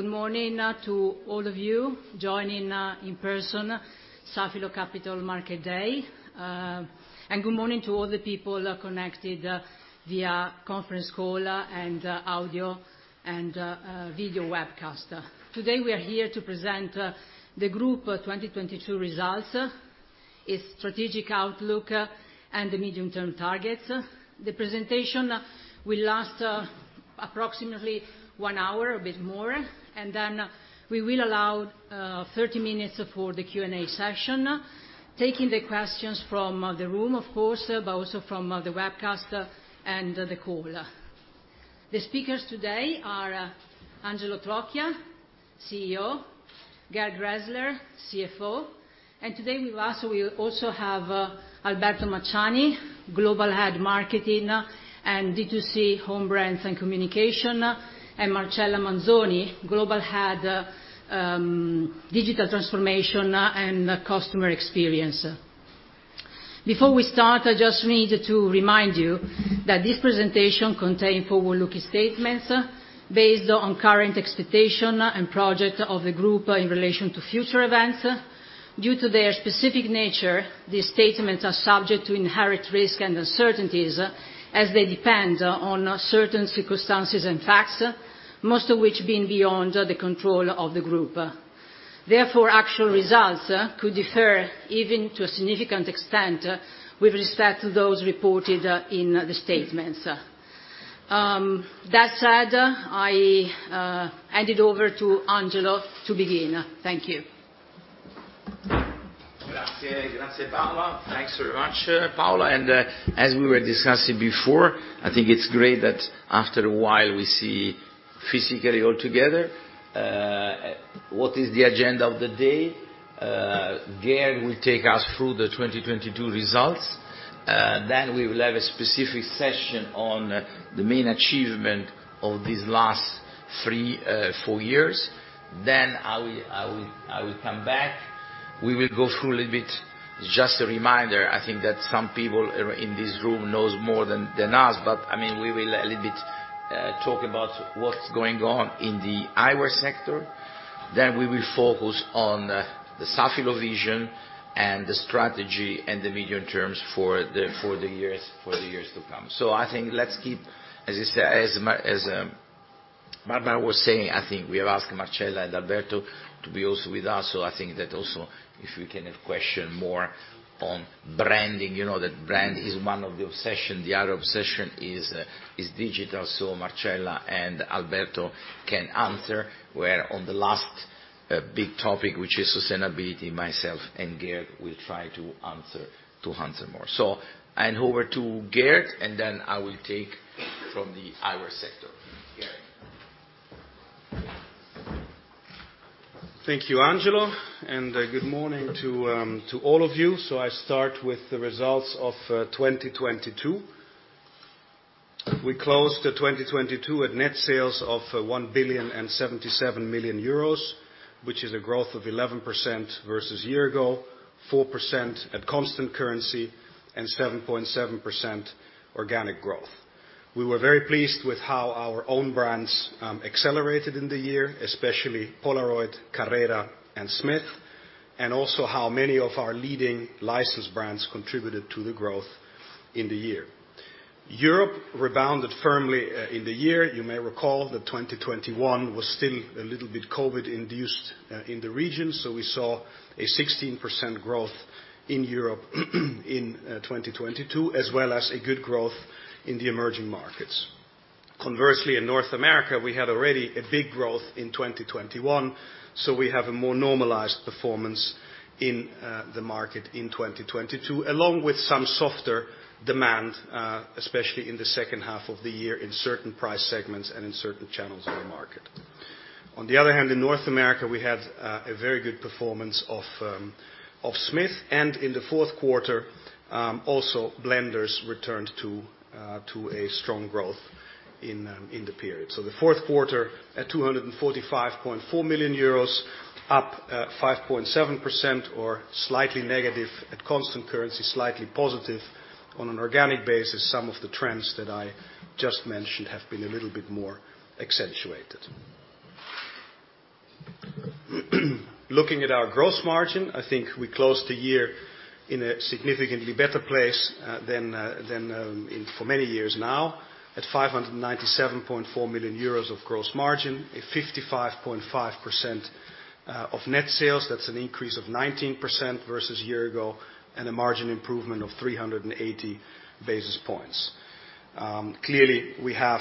Good morning to all of you joining in person Safilo Capital Market Day. Good morning to all the people connected via conference call and audio and video webcast. Today we are here to present the group 2022 results, its strategic outlook, and the medium-term targets. The presentation will last approximately one hour, a bit more, and then we will allow 30 minutes for the Q&A session, taking the questions from the room of course, but also from the webcast and the call. The speakers today are Angelo Trocchia, CEO, Gerd Graehsler, CFO, and today with us we also have Alberto Macciani, Global Head, Marketing and D2C Home Brands and Communication, and Marcella Manzoni, Global Head, Digital Transformation and Customer Experience. Before we start, I just need to remind you that this presentation contains forward-looking statements based on current expectations and projects of the group in relation to future events. Due to their specific nature, these statements are subject to inherent risks and uncertainties as they depend on certain circumstances and facts, most of which being beyond the control of the group. Actual results could differ even to a significant extent with respect to those reported in the statements. That said, I hand it over to Angelo to begin. Thank you. Grazie. Grazie, Paola. Thanks very much, Paola. As we were discussing before, I think it's great that after a while we see physically all together. What is the agenda of the day? Gerd will take us through the 2022 results. Then we will have a specific session on the main achievement of these last three, four years. Then I will come back. We will go through a little bit, just a reminder, I think that some people in this room knows more than us, but, I mean, we will a little bit talk about what's going on in the eyewear sector. Then we will focus on the Safilo vision and the strategy and the medium terms for the years to come. Let's keep, as you say, as Paola was saying, we have asked Marcella and Alberto to be also with us. That also if we can have question more on branding, you know that brand is one of the obsession. The other obsession is digital. Marcella and Alberto can answer, where on the last big topic, which is sustainability, myself and Gerd will try to answer more. I hand over to Gerd, and then I will take from the eyewear sector. Gerd. Thank you, Angelo, good morning to all of you. I start with the results of 2022. We closed 2022 at net sales of 1,077 million euros, which is a growth of 11% versus year ago, 4% at constant currency and 7.7% organic growth. We were very pleased with how our own brands accelerated in the year, especially Polaroid, Carrera, and Smith, and also how many of our leading licensed brands contributed to the growth in the year. Europe rebounded firmly in the year. You may recall that 2021 was still a little bit COVID induced in the region, we saw a 16% growth in Europe in 2022, as well as a good growth in the emerging markets. Conversely, in North America, we had already a big growth in 2021, so we have a more normalized performance in the market in 2022, along with some softer demand, especially in the second half of the year in certain price segments and in certain channels of the market. On the other hand, in North America, we had a very good performance of Smith, and in the fourth quarter, also Blenders returned to a strong growth in the period. The fourth quarter at 245.4 million euros, up 5.7% or slightly negative at constant currency, slightly positive on an organic basis, some of the trends that I just mentioned have been a little bit more accentuated. Looking at our gross margin, I think we closed the year in a significantly better place than in for many years now, at 597.4 million euros of gross margin, a 55.5% of net sales. That's an increase of 19% versus a year ago and a margin improvement of 380 basis points. Clearly, we have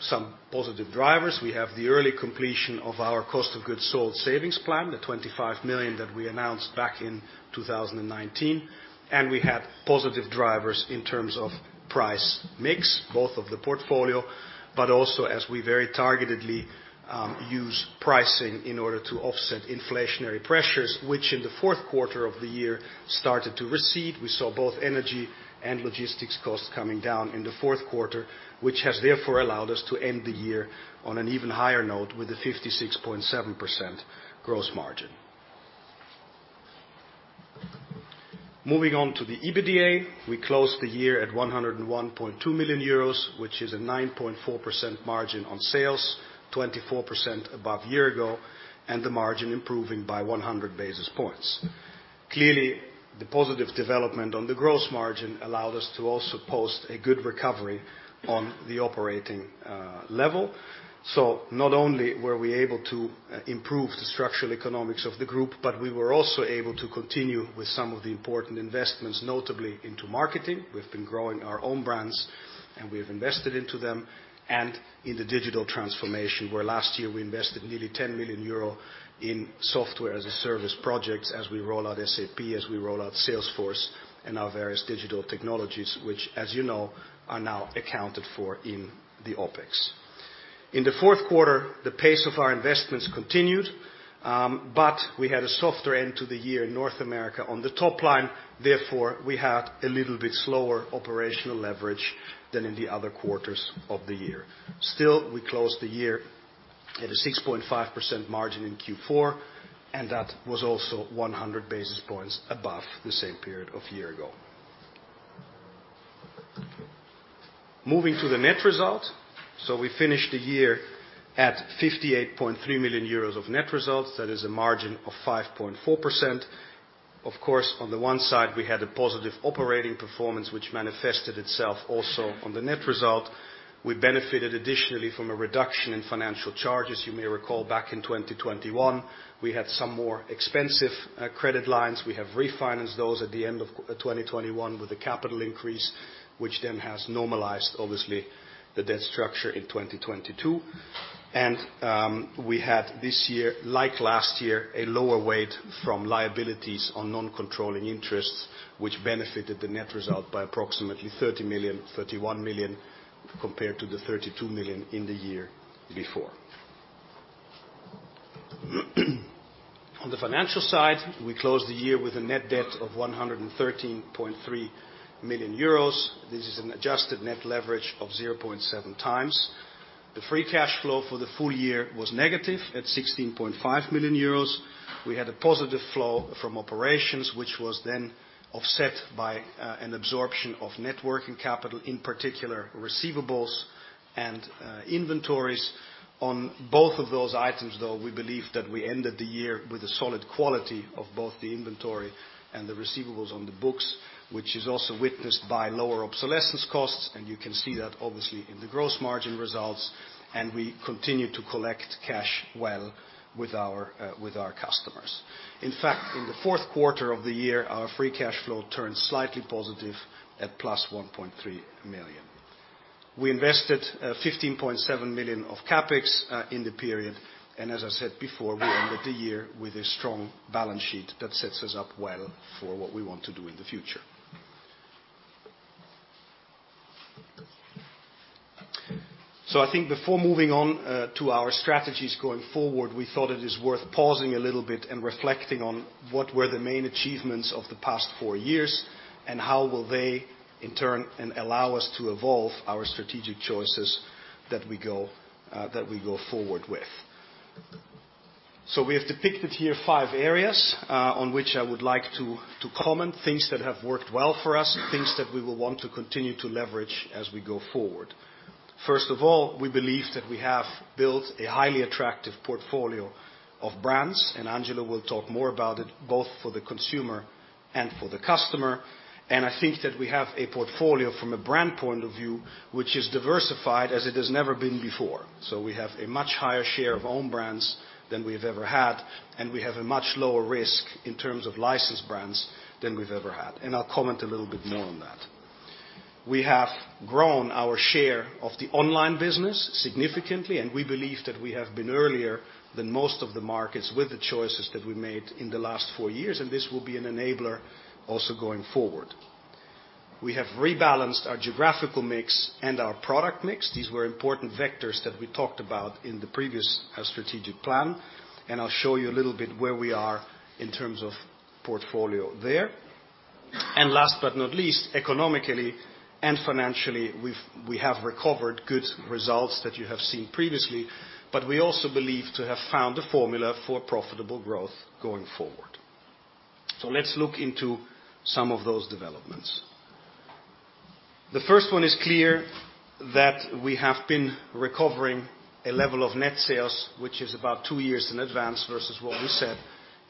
some positive drivers. We have the early completion of our cost of goods sold savings plan, the 25 million that we announced back in 2019, and we have positive drivers in terms of price mix, both of the portfolio, but also as we very targetedly use pricing in order to offset inflationary pressures, which in the fourth quarter of the year started to recede. We saw both energy and logistics costs coming down in the fourth quarter, which has therefore allowed us to end the year on an even higher note with a 56.7% gross margin. Moving on to the EBITDA, we closed the year at 101.2 million euros, which is a 9.4% margin on sales, 24 above year-ago, and the margin improving by 100 basis points. Clearly, the positive development on the gross margin allowed us to also post a good recovery on the operating level. Not only were we able to improve the structural economics of the group, but we were also able to continue with some of the important investments, notably into marketing. We've been growing our own brands, and we have invested into them, and in the digital transformation, where last year we invested nearly 10 million euro in SaaS projects as we roll out SAP, as we roll out Salesforce and our various digital technologies, which, as you know, are now accounted for in the OpEx. In the fourth quarter, the pace of our investments continued, but we had a softer end to the year in North America on the top line, therefore, we had a little bit slower operational leverage than in the other quarters of the year. Still, we closed the year at a 6.5% margin in Q4, and that was also 100 basis points above the same period of year ago. Moving to the net result. We finished the year at 58.3 million euros of net results. That is a margin of 5.4%. Of course, on the one side, we had a positive operating performance which manifested itself also on the net result. We benefited additionally from a reduction in financial charges. You may recall back in 2021, we had some more expensive credit lines. We have refinanced those at the end of 2021 with a capital increase, which then has normalized, obviously, the debt structure in 2022. We had this year, like last year, a lower weight from liabilities on non-controlling interests, which benefited the net result by approximately 30 million, 31 million compared to the 32 million in the year before. On the financial side, we closed the year with a net debt of 113.3 million euros. This is an adjusted net leverage of 0.7x. The free cash flow for the full year was negative at -16.5 million euros. We had a positive flow from operations, which was then offset by an absorption of network and capital, in particular, receivables and inventories. On both of those items, though, we believe that we ended the year with a solid quality of both the inventory and the receivables on the books, which is also witnessed by lower obsolescence costs, and you can see that obviously in the gross margin results, and we continue to collect cash well with our customers. In fact, in the fourth quarter of the year, our free cash flow turned slightly positive at +1.3 million. We invested 15.7 million of CapEx in the period. As I said before, we ended the year with a strong balance sheet that sets us up well for what we want to do in the future. I think before moving on to our strategies going forward, we thought it is worth pausing a little bit and reflecting on what were the main achievements of the past four years and how will they, in turn, allow us to evolve our strategic choices that we go forward with. We have depicted here five areas on which I would like to comment, things that have worked well for us, things that we will want to continue to leverage as we go forward. First of all, we believe that we have built a highly attractive portfolio of brands, and Angela will talk more about it, both for the consumer and for the customer. I think that we have a portfolio from a brand point of view which is diversified as it has never been before. We have a much higher share of own brands than we've ever had, and we have a much lower risk in terms of licensed brands than we've ever had. I'll comment a little bit more on that. We have grown our share of the online business significantly, and we believe that we have been earlier than most of the markets with the choices that we made in the last four years, and this will be an enabler also going forward. We have rebalanced our geographical mix and our product mix. These were important vectors that we talked about in the previous strategic plan, and I'll show you a little bit where we are in terms of portfolio there. Last but not least, economically and financially, we have recovered good results that you have seen previously, but we also believe to have found a formula for profitable growth going forward. Let's look into some of those developments. The first one is clear that we have been recovering a level of net sales, which is about two years in advance versus what we said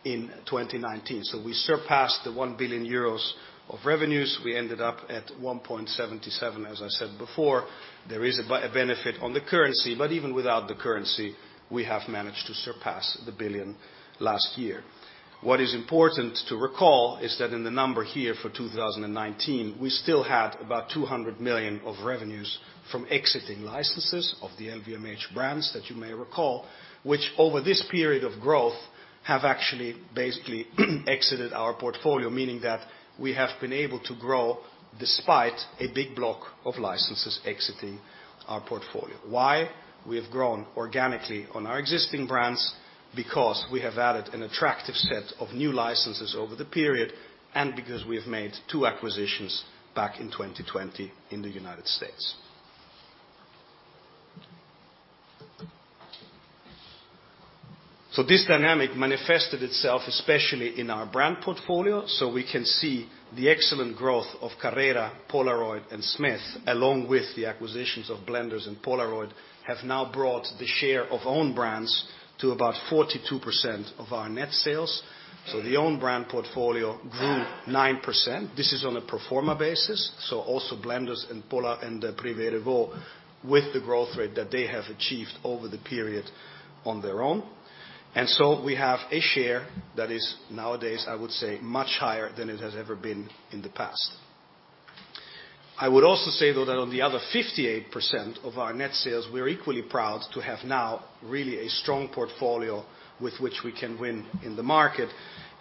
in 2019. We surpassed the 1 billion euros of revenues. We ended up at 1.77, as I said before. There is a benefit on the currency, but even without the currency, we have managed to surpass the 1 billion last year. What is important to recall is that in the number here for 2019, we still had about 200 million of revenues from exiting licenses of the LVMH brands that you may recall, which over this period of growth have actually basically exited our portfolio, meaning that we have been able to grow despite a big block of licenses exiting our portfolio. Why? We have grown organically on our existing brands because we have added an attractive set of new licenses over the period and because we have made two acquisitions back in 2020 in the United States. This dynamic manifested itself especially in our brand portfolio. We can see the excellent growth of Carrera, Polaroid, and Smith, along with the acquisitions of Blenders and Polaroid, have now brought the share of own brands to about 42% of our net sales. The own brand portfolio grew 9%. This is on a pro forma basis, so also Blenders and Pola and Privé Revaux with the growth rate that they have achieved over the period on their own. We have a share that is nowadays, I would say, much higher than it has ever been in the past. I would also say, though, that on the other 58% of our net sales, we're equally proud to have now really a strong portfolio with which we can win in the market,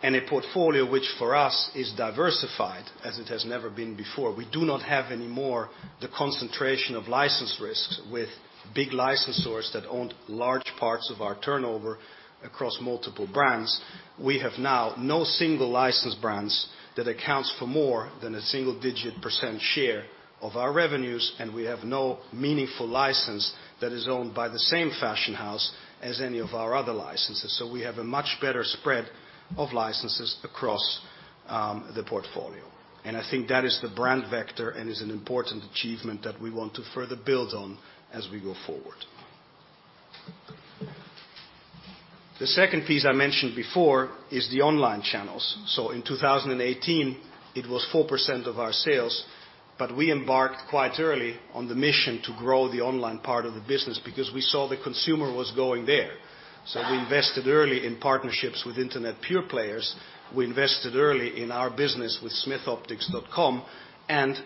and a portfolio which, for us, is diversified as it has never been before. We do not have any more the concentration of license risks with big licensors that owned large parts of our turnover across multiple brands. We have now no single license brands that accounts for more than a single-digit % share of our revenues, and we have no meaningful license that is owned by the same fashion house as any of our other licenses. We have a much better spread of licenses across the portfolio. I think that is the brand vector and is an important achievement that we want to further build on as we go forward. The second piece I mentioned before is the online channels. In 2018, it was 4% of our sales, but we embarked quite early on the mission to grow the online part of the business because we saw the consumer was going there. We invested early in partnerships with internet pure players. We invested early in our business with smithoptics.com.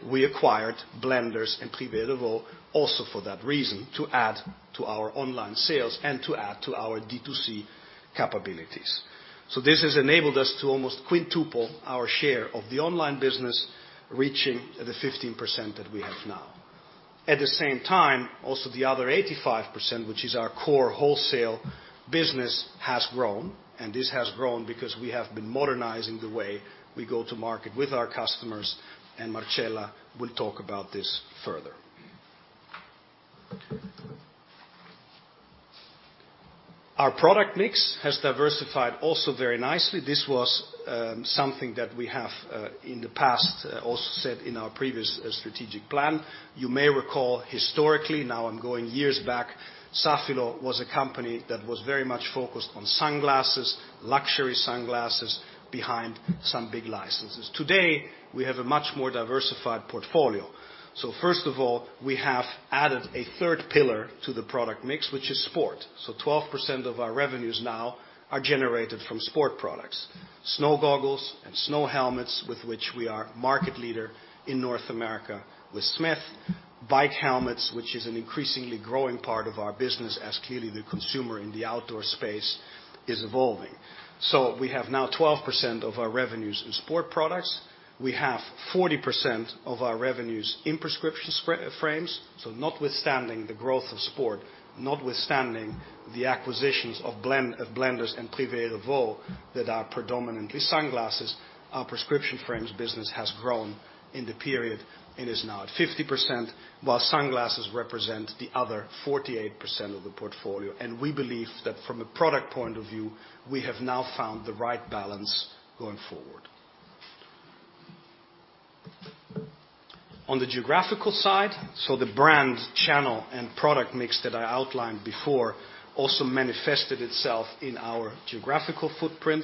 We acquired Blenders and Privé Revaux also for that reason, to add to our online sales and to add to our D2C capabilities. This has enabled us to almost quintuple our share of the online business, reaching the 15% that we have now. At the same time, also the other 85%, which is our core wholesale business, has grown. This has grown because we have been modernizing the way we go to market with our customers, and Marcella will talk about this further. Our product mix has diversified also very nicely. This was something that we have in the past also said in our previous strategic plan. You may recall historically, now I'm going years back, Safilo was a company that was very much focused on sunglasses, luxury sunglasses behind some big licenses. Today, we have a much more diversified portfolio. First of all, we have added a third pillar to the product mix, which is sport. 12% of our revenues now are generated from sport products. Snow goggles and snow helmets, with which we are market leader in North America with Smith. Bike helmets, which is an increasingly growing part of our business as clearly the consumer in the outdoor space is evolving. We have now 12% of our revenues in sport products. We have 40% of our revenues in prescription frames. Notwithstanding the growth of sport, notwithstanding the acquisitions of Blenders and Privé Revaux that are predominantly sunglasses, our prescription frames business has grown in the period and is now at 50%, while sunglasses represent the other 48% of the portfolio. We believe that from a product point of view, we have now found the right balance going forward. On the geographical side, so the brand, channel, and product mix that I outlined before also manifested itself in our geographical footprint.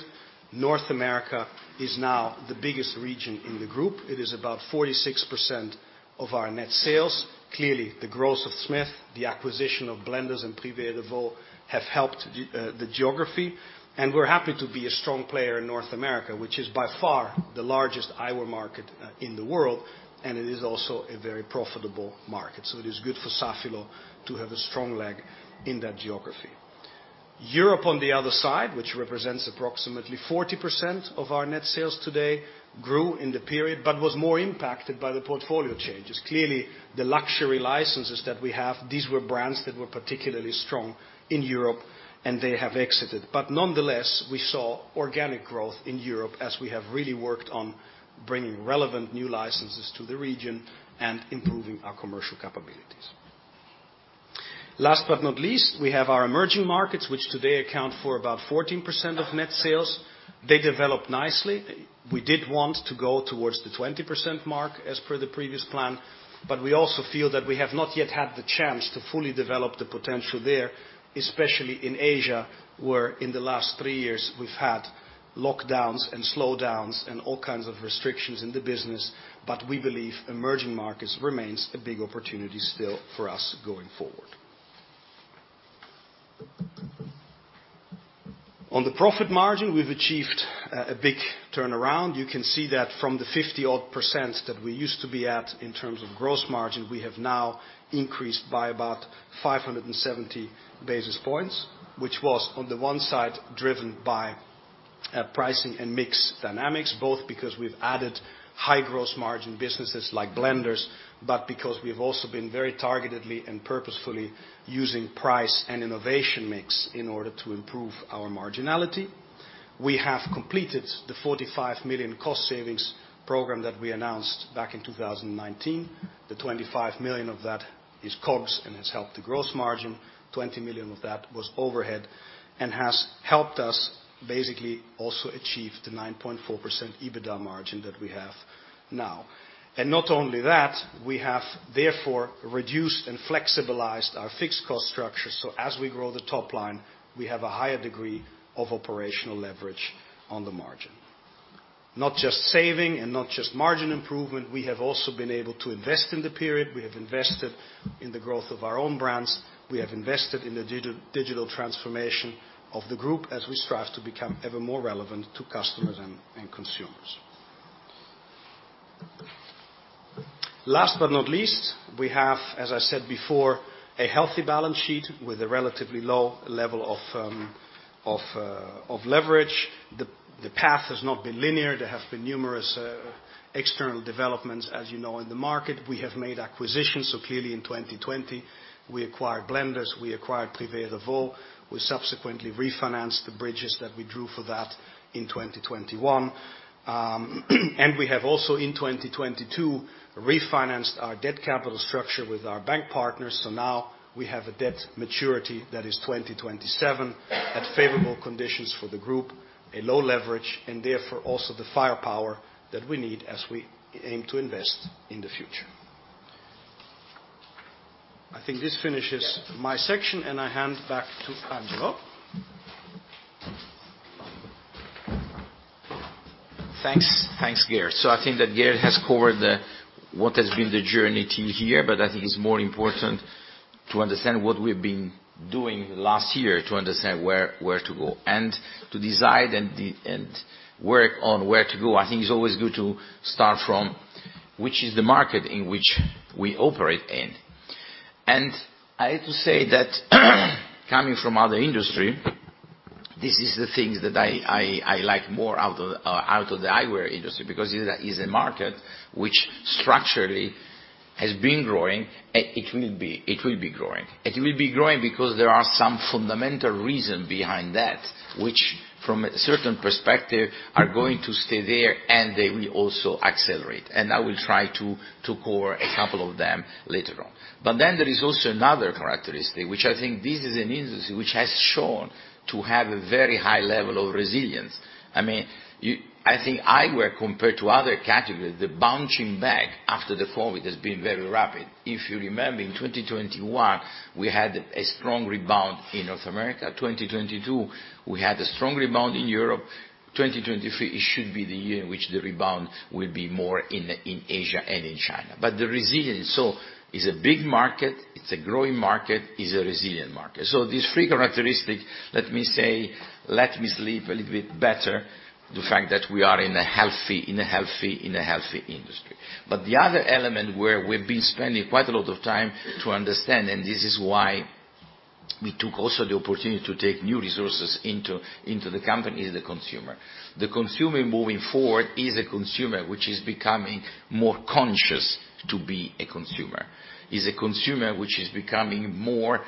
North America is now the biggest region in the group. It is about 46% of our net sales. Clearly, the growth of Smith, the acquisition of Blenders and Privé Revaux have helped the geography. We're happy to be a strong player in North America, which is by far the largest eyewear market in the world, and it is also a very profitable market. It is good for Safilo to have a strong leg in that geography. Europe, on the other side, which represents approximately 40% of our net sales today, grew in the period but was more impacted by the portfolio changes. Clearly, the luxury licenses that we have, these were brands that were particularly strong in Europe, and they have exited. Nonetheless, we saw organic growth in Europe as we have really worked on bringing relevant new licenses to the region and improving our commercial capabilities. Last but not least, we have our emerging markets, which today account for about 14% of net sales. They developed nicely. We did want to go towards the 20% mark as per the previous plan, but we also feel that we have not yet had the chance to fully develop the potential there, especially in Asia, where in the last three years we've had lockdowns and slowdowns and all kinds of restrictions in the business. We believe emerging markets remains a big opportunity still for us going forward. On the profit margin, we've achieved a big turnaround. You can see that from the 50-odd% that we used to be at in terms of gross margin, we have now increased by about 570 basis points, which was on the one side driven by pricing and mix dynamics, both because we've added high gross margin businesses like Blenders, because we've also been very targetedly and purposefully using price and innovation mix in order to improve our marginality. We have completed the 45 million cost savings program that we announced back in 2019. The 25 million of that is COGS and has helped the gross margin. 20 million of that was overhead and has helped us basically also achieve the 9.4% EBITDA margin that we have now. Not only that, we have therefore reduced and flexibilized our fixed cost structure, so as we grow the top line, we have a higher degree of operational leverage on the margin. Not just saving and not just margin improvement, we have also been able to invest in the period. We have invested in the growth of our own brands. We have invested in the digital transformation of the group as we strive to become ever more relevant to customers and consumers. Last but not least, we have, as I said before, a healthy balance sheet with a relatively low level of leverage. The path has not been linear. There have been numerous external developments, as you know, in the market. We have made acquisitions. Clearly in 2020 we acquired Blenders, we acquired Privé Revaux. We subsequently refinanced the bridges that we drew for that in 2021. We have also in 2022 refinanced our debt capital structure with our bank partners. Now we have a debt maturity that is 2027 at favorable conditions for the group, a low leverage, and therefore also the firepower that we need as we aim to invest in the future. I think this finishes my section, I hand back to Angelo. Thanks. Thanks, Gerd. I think that Geert has covered what has been the journey to here, but I think it's more important to understand what we've been doing last year to understand where to go. To decide and work on where to go, I think it's always good to start from which is the market in which we operate in. I have to say that coming from other industry, this is the things that I like more out of the eyewear industry, because it is a market which structurally has been growing. It will be growing. It will be growing because there are some fundamental reason behind that, which from a certain perspective are going to stay there, and they will also accelerate. I will try to cover a couple of them later on. There is also another characteristic, which I think this is an industry which has shown to have a very high level of resilience. I mean, I think eyewear compared to other categories, the bouncing back after the COVID has been very rapid. If you remember, in 2021, we had a strong rebound in North America. 2022, we had a strong rebound in Europe. 2023, it should be the year in which the rebound will be more in Asia and in China. The resilience, so it's a big market, it's a growing market, it's a resilient market. These three characteristics, let me say, let me sleep a little bit better, the fact that we are in a healthy industry. The other where we've been spending quite a lot of time to understand, and this is why we took also the opportunity to take new resources into the company, is the consumer. The consumer moving forward is a consumer which is becoming more conscious to be a consumer, is a consumer which is becoming more,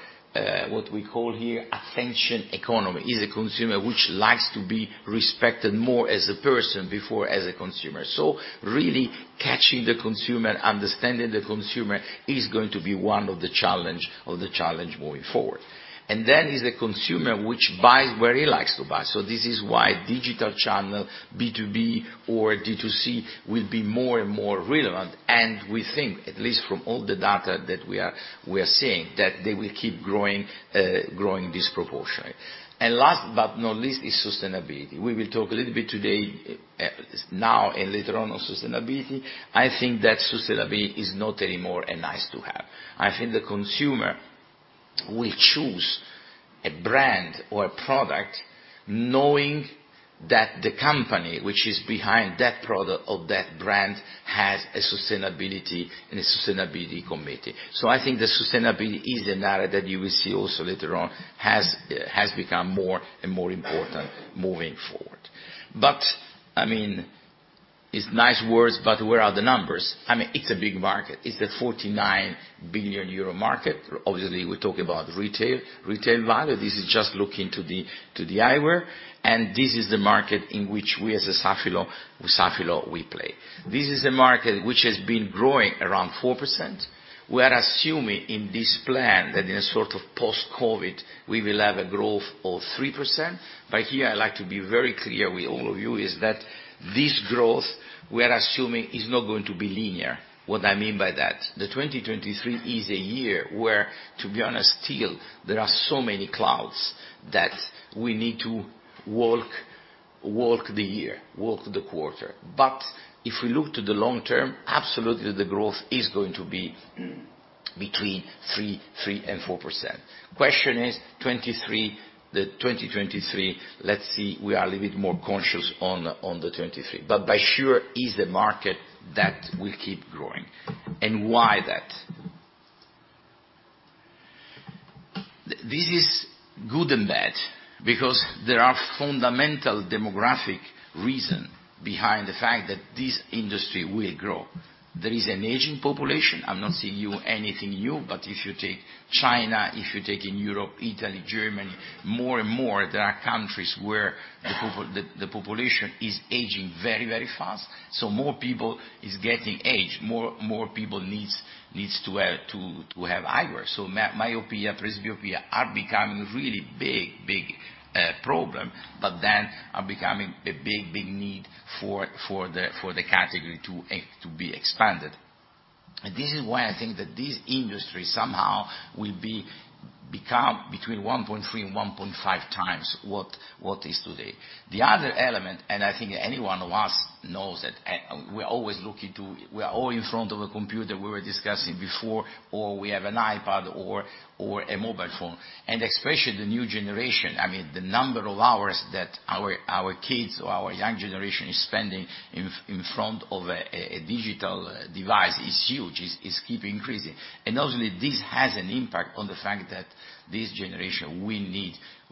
what we call here, attention economy, is a consumer which likes to be respected more as a person before as a consumer. Really catching the consumer, understanding the consumer is going to be one of the challenge moving forward. Is a consumer which buys where he likes to buy. This is why digital channel, B2B or D2C, will be more and more relevant. We think, at least from all the data that we are seeing, that they will keep growing disproportionately. Last but not least is sustainability. We will talk a little bit today, now and later on sustainability. I think that sustainability is not anymore a nice-to-have. I think the consumer will choose a brand or a product knowing that the company which is behind that product or that brand has a sustainability and a sustainability committee. I think the sustainability is an area that you will see also later on has become more and more important moving forward. I mean, it's nice words, but where are the numbers? I mean, it's a big market. It's a 49 billion euro market. Obviously, we talk about retail value. This is just looking to the eyewear. This is the market in which we as a Safilo, with Safilo, we play. This is a market which has been growing around 4%. We are assuming in this plan that in a sort of post-COVID, we will have a growth of 3%. Here, I like to be very clear with all of you, is that this growth we are assuming is not going to be linear. What I mean by that, the 2023 is a year where, to be honest, still there are so many clouds that we need to walk the year, walk the quarter. If we look to the long term, absolutely the growth is going to be between 3% and 4%. Question is the 2023, let's see, we are a little bit more conscious on the 2023. By sure is the market that will keep growing. Why that? This is good and bad because there are fundamental demographic reason behind the fact that this industry will grow. There is an aging population. I'm not telling you anything new, but if you take China, if you take in Europe, Italy, Germany, more and more, there are countries where the population is aging very, very fast. More people is getting age, more people needs to have eyewear. My-myopia, presbyopia are becoming really big, big problem, but then are becoming a big, big need for the category to be expanded. This is why I think that this industry somehow will be become between 1.3x and 1.5x what is today. The other element, I think any one of us knows that, we're always looking to. We are all in front of a computer, we were discussing before, or we have an iPad or a mobile phone. Especially the new generation, I mean, the number of hours that our kids or our young generation is spending in front of a digital device is huge, is keep increasing. Obviously, this has an impact on the fact that this generation will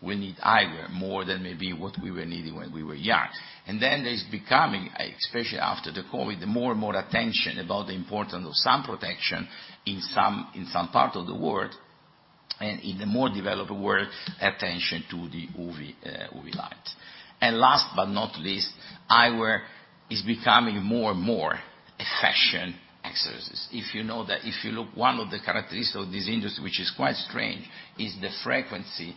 need eyewear more than maybe what we were needing when we were young. There's becoming, especially after the COVID, more and more attention about the importance of sun protection in some part of the world, and in the more developed world, attention to the UV UV light. Last but not least, eyewear is becoming more and more a fashion accessories. If you know that if you look one of the characteristics of this industry, which is quite strange, is the buying frequency of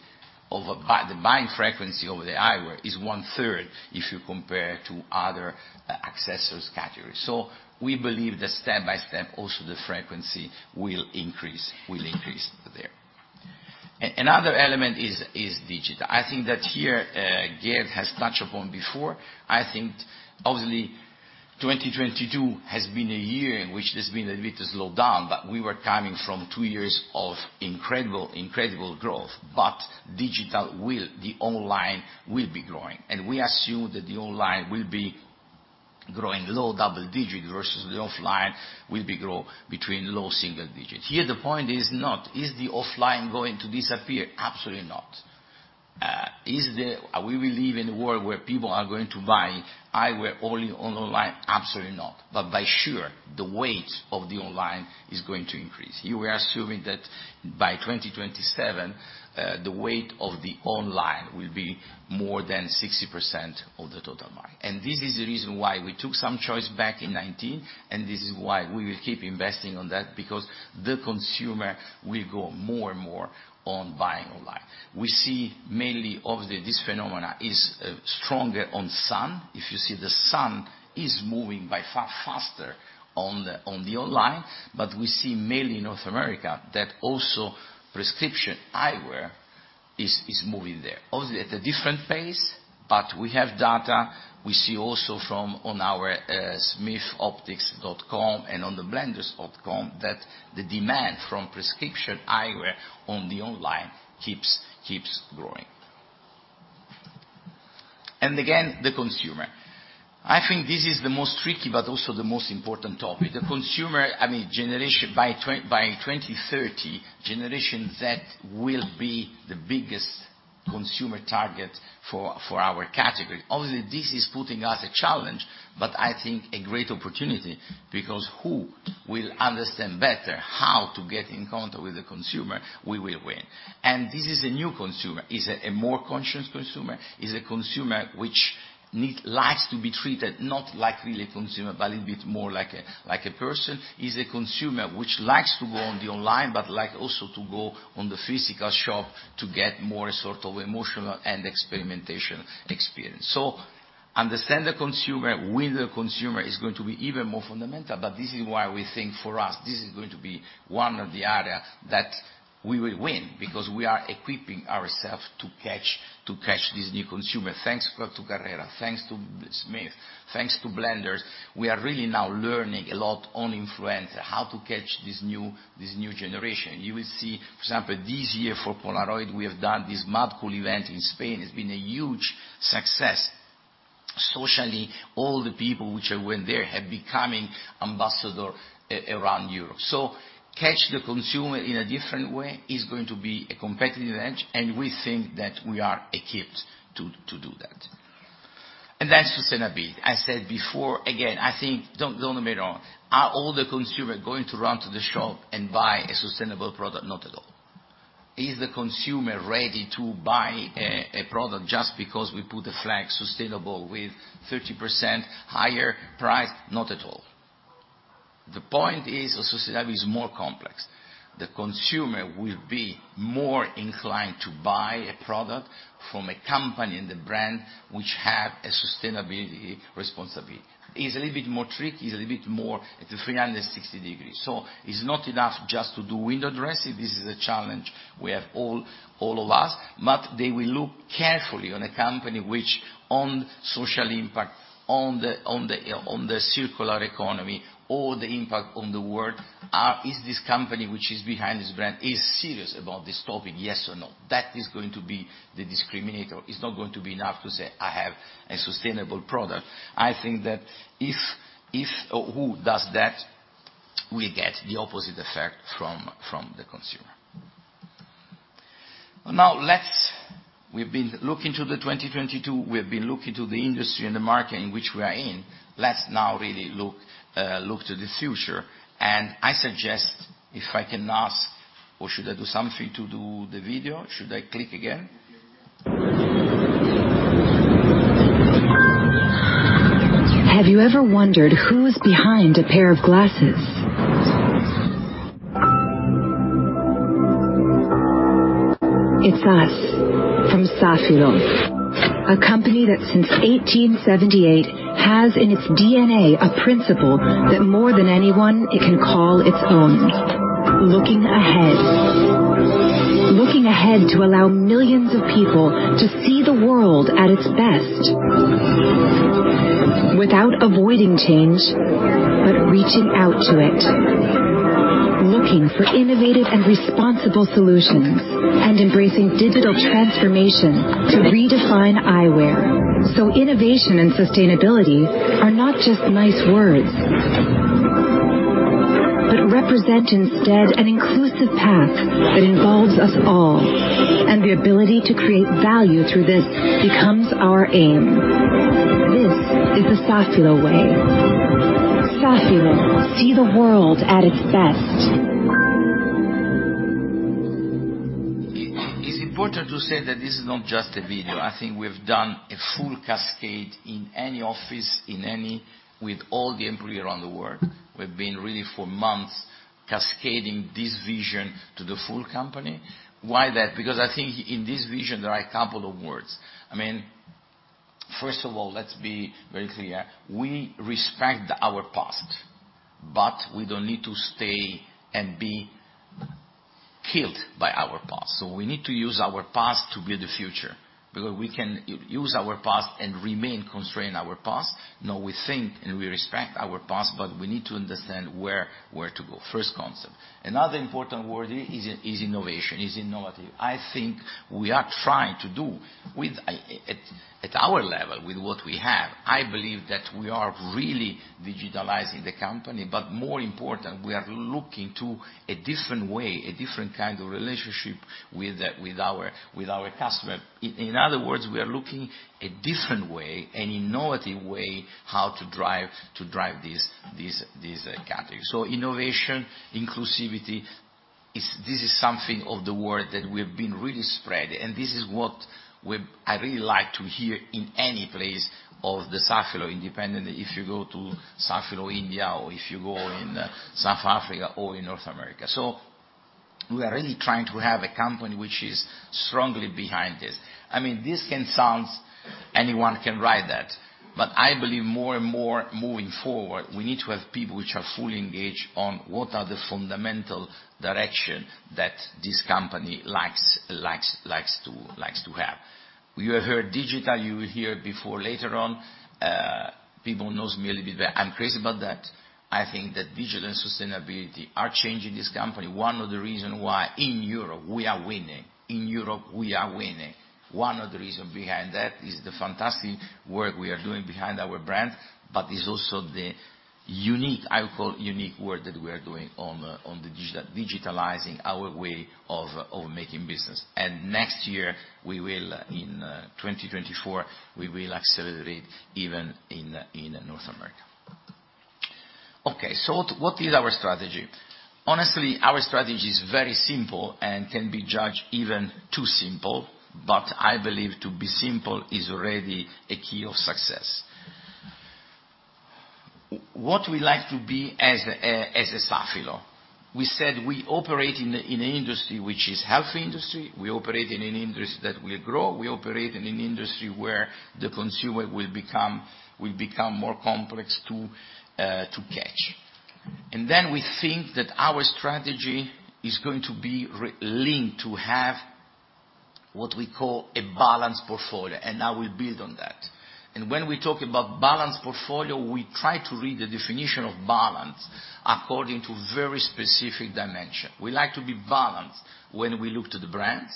the eyewear is one-third if you compare to other accessories categories. We believe that step by step, also the frequency will increase there. Another element is digital. I think that here Gabe has touched upon before. I think obviously 2022 has been a year in which there's been a little slowdown, but we were coming from two years of incredible growth. the online will be growing. We assume that the online will be growing low double digit versus the offline will be grow between low single digits. Here, the point is not, is the offline going to disappear? Absolutely not. We will live in a world where people are going to buy eyewear only on online? Absolutely not. By sure, the weight of the online is going to increase. Here, we are assuming that by 2027, the weight of the online will be more than 60% of the total market. This is the reason why we took some choice back in 2019, this is why we will keep investing on that, because the consumer will go more and more on buying online. We see mainly, obviously, this phenomena is stronger on sun. If you see the sun is moving by far faster on the online, we see mainly North America that also prescription eyewear is moving there. At a different pace, but we have data. We see also from on our smithoptics.com and on the blenderseyewear.com that the demand from prescription eyewear on the online keeps growing. Again, the consumer. I think this is the most tricky but also the most important topic. The consumer, I mean, generation, by 2030, that will be the biggest consumer target for our category. This is putting us a challenge, but I think a great opportunity because who will understand better how to get in contact with the consumer, we will win. This is a new consumer. Is a more conscious consumer, is a consumer which likes to be treated not like really a consumer, but like a person, is a consumer which likes to go on the online, but like also to go on the physical shop to get more sort of emotional and experimentation experience. Understand the consumer, with the consumer is going to be even more fundamental. This is why we think for us, this is going to be one of the area that we will win because we are equipping ourself to catch this new consumer. Thanks to Carrera, thanks to Smith, thanks to Blenders. We are really now learning a lot on influencer, how to catch this new generation. You will see, for example, this year for Polaroid, we have done this Mad Cool event in Spain. It's been a huge success. Socially, all the people which went there have becoming ambassador around Europe. Catch the consumer in a different way is going to be a competitive edge, and we think that we are equipped to do that. That's sustainability. I said before, again, I think, don't get me wrong. Are all the consumer going to run to the shop and buy a sustainable product? Not at all. Is the consumer ready to buy a product just because we put a flag sustainable with 30% higher price? Not at all. The point is sustainability is more complex. The consumer will be more inclined to buy a product from a company and a brand which have a sustainability responsibility. It's a little bit more tricky. It's a little bit more at the 360 degrees. It's not enough just to do window dressing. This is a challenge we have all of us. They will look carefully on a company which on social impact, on the circular economy or the impact on the world. Is this company which is behind this brand is serious about this topic, yes or no? That is going to be the discriminator. It's not going to be enough to say, "I have a sustainable product." I think that if or who does that we get the opposite effect from the consumer. We've been look into the 2022, we've been look into the industry and the market in which we are in. Let's now really look to the future, and I suggest, if I can ask or should I do something to do the video? Should I click again? Have you ever wondered who's behind a pair of glasses? It's us, from Safilo. A company that since 1878, has in its DNA a principle that more than anyone, it can call its own. Looking ahead. Looking ahead to allow millions of people to see the world at its best. Without avoiding change, but reaching out to it. Looking for innovative and responsible solutions, and embracing digital transformation to redefine eyewear. Innovation and sustainability are not just nice words, but represent instead an inclusive path that involves us all, and the ability to create value through this becomes our aim. This is the Safilo way. Safilo: see the at its best. It's important to say that this is not just a video. I think we've done a full cascade in any office, with all the employee around the world. We've been really for months cascading this vision to the full company. Why that? I think in this vision, there are a couple of words. I mean, first of all, let's be very clear, we respect our past, but we don't need to stay and be killed by our past. We need to use our past to build the future, because we can use our past and remain constrained our past. No, we think and we respect our past, but we need to understand where to go. First concept. Another important word here is innovation, is innovative. I think we are trying to do with, at our level, with what we have. I believe that we are really digitalizing the company. More important, we are looking to a different way, a different kind of relationship with our customer. In other words, we are looking a different way, an innovative way, how to drive this category. Innovation, inclusivity, this is something of the word that we've been really spread. This is what I really like to hear in any place of the Safilo, independently, if you go to Safilo India, or if you go in South Africa or in North America. We are really trying to have a company which is strongly behind this. I mean, this can sounds, anyone can write that. I believe more and more moving forward, we need to have people which are fully engaged on what are the fundamental direction that this company likes to have. You have heard digital, you will hear before later on, people who knows me a little bit, I'm crazy about that. I think that digital and sustainability are changing this company. One of the reason why in Europe, we are winning. In Europe, we are winning. One of the reason behind that is the fantastic work we are doing behind our brand, but is also the unique, I would call unique work that we are doing on the digitalizing our way of making business. Next year, we will, in 2024, we will accelerate even in North America. What is our strategy? Honestly, our strategy is very simple and can be judged even too simple, but I believe to be simple is already a key of success. What we like to be as a Safilo. We said we operate in an industry which is health industry, we operate in an industry that will grow, we operate in an industry where the consumer will become more complex to catch. We think that our strategy is going to be re-linked to have what we call a balanced portfolio. I will build on that. When we talk about balanced portfolio, we try to read the definition of balance according to very specific dimension. We like to be balanced when we look to the brands,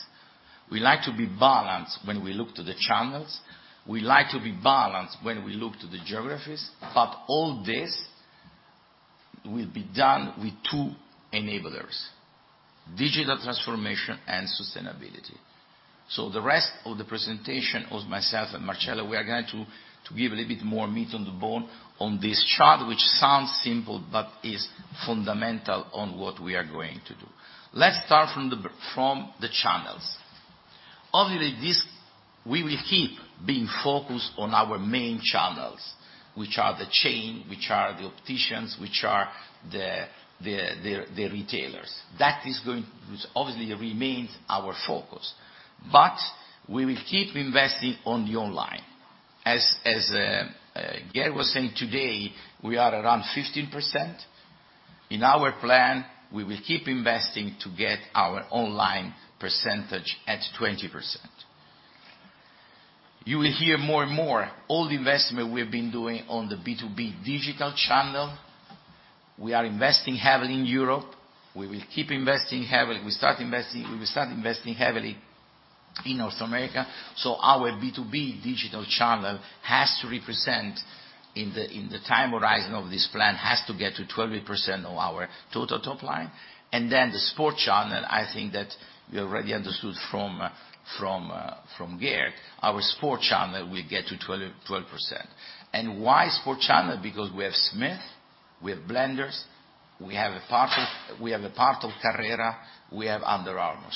we like to be balanced when we look to the channels, we like to be balanced when we look to the geographies. All this will be done with two enablers: digital transformation and sustainability. The rest of the presentation of myself and Marcello, we are going to give a little bit more meat on the bone on this chart, which sounds simple, but is fundamental on what we are going to do. Let's start from the channels. Obviously, we will keep being focused on our main channels, which are the chain, which are the opticians, which are the retailers. Obviously, remains our focus. We will keep investing on the online. As Gael was saying today, we are around 15%. In our plan, we will keep investing to get our online percentage at 20%. You will hear more and more, all the investment we've been doing on the B2B digital channel. We are investing heavily in Europe. We will keep investing heavily. We will start investing heavily in North America. Our B2B digital channel has to represent in the time horizon of this plan, has to get to 12% of our total top line. The sport channel, I think that you already understood from Gerd, our sport channel will get to 12%. Why sport channel? Because we have Smith, we have Blenders, we have a part of Carrera, we have Under Armour.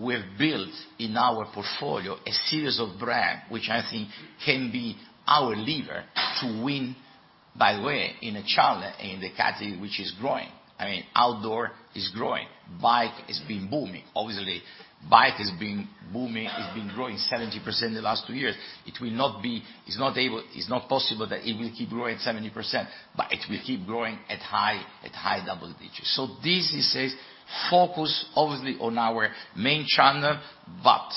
We've built, in our portfolio, a series of brand which I think can be our lever to win, by the way, in a channel, in a category which is growing. I mean, outdoor is growing. Bike has been booming. Obviously, bike has been booming, it's been growing 70% in the last two years. It's not possible that it will keep growing 70%, but it will keep growing at high double digits. This says focus obviously on our main channel, but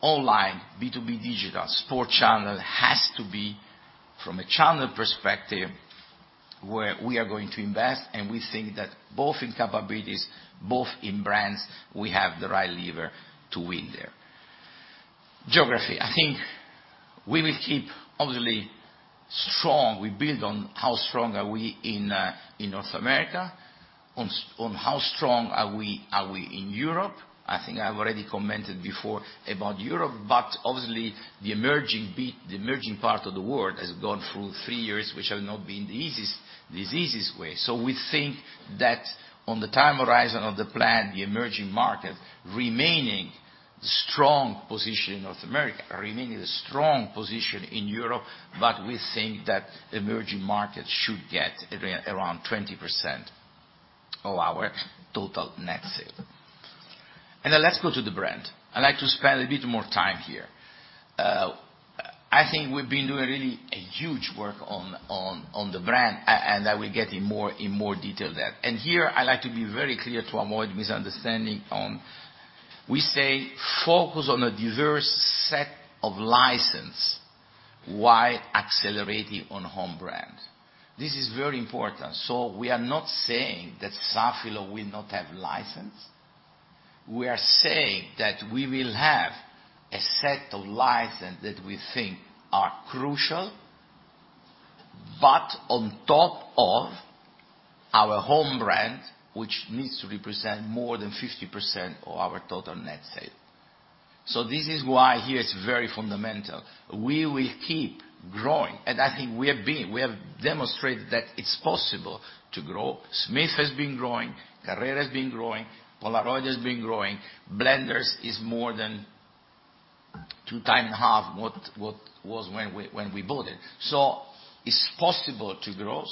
online, B2B digital, sport channel has to be, from a channel perspective, where we are going to invest, and we think that both in capabilities, both in brands, we have the right lever to win there. Geography. I think we will keep obviously strong. We build on how strong are we in North America, on how strong are we in Europe. I think I've already commented before about Europe, obviously the emerging part of the world has gone through three years which have not been the easiest way. We think that on the time horizon of the plan, the emerging market remaining the strong position in North America, remaining the strong position in Europe, we think that emerging markets should get around 20% of our total net sales. Let's go to the brand. I'd like to spend a bit more time here. I think we've been doing really a huge work on the brand, and I will get in more detail there. Here, I like to be very clear to avoid misunderstanding on we say focus on a diverse set of license while accelerating on home brand. This is very important. We are not saying that Safilo will not have license. We are saying that we will have a set of license that we think are crucial, but on top of our home brand, which needs to represent more than 50% of our total net sales. This is why here it's very fundamental. We will keep growing, and I think we have demonstrated that it's possible to grow. Smith has been growing, Carrera has been growing, Polaroid has been growing. Blenders is more than two time and a half what was when we bought it. It's possible to grow.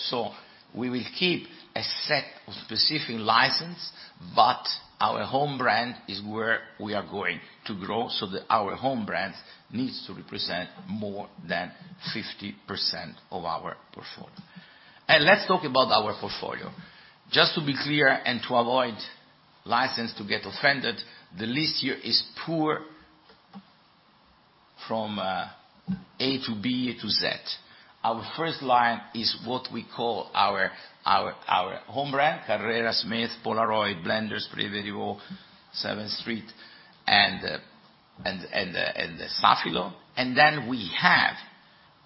We will keep a set of specific license, but our home brand is where we are going to grow so that our home brands needs to represent more than 50% of our portfolio. Let's talk about our portfolio. Just to be clear and to avoid license to get offended, the list here is poor from A to B to Z. Our first line is what we call our home brand, Carrera, Smith, Polaroid, Blenders, Privé Revaux, Seventh Street, and the Safilo. Then we have,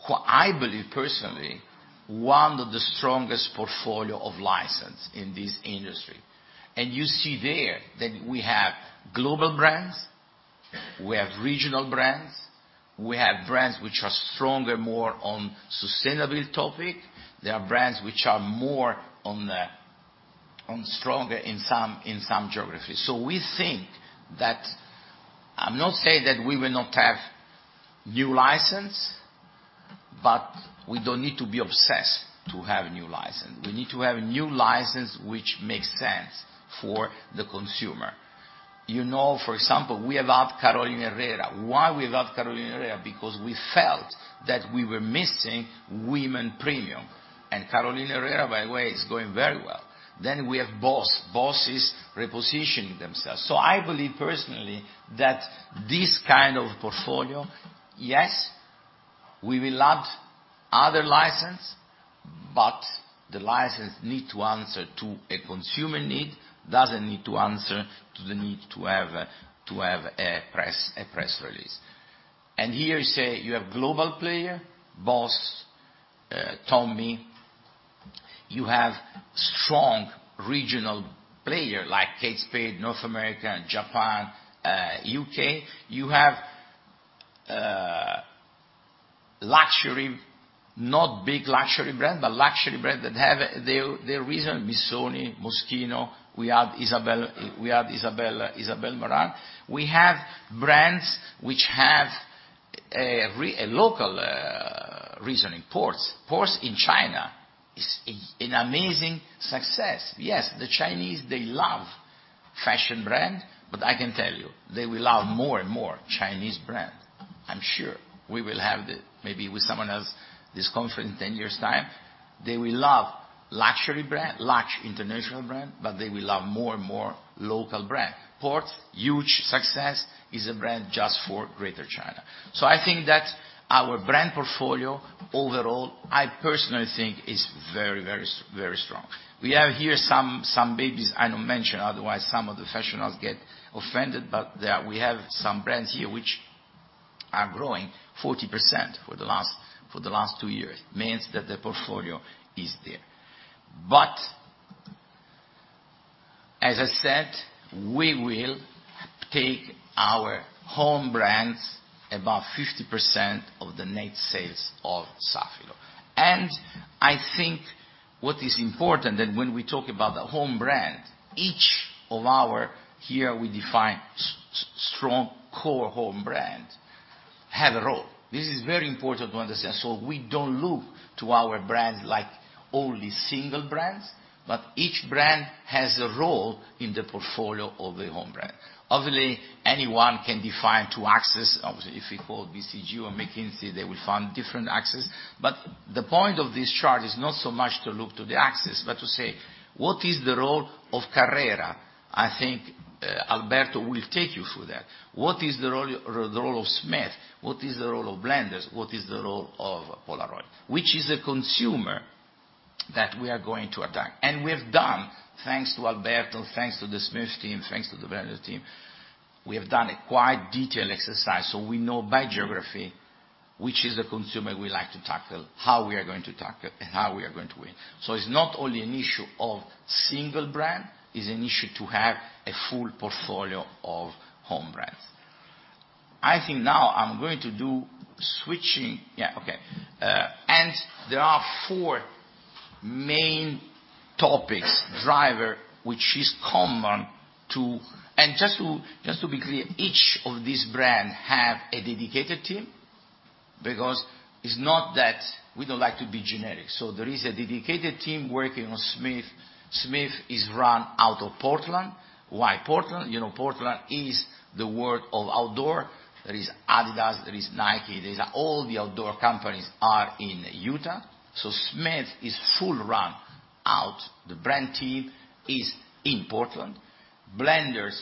what I believe personally, one of the strongest portfolio of license in this industry. You see there that we have global brands, we have regional brands, we have brands which are stronger more on sustainable topic. There are brands which are more on stronger in some geographies. We think that... I'm not saying that we will not have new license, but we don't need to be obsessed to have new license. We need to have new license which makes sense for the consumer. You know, for example, we have had Carolina Herrera. Why we have had Carolina Herrera? Because we felt that we were missing women premium. Carolina Herrera, by the way, is going very well. We have BOSS. BOSS is repositioning themselves. I believe personally that this kind of portfolio, yes, we will add other license, but the license need to answer to a consumer need, doesn't need to answer to the need to have a press release. Here you say you have global player, BOSS, Tommy. You have strong regional player like kate spade new york, North America, and Japan, U.K. You have luxury, not big luxury brand, but luxury brand that have their reason, Missoni, Moschino. We have Isabel Marant. We have brands which have a local reasoning PORTS. PORTS in China is an amazing success. Yes, the Chinese, they love fashion brand, but I can tell you, they will love more and more Chinese brand. I'm sure we will have the Maybe with someone else, this conference in 10 years' time, they will love luxury brand, large international brand, but they will love more and more local brand. PORT, huge success, is a brand just for Greater China. I think that our brand portfolio overall, I personally think is very, very strong. We have here some babies I don't mention, otherwise some of the professionals get offended. we have some brands here growing 40% for the last two years, means that the portfolio is there. As I said, we will take our home brands above 50% of the net sales of Safilo. I think what is important that when we talk about the home brand, each of our here we define strong core home brand, have a role. This is very important to understand. We don't look to our brands like only single brands, but each brand has a role in the portfolio of the home brand. Obviously, anyone can define to axis. Obviously, if we call BCG or McKinsey, they will find different axis. The point of this chart is not so much to look to the axis, but to say, what is the role of Carrera? I think Alberto will take you through that. What is the role of Smith? What is the role of Blenders? What is the role of Polaroid? Which is a consumer that we are going to attack. We've done, thanks to Alberto, thanks to the Smith team, thanks to the Blenders team, we have done a quite detailed exercise, so we know by geography which is the consumer we like to tackle, how we are going to tackle, and how we are going to win. It's not only an issue of single brand, it's an issue to have a full portfolio of home brands. I think now I'm going to do switching. Yeah, okay. There are four main topics, driver, which is common to... Just to be clear, each of these brand have a dedicated team because it's not that we don't like to be generic. There is a dedicated team working on Smith. Smith is run out of Portland. Why Portland? You know Portland is the world of outdoor. There is adidas, there is Nike, there's. All the outdoor companies are in Utah, so Smith is full run out. The brand team is in Portland. Blenders,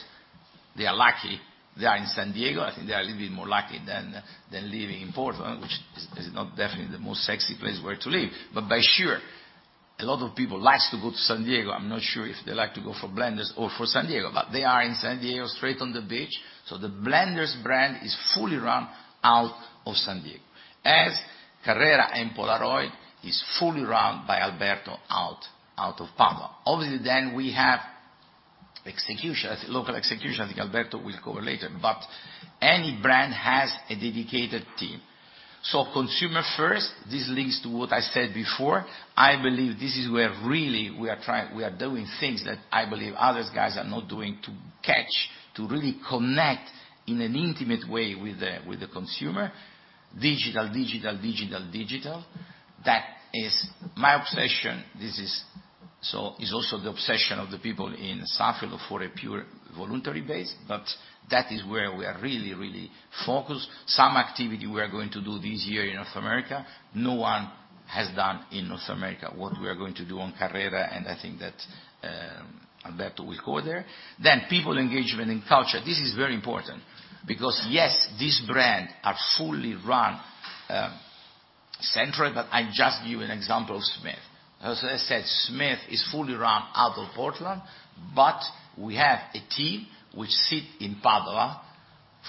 they are lucky, they are in San Diego. I think they are a little bit more lucky than living in Portland, which is not definitely the most sexy place where to live. By sure, a lot of people likes to go to San Diego. I'm not sure if they like to go for Blenders or for San Diego, but they are in San Diego, straight on the beach. The Blenders brand is fully run out of San Diego. As Carrera and Polaroid is fully run by Alberto out of Padua. Obviously, we have execution, local execution. I think Alberto will cover later. Any brand has a dedicated team. Consumer first, this leads to what I said before. I believe this is where really we are doing things that I believe other guys are not doing to catch, to really connect in an intimate way with the consumer. Digital, digital, digital. That is my obsession. This is. It's also the obsession of the people in Safilo for a pure voluntary base, but that is where we are really, really focused. Some activity we are going to do this year in North America, no one has done in North America what we are going to do on Carrera, and I think that, Alberto will go there. People engagement and culture. This is very important because, yes, these brand are fully run, centrally, but I just give you an example of Smith. As I said, Smith is fully run out of Portland, but we have a team which sit in Padua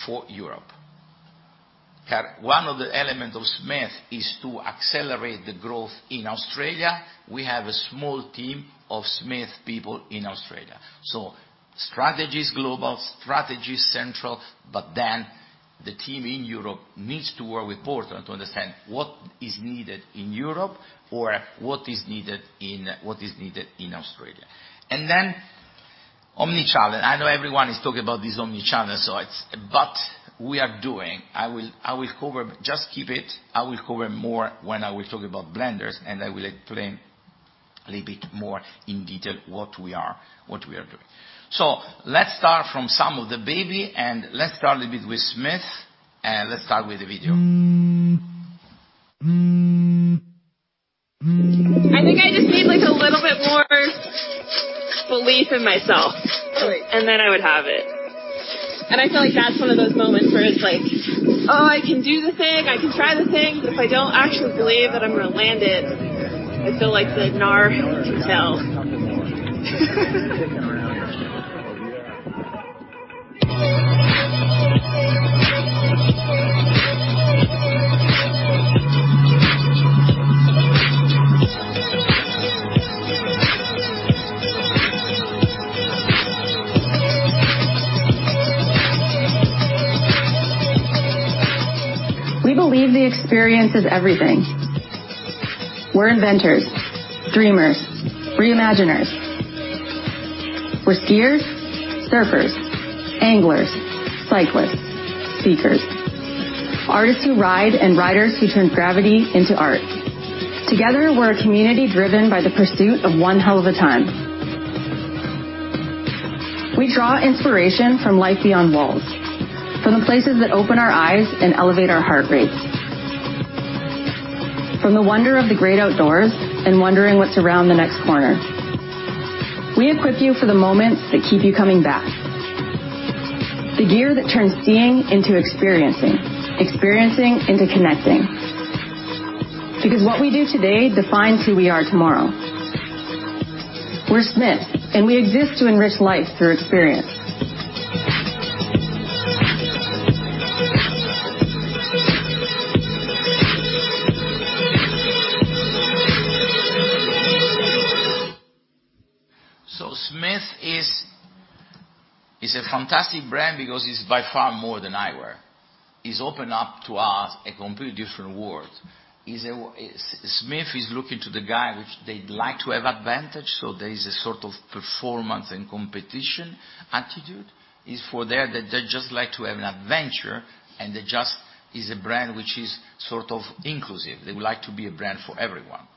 for Europe. One of the element of Smith is to accelerate the growth in Australia. We have a small team of Smith people in Australia. Strategy is global, strategy is central, the team in Europe needs to work with Portland to understand what is needed in Europe or what is needed in Australia. Omnichannel. I know everyone is talking about this omnichannel. I will cover. Just keep it. I will cover more when I will talk about Blenders, and I will explain a little bit more in detail what we are doing. Let's start from some of the baby, and let's start a little bit with Smith, and let's start with the video. I think I just need, like, a little bit more belief in myself. Right. Then I would have it. I feel like that's one of those moments where it's like, "Oh, I can do the thing. I can try the thing, but if I don't actually believe that I'm gonna land it, I feel like the nar can tell." We believe the experience is everything. We're inventors, dreamers, re-imaginers. We're skiers, surfers, anglers, cyclists, seekers, artists who ride and riders who turn gravity into art. Together, we're a community driven by the pursuit of one hell of a time. We draw inspiration from life beyond walls, from the places that open our eyes and elevate our heart rate. From the wonder of the great outdoors and wondering what's around the next corner. We equip you for the moments that keep you coming back. The gear that turns seeing into experiencing into connecting. What we do today defines who we are tomorrow. We're Smith, and we exist to enrich life through experience. Smith is a fantastic brand because it's by far more than eyewear. It's opened up to us a completely different world. Smith is looking to the guy which they'd like to have advantage, there is a sort of performance and competition attitude. It's for there that they just like to have an adventure, is a brand which is sort of inclusive. They would like to be a brand for everyone.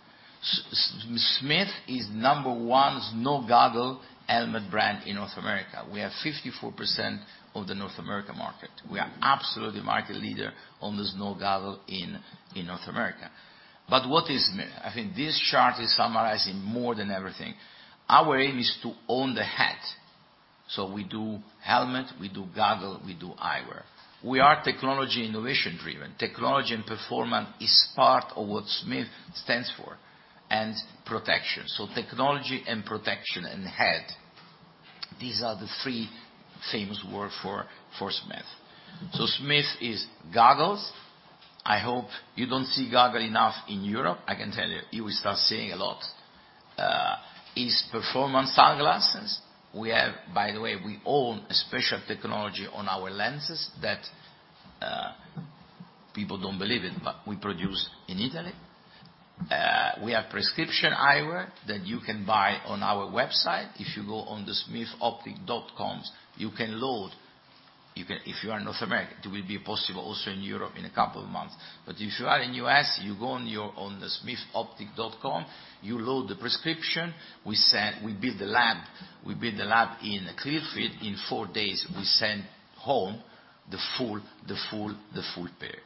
Smith is number one snow goggle helmet brand in North America. We have 54% of the North America market. We are absolutely market leader on the snow goggle in North America. What is Smith? I think this chart is summarizing more than everything. Our aim is to own the hat, we do helmet, we do goggle, we do eyewear. We are technology innovation-driven. Technology and performance is part of what Smith stands for, and protection. Technology and protection and head, these are the three famous word for Smith. Smith is goggles. I hope you don't see goggle enough in Europe. I can tell you will start seeing a lot, is performance sunglasses. By the way, we own a special technology on our lenses that people don't believe it, but we produce in Italy. We have prescription eyewear that you can buy on our website. If you go on the smithoptics.com, you can load. If you are in North America. It will be possible also in Europe in a couple of months. If you are in U.S., you go on the smithoptics.com, you load the prescription, we send, we build the lab in Clearfield. In 4 days, we send home the full pair.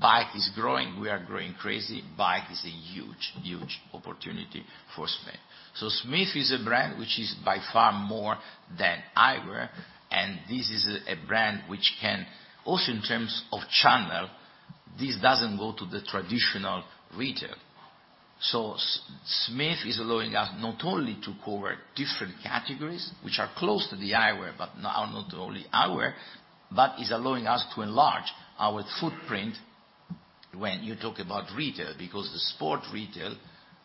Bike is growing. We are growing crazy. Bike is a huge opportunity for Smith. Smith is a brand which is by far more than eyewear, and this is a brand which can, also in terms of channel, this doesn't go to the traditional retail. Smith is allowing us not only to cover different categories, which are close to the eyewear, but now not only eyewear, but is allowing us to enlarge our footprint when you talk about retail, because the sport retail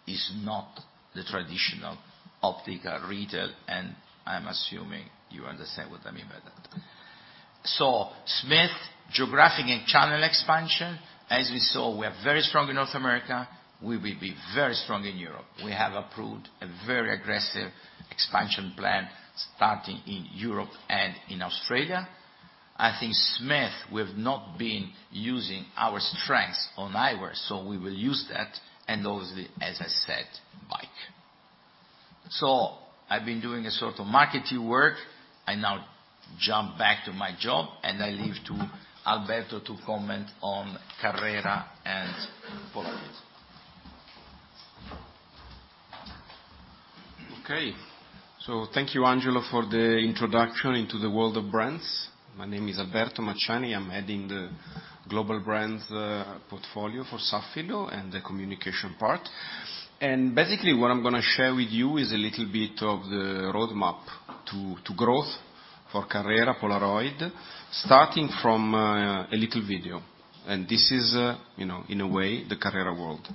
is not the traditional optical retail, and I'm assuming you understand what I mean by that. Smith geographic and channel expansion, as we saw, we are very strong in North America. We will be very strong in Europe. We have approved a very aggressive expansion plan starting in Europe and in Australia. I think Smith, we've not been using our strengths on eyewear, so we will use that, and obviously, as I said, bike. I've been doing a sort of marketing work. I now jump back to my job, and I leave to Alberto to comment on Carrera and Polaroid. Okay. Thank you, Angelo, for the introduction into the world of brands. My name is Alberto Macciani. I'm heading the global brands portfolio for Safilo Group and the communication part. Basically, what I'm gonna share with you is a little bit of the roadmap to growth for Carrera Polaroid, starting from a little video, and this is, you know, in a way, the Carrera world.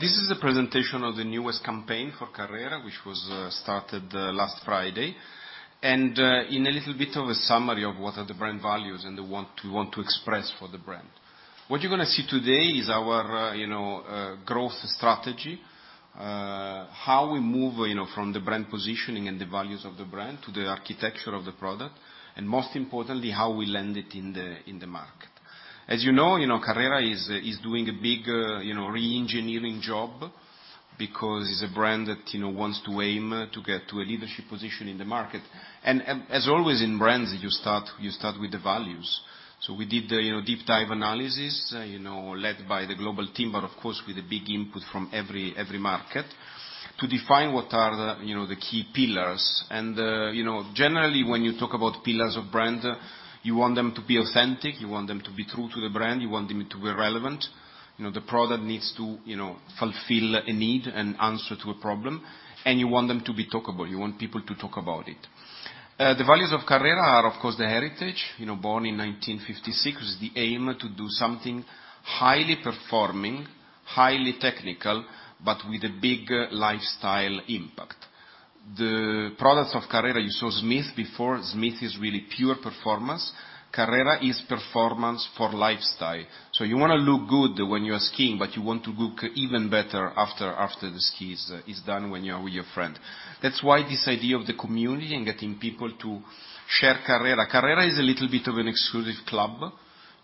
Well, this is a presentation of the newest campaign for Carrera, which was started last Friday, and in a little bit of a summary of what are the brand values and we want to express for the brand. What you're gonna see today is our, you know, growth strategy, how we move, you know, from the brand positioning and the values of the brand to the architecture of the product, and most importantly, how we land it in the market. As you know, Carrera is doing a big, you know, re-engineering job because it's a brand that, you know, wants to aim to get to a leadership position in the market. As always in brands, you start with the values. We did, you know, deep dive analysis, you know, led by the global team but, of course, with a big input from every market. To define what are the, you know, the key pillars and, you know, generally when you talk about pillars of brand, you want them to be authentic, you want them to be true to the brand, you want them to be relevant. You know, the product needs to, you know, fulfill a need and answer to a problem, and you want them to be talkable. You want people to talk about it. The values of Carrera are, of course, the heritage, you know, born in 1956 with the aim to do something highly performing, highly technical, but with a big lifestyle impact. The products of Carrera, you saw Smith before. Smith is really pure performance. Carrera is performance for lifestyle. You wanna look good when you are skiing, but you want to look even better after the ski is done when you're with your friend. That's why this idea of the community and getting people to share Carrera. Carrera is a little bit of an exclusive club,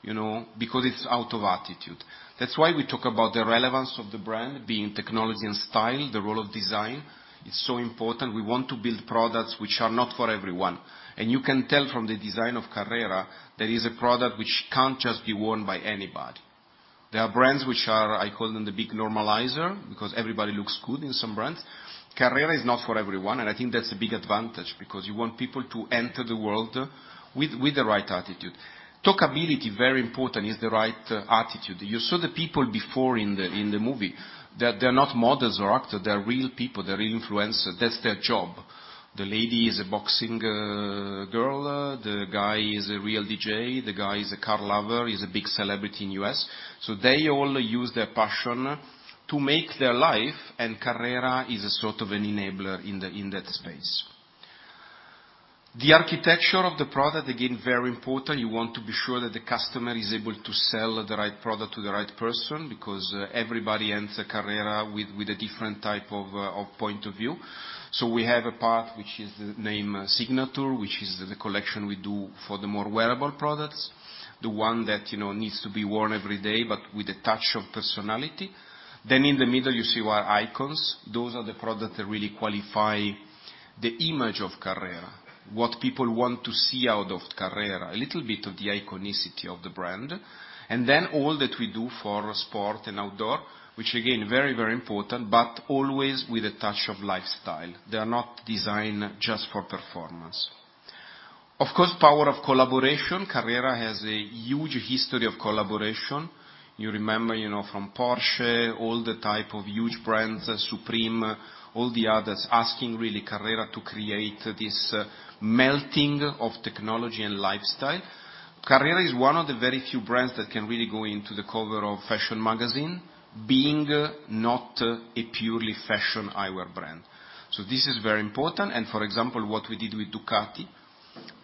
you know, because it's out of attitude. That's why we talk about the relevance of the brand being technology and style, the role of design is so important. We want to build products which are not for everyone. You can tell from the design of Carrera, that is a product which can't just be worn by anybody. There are brands which are, I call them the big normalizer, because everybody looks good in some brands. Carrera is not for everyone, I think that's a big advantage because you want people to enter the world with the right attitude. Talkability, very important, is the right attitude. You saw the people before in the movie that they're not models or actor, they're real people, they're influencer. That's their job. The lady is a boxing girl, the guy is a real DJ, the guy is a car lover, he's a big celebrity in U.S. They all use their passion to make their life. Carrera is a sort of an enabler in that space. The architecture of the product, again, very important. You want to be sure that the customer is able to sell the right product to the right person because everybody enters Carrera with a different type of point of view. We have a part which is the name CARRERA SIGNATURE, which is the collection we do for the more wearable products, the one that, you know, needs to be worn every day, but with a touch of personality. In the middle, you see our icons. Those are the products that really qualify the image of Carrera, what people want to see out of Carrera, a little bit of the iconicity of the brand. All that we do for sport and outdoor, which again, very, very important, but always with a touch of lifestyle. They are not designed just for performance. Power of collaboration. Carrera has a huge history of collaboration. You remember, you know, from Porsche, all the type of huge brands, Supreme, all the others, asking really Carrera to create this melting of technology and lifestyle. Carrera is one of the very few brands that can really go into the cover of fashion magazine being not a purely fashion eyewear brand. This is very important. For example, what we did with Ducati,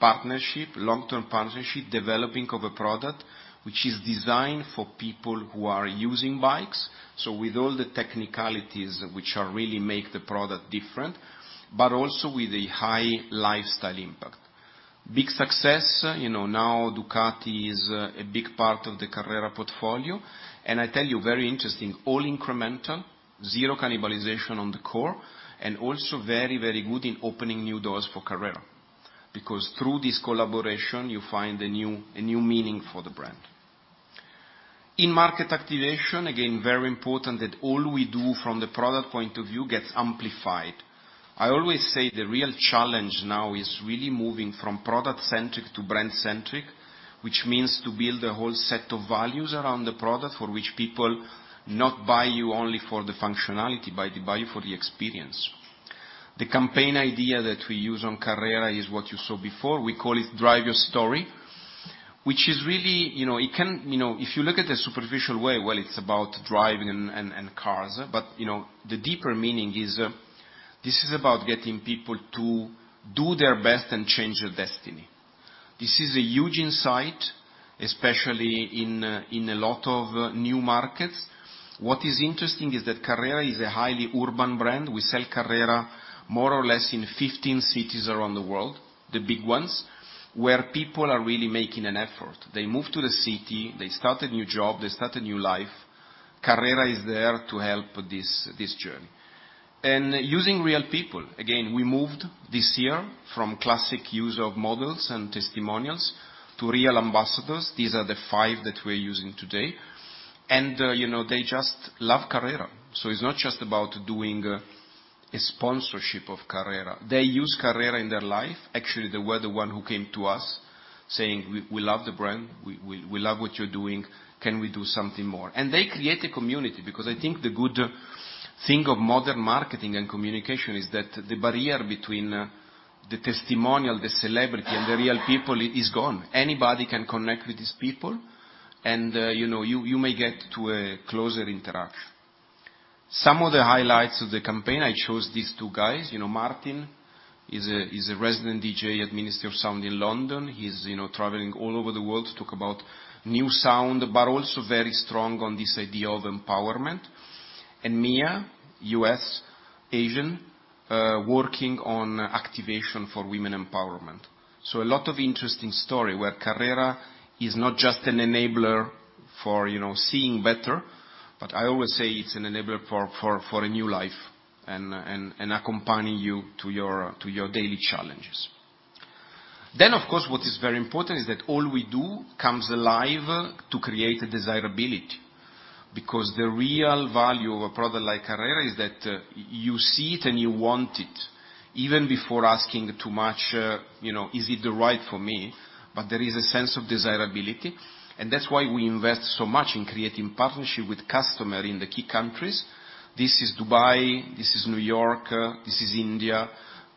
partnership, long-term partnership, developing of a product which is designed for people who are using bikes, so with all the technicalities which are really make the product different, but also with a high lifestyle impact. Big success. You know, now Ducati is a big part of the Carrera portfolio. I tell you, very interesting, all incremental, zero cannibalization on the core, and also very, very good in opening new doors for Carrera. Through this collaboration, you find a new, a new meaning for the brand. In market activation, again, very important that all we do from the product point of view gets amplified. I always say the real challenge now is really moving from product-centric to brand-centric, which means to build a whole set of values around the product for which people not buy you only for the functionality, buy you for the experience. The campaign idea that we use on Carrera is what you saw before. We call it Drive Your Story, which is really, you know, if you look at the superficial way, well, it's about driving and cars. You know, the deeper meaning is, this is about getting people to do their best and change their destiny. This is a huge insight, especially in a lot of new markets. What is interesting is that Carrera is a highly urban brand. We sell Carrera more or less in 15 cities around the world, the big ones, where people are really making an effort. They move to the city, they start a new job, they start a new life. Carrera is there to help this journey. Using real people. Again, we moved this year from classic use of models and testimonials to real ambassadors. These are the five that we're using today. You know, they just love Carrera. It's not just about doing a sponsorship of Carrera. They use Carrera in their life. Actually, they were the one who came to us saying, "We love the brand. We love what you're doing. Can we do something more?" They create a community, because I think the good thing of modern marketing and communication is that the barrier between the testimonial, the celebrity, and the real people is gone. Anybody can connect with these people and, you know, you may get to a closer interaction. Some of the highlights of the campaign, I chose these two guys. You know, Martin is a resident DJ at Ministry of Sound in London. He's, you know, traveling all over the world to talk about new sound, but also very strong on this idea of empowerment. Mia, US Asian, working on activation for women empowerment. A lot of interesting story where Carrera is not just an enabler for, you know, seeing better, but I always say it's an enabler for a new life and accompanying you to your daily challenges. Of course, what is very important is that all we do comes alive to create a desirability. The real value of a product like Carrera is that, you see it and you want it even before asking too much, you know, is it the right for me? There is a sense of desirability, and that's why we invest so much in creating partnership with customer in the key countries. This is Dubai, this is New York, this is India,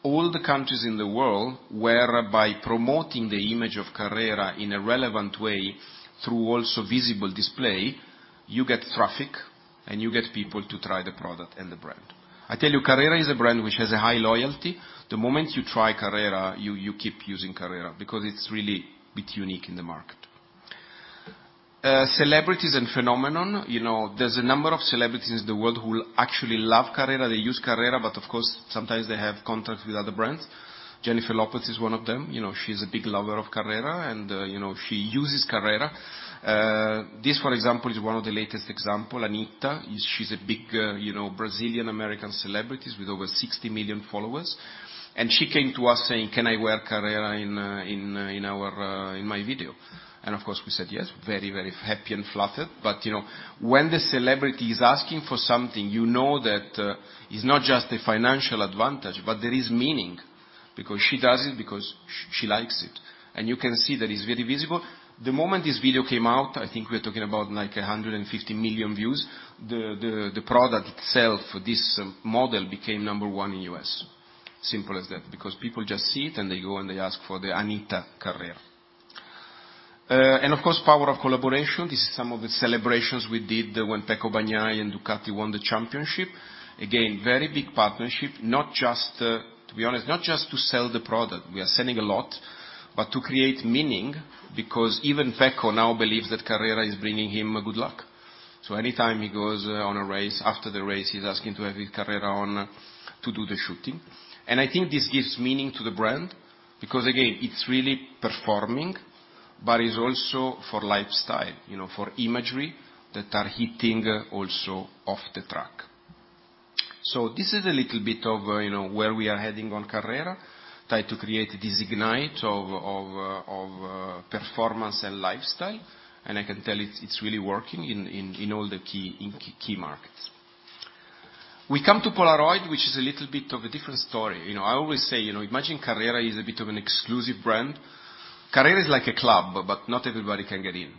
all the countries in the world where by promoting the image of Carrera in a relevant way through also visible display, you get traffic and you get people to try the product and the brand. I tell you, Carrera is a brand which has a high loyalty. The moment you try Carrera, you keep using Carrera because it's really bit unique in the market. Celebrities and phenomenon, you know, there's a number of celebrities in the world who actually love Carrera, they use Carrera, but of course sometimes they have contracts with other brands. Jennifer Lopez is one of them. You know, she's a big lover of Carrera, and, you know, she uses Carrera. This, for example, is one of the latest example, Anitta. She's a big, you know, Brazilian-American celebrities with over 60 million followers. She came to us saying, "Can I wear Carrera in in our in my video?" Of course, we said, "Yes," very, very happy and flattered. You know, when the celebrity is asking for something, you know that it's not just a financial advantage, but there is meaning. Because she does it because she likes it. You can see that it's very visible. The moment this video came out, I think we're talking about, like, 150 million views, the product itself, this model became number one in U.S. Simple as that, because people just see it, and they go and they ask for the Anitta Carrera. Of course, power of collaboration, this is some of the celebrations we did when Pecco Bagnaia and Ducati won the championship. Again, very big partnership, not just to be honest, not just to sell the product, we are selling a lot, but to create meaning because even Pecco now believes that Carrera is bringing him good luck. Anytime he goes on a race, after the race, he's asking to have his Carrera on to do the shooting. I think this gives meaning to the brand because again, it's really performing, but it's also for lifestyle, you know, for imagery that are hitting also off the track. This is a little bit of, you know, where we are heading on Carrera, try to create this ignite of performance and lifestyle. I can tell it's really working in all the key markets. We come to Polaroid, which is a little bit of a different story. You know, I always say, you know, imagine Carrera is a bit of an exclusive brand. Carrera is like a club, but not everybody can get in.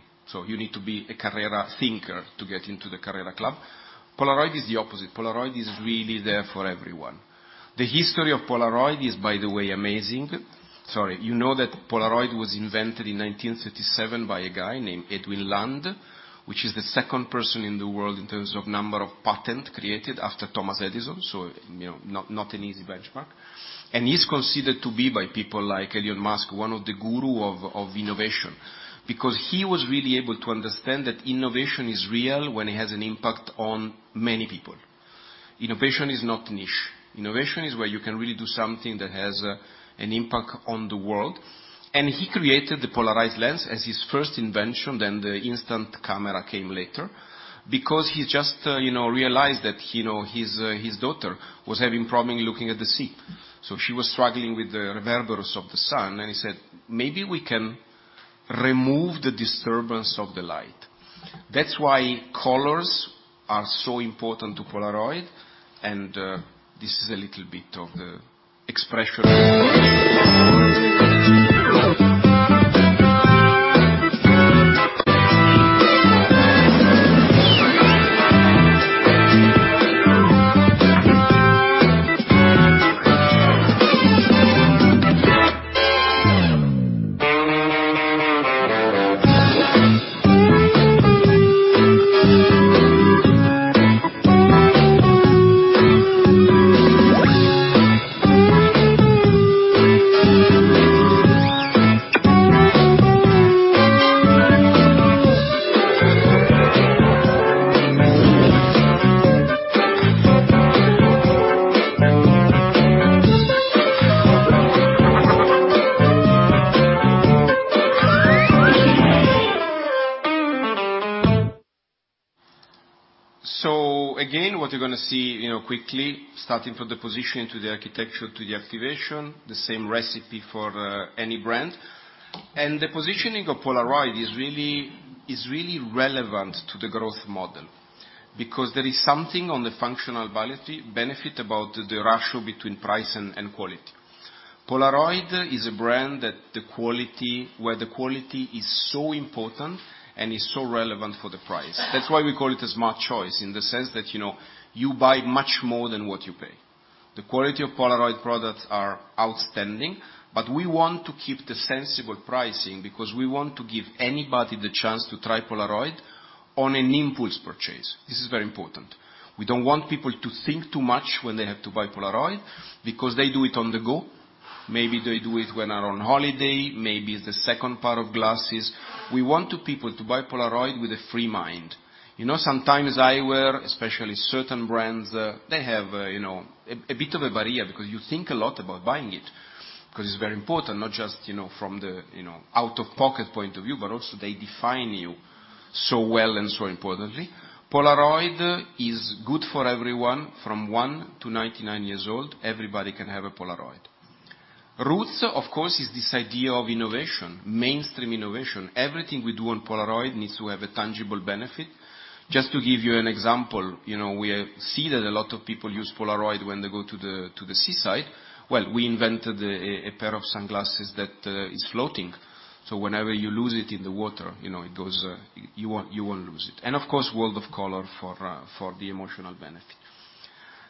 You need to be a Carrera thinker to get into the Carrera club. Polaroid is the opposite. Polaroid is really there for everyone. The history of Polaroid is, by the way, amazing. Sorry. You know that Polaroid was invented in 1937 by a guy named Edwin Land, which is the second person in the world in terms of number of patent created after Thomas Edison, you know, not an easy benchmark. He's considered to be by people like Elon Musk, one of the guru of innovation, because he was really able to understand that innovation is real when it has an impact on many people. Innovation is not niche. Innovation is where you can really do something that has an impact on the world. He created the polarized lens as his first invention, then the instant camera came later because he just, you know, realized that, you know, his daughter was having problem looking at the sea. She was struggling with the reverberance of the sun, and he said, "Maybe we can remove the disturbance of the light." That's why colors are so important to Polaroid, and this is a little bit of the expression. Again, what you're gonna see, you know, quickly, starting from the position to the architecture to the activation, the same recipe for any brand. The positioning of Polaroid is really relevant to the growth model because there is something on the functional benefit about the ratio between price and quality. Polaroid is a brand that the quality where the quality is so important and is so relevant for the price. That's why we call it a smart choice in the sense that, you know, you buy much more than what you pay. The quality of Polaroid products are outstanding, but we want to keep the sensible pricing because we want to give anybody the chance to try Polaroid on an impulse purchase. This is very important. We don't want people to think too much when they have to buy Polaroid because they do it on the go. Maybe they do it when are on holiday, maybe it's the second pair of glasses. We want to people to buy Polaroid with a free mind. You know, sometimes eyewear, especially certain brands, they have, you know, a bit of a barrier because you think a lot about buying it, because it's very important, not just, you know, from the, you know, out-of-pocket point of view, but also they define you. So well and so importantly. Polaroid is good for everyone from one to 99 years old, everybody can have a Polaroid. Roots, of course, is this idea of innovation, mainstream innovation. Everything we do on Polaroid needs to have a tangible benefit. Just to give you an example, you know, we see that a lot of people use Polaroid when they go to the, to the seaside. Well, we invented a pair of sunglasses that is floating, so whenever you lose it in the water, you know, you won't lose it. Of course, world of color for the emotional benefit.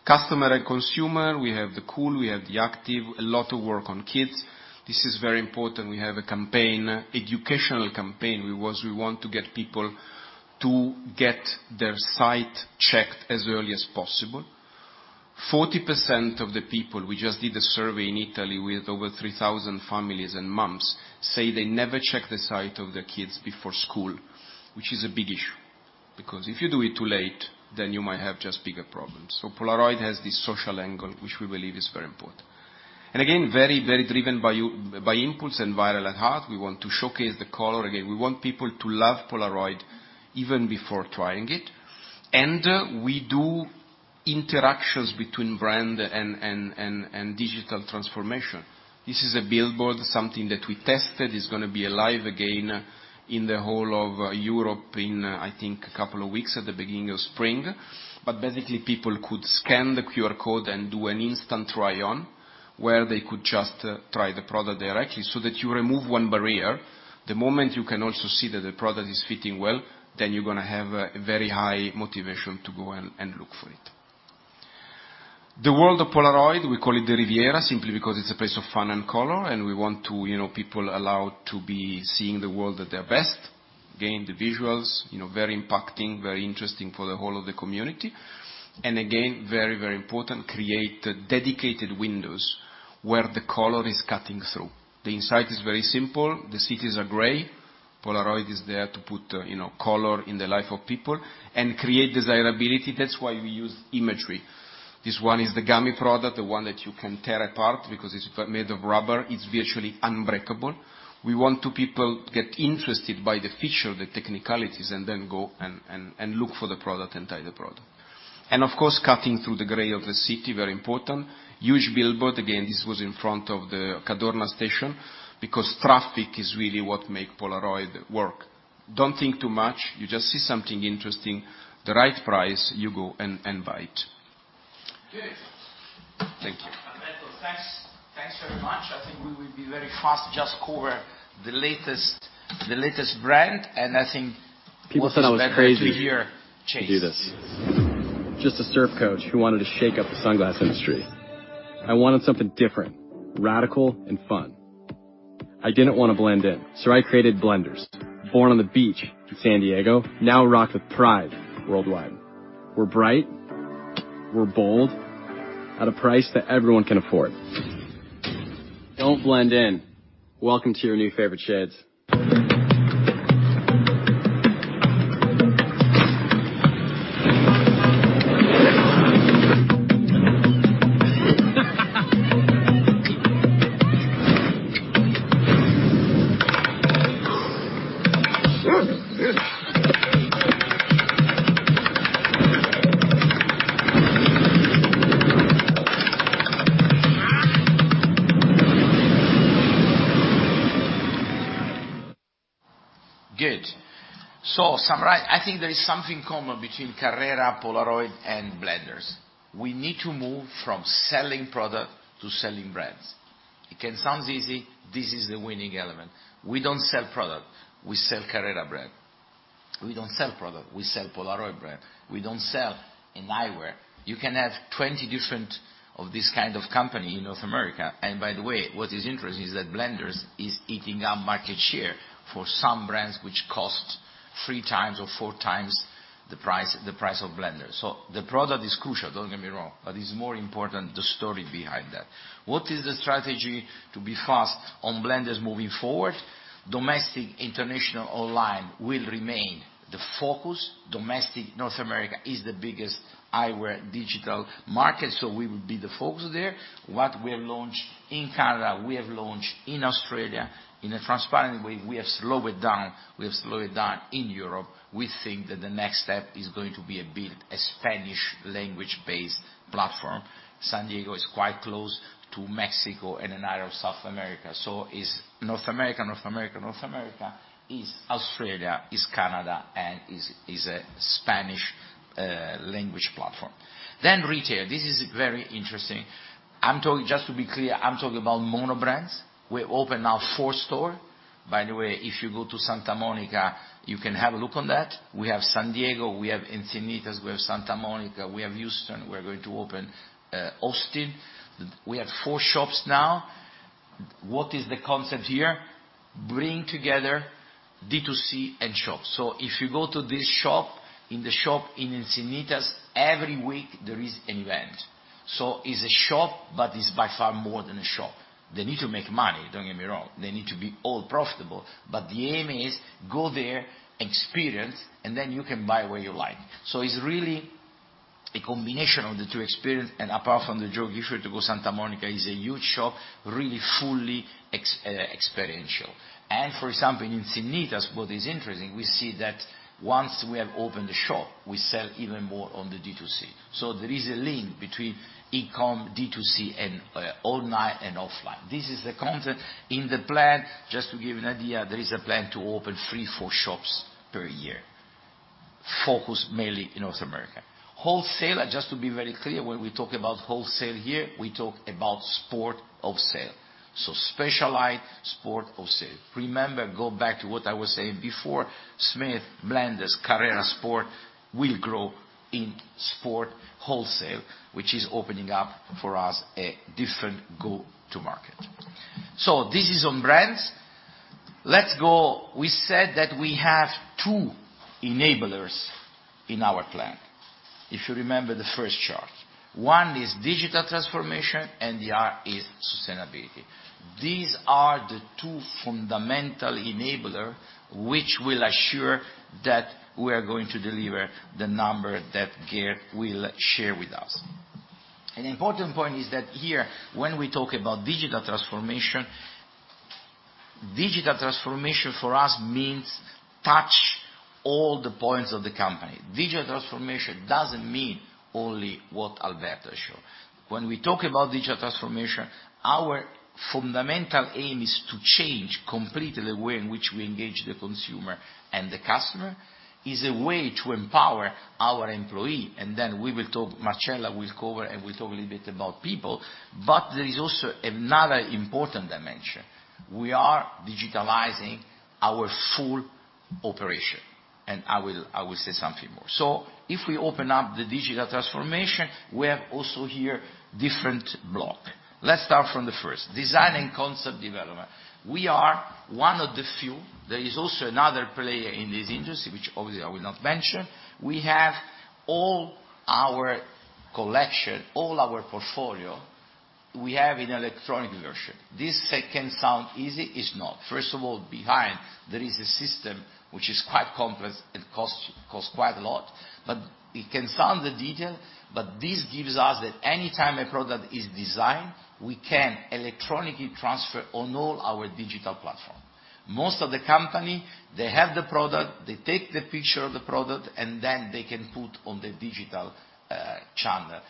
Customer and consumer, we have the cool, we have the active, a lot of work on kids. This is very important. We have a campaign, educational campaign. We want to get people to get their sight checked as early as possible. 40% of the people, we just did a survey in Italy with over 3,000 families and moms, say they never check the sight of their kids before school, which is a big issue because if you do it too late, then you might have just bigger problems. Polaroid has this social angle, which we believe is very important. Again, very, very driven by inputs and viral at heart. We want to showcase the color again. We want people to love Polaroid even before trying it. We do interactions between brand and digital transformation. This is a billboard, something that we tested. It's gonna be live again in the whole of Europe in, I think, a couple of weeks at the beginning of spring. Basically, people could scan the QR code and do an instant try-on, where they could just try the product directly so that you remove one barrier. The moment you can also see that the product is fitting well, then you're gonna have a very high motivation to go and look for it. The world of Polaroid, we call it the Riviera, simply because it's a place of fun and color, and we want to, you know, people allowed to be seeing the world at their best. Again, the visuals, you know, very impacting, very interesting for the whole of the community. Again, very, very important, create dedicated windows where the color is cutting through. The insight is very simple. The cities are gray. Polaroid is there to put, you know, color in the life of people and create desirability. That's why we use imagery. This one is the Gummy product, the one that you can tear apart because it's made of rubber. It's virtually unbreakable. We want to people get interested by the feature, the technicalities, and then go and look for the product, and try the product. Of course, cutting through the gray of the city, very important. Huge billboard. Again, this was in front of the Cadorna station because traffic is really what make Polaroid work. Don't think too much. You just see something interesting, the right price, you go and buy it. Good. Thank you. Alberto, thanks. Thanks very much. I think we will be very fast, just cover the latest brand. People said I was crazy. What's better to hear Chase. to do this. Just a surf coach who wanted to shake up the sunglass industry. I wanted something different, radical and fun. I didn't wanna blend in, so I created Blenders. Born on the beach in San Diego, now rocked with pride worldwide. We're bright, we're bold, at a price that everyone can afford. Don't blend in. Welcome to your new favorite shades. Good. Summarize. I think there is something common between Carrera, Polaroid, and Blenders. We need to move from selling product to selling brands. It can sounds easy. This is the winning element. We don't sell product, we sell Carrera brand. We don't sell product, we sell Polaroid brand. We don't sell in eyewear. You can have 20 different of this kind of company in North America. By the way, what is interesting is that Blenders is eating up market share for some brands which cost 3x or 4x the price, the price of Blenders. The product is crucial, don't get me wrong, but it's more important the story behind that. What is the strategy to be fast on Blenders moving forward? Domestic-international online will remain the focus. Domestic North America is the biggest eyewear digital market, we will be the focus there. What we have launched in Canada, we have launched in Australia. In a transparent way, we have slowed it down, we have slowed it down in Europe. We think that the next step is going to be a build a Spanish language-based platform. San Diego is quite close to Mexico and another South America. North America, is Australia, is Canada, and is a Spanish language platform. Retail. This is very interesting. Just to be clear, I'm talking about mono brands. We opened our 4th store. By the way, if you go to Santa Monica, you can have a look on that. We have San Diego, we have Encinitas, we have Santa Monica, we have Houston. We're going to open Austin. We have four shops now. What is the concept here? Bring together D2C and shops. If you go to this shop, in the shop in Encinitas, every week there is an event. It's a shop, but it's by far more than a shop. They need to make money, don't get me wrong. They need to be all profitable, but the aim is go there, experience, and then you can buy what you like. It's really a combination of the two experience, and apart from the joke, if you had to go Santa Monica, is a huge shop, really fully experiential. For example, in Encinitas, what is interesting, we see that once we have opened the shop, we sell even more on the D2C. There is a link between eCom, D2C, and online and offline. This is the content. In the plan, just to give you an idea, there is a plan to open three, four shops per year, focused mainly in North America. Wholesaler, just to be very clear, when we talk about wholesale here, we talk about sport wholesale. Specialized sport wholesale. Remember, go back to what I was saying before, Smith, Blenders, Carrera Sport will grow in sport wholesale, which is opening up for us a different go-to-market. This is on brands. Let's go... We said that we have two enablers in our plan, if you remember the first chart. One is digital transformation, and the other is sustainability. These are the two fundamental enabler which will assure that we are going to deliver the number that Gerd will share with us. An important point is that here, when we talk about digital transformation, digital transformation for us means touch all the points of the company. Digital transformation doesn't mean only what Alberto show. When we talk about digital transformation, our fundamental aim is to change completely the way in which we engage the consumer and the customer, is a way to empower our employee, and then we will talk, Marcella will cover and will talk a little bit about people. There is also another important dimension. We are digitalizing our full operation, and I will say something more. If we open up the digital transformation, we have also here different block. Let's start from the first, design and concept development. We are one of the few, there is also another player in this industry, which obviously I will not mention. We have all our collection, all our portfolio, we have in electronic version. This can sound easy, it's not. First of all, behind there is a system which is quite complex and costs quite a lot. It can sound the detail, but this gives us that any time a product is designed, we can electronically transfer on all our digital platform. Most of the company, they have the product, they take the picture of the product, and then they can put on the digital channel.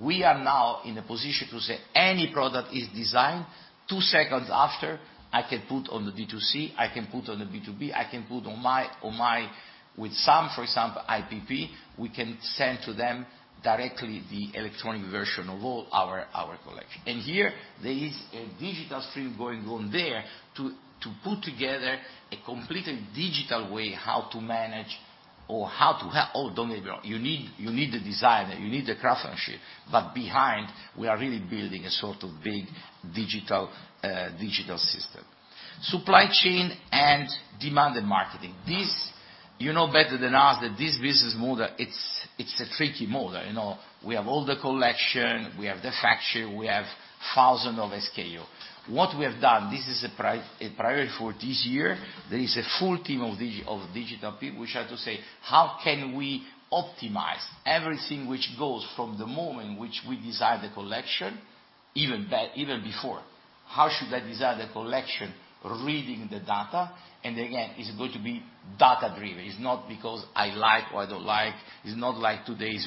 We are now in a position to say, any product is designed, two seconds after, I can put on the D2C, I can put on the B2B, I can put on my... With some, for example, IPP, we can send to them directly the electronic version of all our collection. Here, there is a digital stream going on there to put together a completely digital way how to manage or how to, don't get me wrong, you need the designer, you need the craftsmanship, but behind, we are really building a sort of big digital system. Supply chain and demand and marketing. This, you know better than us that this business model, it's a tricky model, you know. We have all the collection, we have the factory, we have 1,000 of SKU. What we have done, this is a priority for this year. There is a full team of digital people which are to say, how can we optimize everything which goes from the moment which we design the collection, even before. How should I design the collection reading the data? Again, it's going to be data-driven. It's not because I like or I don't like. It's not like today's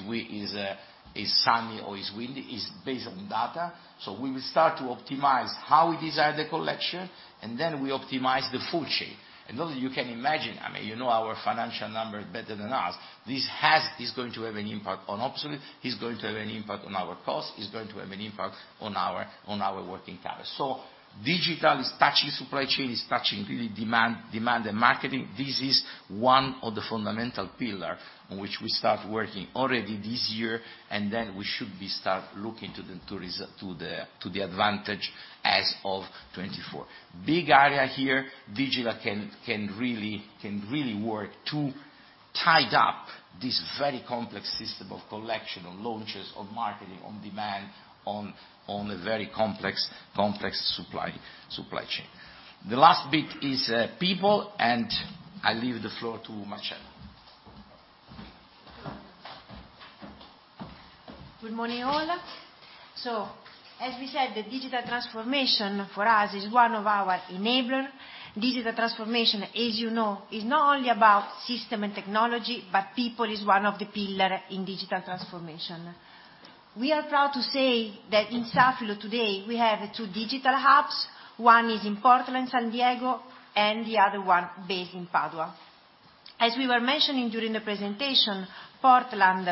is sunny or it's windy. It's based on data. We will start to optimize how we design the collection, and then we optimize the full chain. Those of you can imagine, I mean, you know our financial numbers better than us. is going to have an impact on obsolete, is going to have an impact on our cost, is going to have an impact on our working capital. Digital is touching supply chain, is touching really demand and marketing. This is one of the fundamental pillar on which we start working already this year, then we should be start looking to the tourism, to the advantage as of 2024. Big area here, digital can really work to tied up this very complex system of collection, on launches, on marketing, on demand, on a very complex supply chain. The last bit is people, I leave the floor to Marcella. Good morning, all. As we said, the digital transformation for us is one of our enabler. Digital transformation, as you know, is not only about system and technology, but people is one of the pillar in digital transformation. We are proud to say that in Safilo today, we have two digital hubs. One is in Portland, San Diego, and the other one based in Padua. As we were mentioning during the presentation, Portland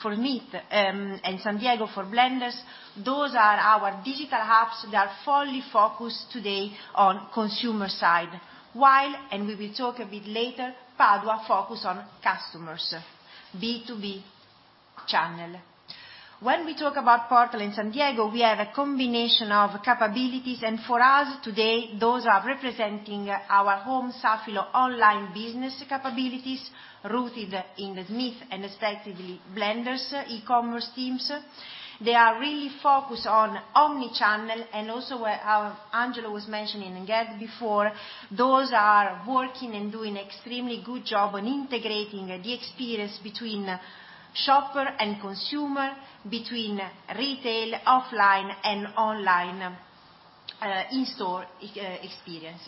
for Smith, and San Diego for Blenders, those are our digital hubs that are fully focused today on consumer side. While, and we will talk a bit later, Padua focus on customers, B2B channel. When we talk about Portland, San Diego, we have a combination of capabilities, and for us today, those are representing our home Safilo online business capabilities rooted in the Smith and respectively Blenders e-commerce teams. They are really focused on omni-channel and also where, how Angelo was mentioning again before, those are working and doing extremely good job on integrating the experience between shopper and consumer, between retail, offline and online. In-store experience.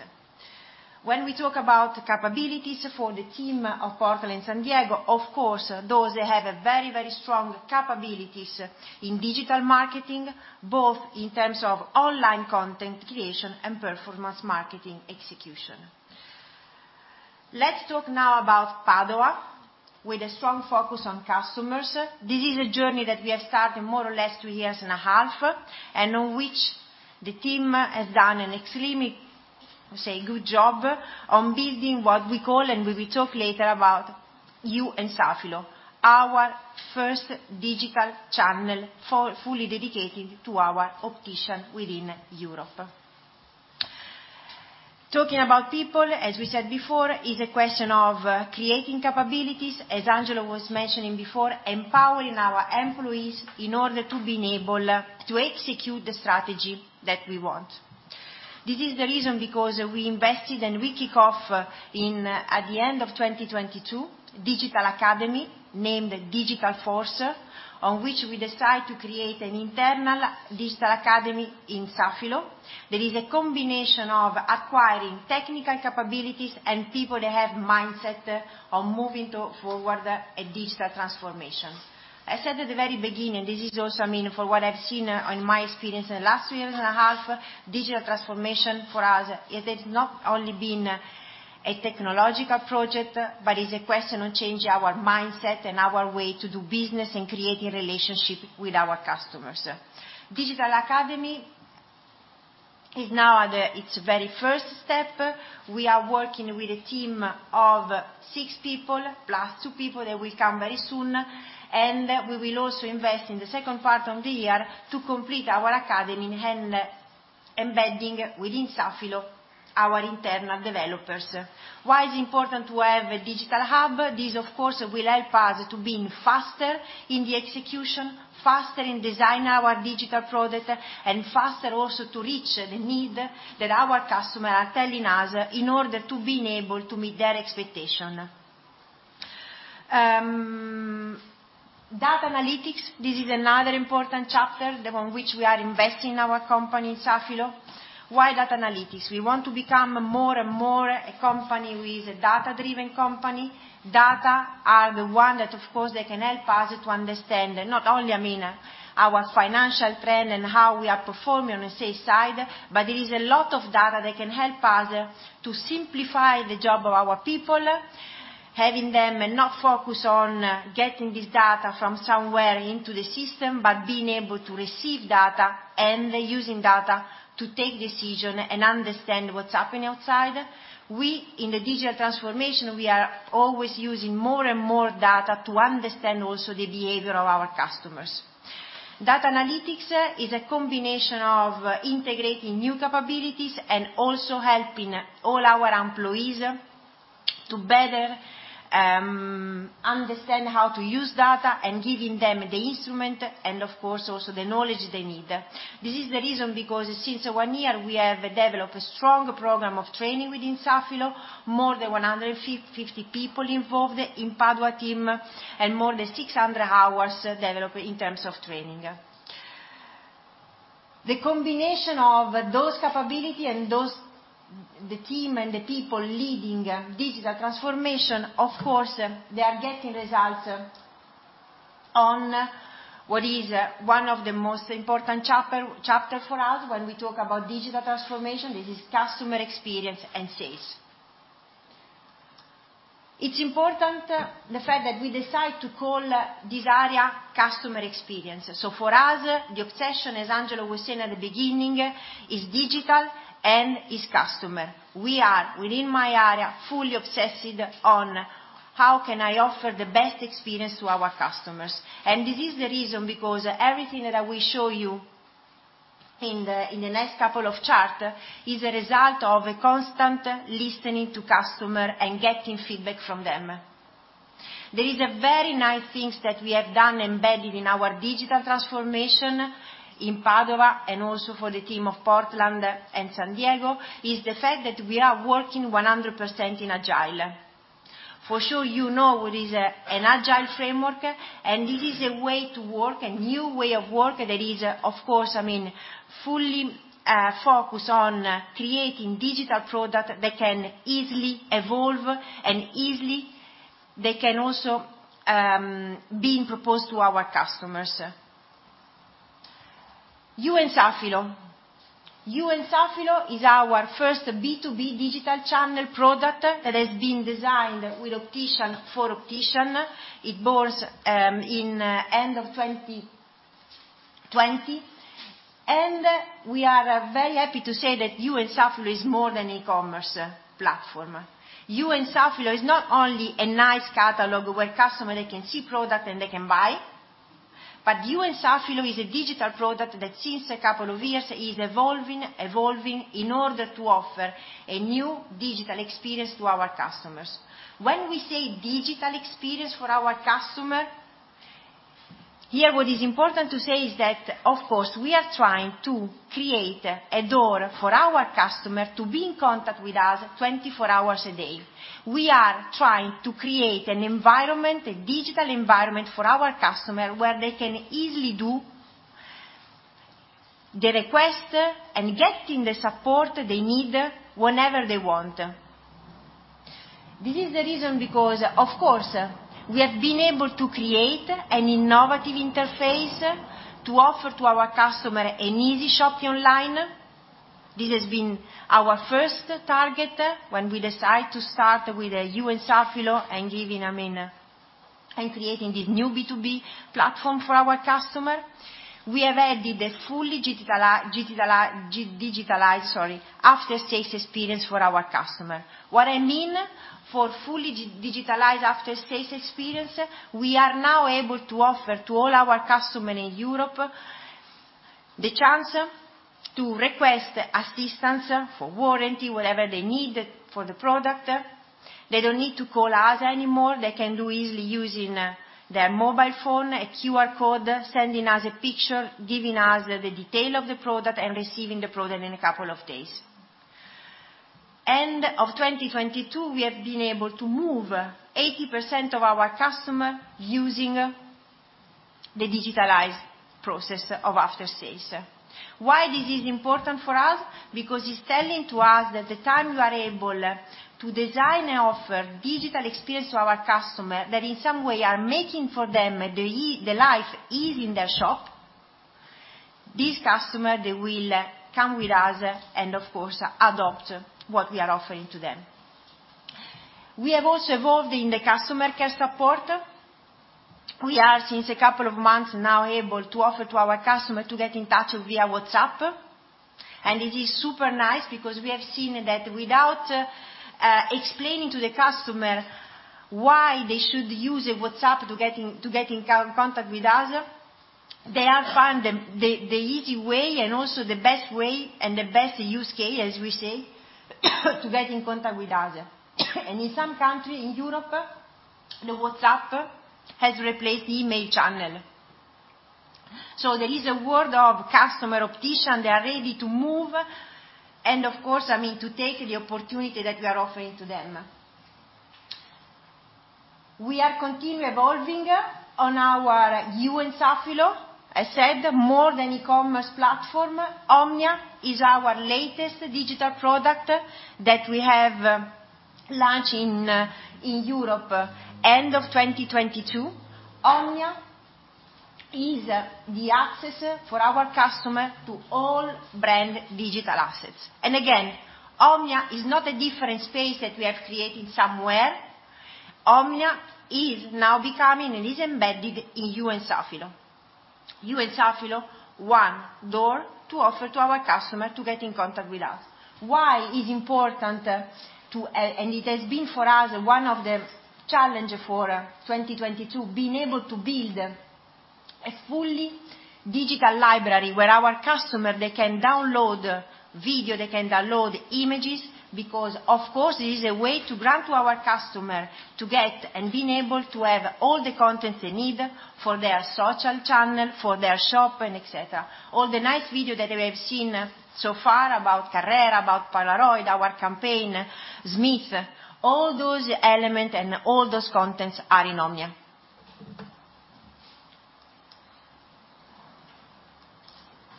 When we talk about capabilities for the team of Portland, San Diego, of course, those that have a very, very strong capabilities in digital marketing, both in terms of online content creation and performance marketing execution. Let's talk now about Padua, with a strong focus on customers. This is a journey that we have started more or less two years and a half, and on which the team has done an extremely, say, good job on building what we call, and we will talk later about, You&Safilo, our first digital channel fully dedicated to our optician within Europe. Talking about people, as we said before, is a question of creating capabilities, as Angelo was mentioning before, empowering our employees in order to be able to execute the strategy that we want. This is the reason because we invested and we kick off at the end of 2022, digital academy, named Digital Force, on which we decide to create an internal digital academy in Safilo, that is a combination of acquiring technical capabilities and people that have mindset of moving forward a digital transformation. I said at the very beginning, this is also, I mean, for what I've seen on my experience in the last two years and a half, digital transformation for us, it has not only been a technological project, but is a question of changing our mindset and our way to do business and creating relationship with customers. Digital Academy is now at its very first step. We are working with a team of six people, plus two people that will come very soon, and we will also invest in the second part of the year to complete our academy and embedding within Safilo our internal developers. Why is it important to have a digital hub? This of course will help us to being faster in the execution, faster in design our digital product, and faster also to reach the need that our customer are telling us in order to being able to meet their expectation. data analytics, this is another important chapter than on which we are investing our company, Safilo. Why data analytics? We want to become more and more a company with, a data-driven company. Data are the one that of course they can help us to understand not only, I mean, our financial plan and how we are performing on a sales side, but there is a lot of data that can help us to simplify the job of our people, having them not focus on getting this data from somewhere into the system, but being able to receive data and using data to take decision and understand what's happening outside. We, in the digital transformation, we are always using more and more data to understand also the behavior of our customers. Data analytics is a combination of integrating new capabilities and also helping all our employees to better understand how to use data and giving them the instrument and of course, also the knowledge they need. This is the reason because since 1 year we have developed a strong program of training within Safilo. More than 150 people involved in Padua team and more than 600 hours developed in terms of training. The combination of those capability the team and the people leading digital transformation, of course, they are getting results on what is one of the most important chapter for us when we talk about digital transformation. This is customer experience and sales. It's important, the fact that we decide to call this area customer experience. For us, the obsession, as Angelo was saying at the beginning, is digital and is customer. We are, within my area, fully obsessed on how can I offer the best experience to our customers. This is the reason because everything that I will show you in the, in the next couple of chart is a result of a constant listening to customer and getting feedback from them. There is a very nice things that we have done embedded in our digital transformation in Padua and also for the team of Portland and San Diego, is the fact that we are working 100% in Agile. For sure you know what is an Agile framework, and this is a way to work, a new way of work that is of course, I mean, fully focused on creating digital product that can easily evolve and easily they can also being proposed to our customers. You&Safilo. You&Safilo is our first B2B digital channel product that has been designed with optician for optician. It born in end of 2020, we are very happy to say that You and Safilo is more than e-commerce platform. You and Safilo is not only a nice catalog where customer they can see product and they can buy, You and Safilo is a digital product that since a couple of years is evolving in order to offer a new digital experience to our customers. When we say digital experience for our customer, here what is important to say is that, of course, we are trying to create a door for our customer to be in contact with us 24 hours a day. We are trying to create an environment, a digital environment for our customer, where they can easily doThe request and getting the support they need whenever they want. This is the reason because, of course, we have been able to create an innovative interface to offer to our customer an easy shop online. This has been our first target when we decide to start with You&Safilo and giving, I mean, and creating the new B2B platform for our customer. We have added a fully digitalized, sorry, after-sales experience for our customer. What I mean for fully digitalized after-sales experience, we are now able to offer to all our customer in Europe the chance to request assistance for warranty, whatever they need for the product. They don't need to call us anymore. They can do easily using their mobile phone, a QR code, sending us a picture, giving us the detail of the product, and receiving the product in a couple of days. End of 2022, we have been able to move 80% of our customer using the digitalized process of after-sales. Why this is important for us? Because it's telling to us that the time we are able to design and offer digital experience to our customer that in some way are making for them the life easy in their shop, these customer, they will come with us and of course adopt what we are offering to them. We have also evolved in the customer care support. We are, since a couple of months now, able to offer to our customer to get in touch via WhatsApp, and it is super nice because we have seen that without explaining to the customer why they should use a WhatsApp to get in, to get in contact with us, they have found the, the easy way and also the best way and the best use case, as we say, to get in contact with us. In some country in Europe, the WhatsApp has replaced email channel. There is a world of customer optician, they are ready to move and of course, I mean, to take the opportunity that we are offering to them. We are continue evolving on our You&Safilo. I said more than e-commerce platform, Omnia is our latest digital product that we have launched in Europe end of 2022. Omnia is the access for our customer to all brand digital assets. Again, Omnia is not a different space that we have created somewhere. Omnia is now becoming and is embedded in You&Safilo. You&Safilo, one door to offer to our customer to get in contact with us. Why is important to... it has been for us one of the challenge for 2022, being able to build a fully digital library where our customer, they can download video, they can download images because of course it is a way to grant to our customer to get and being able to have all the content they need for their social channel, for their shop and et cetera. All the nice video that we have seen so far about Carrera, about Polaroid, our campaign, Smith, all those element and all those contents are in Omnia.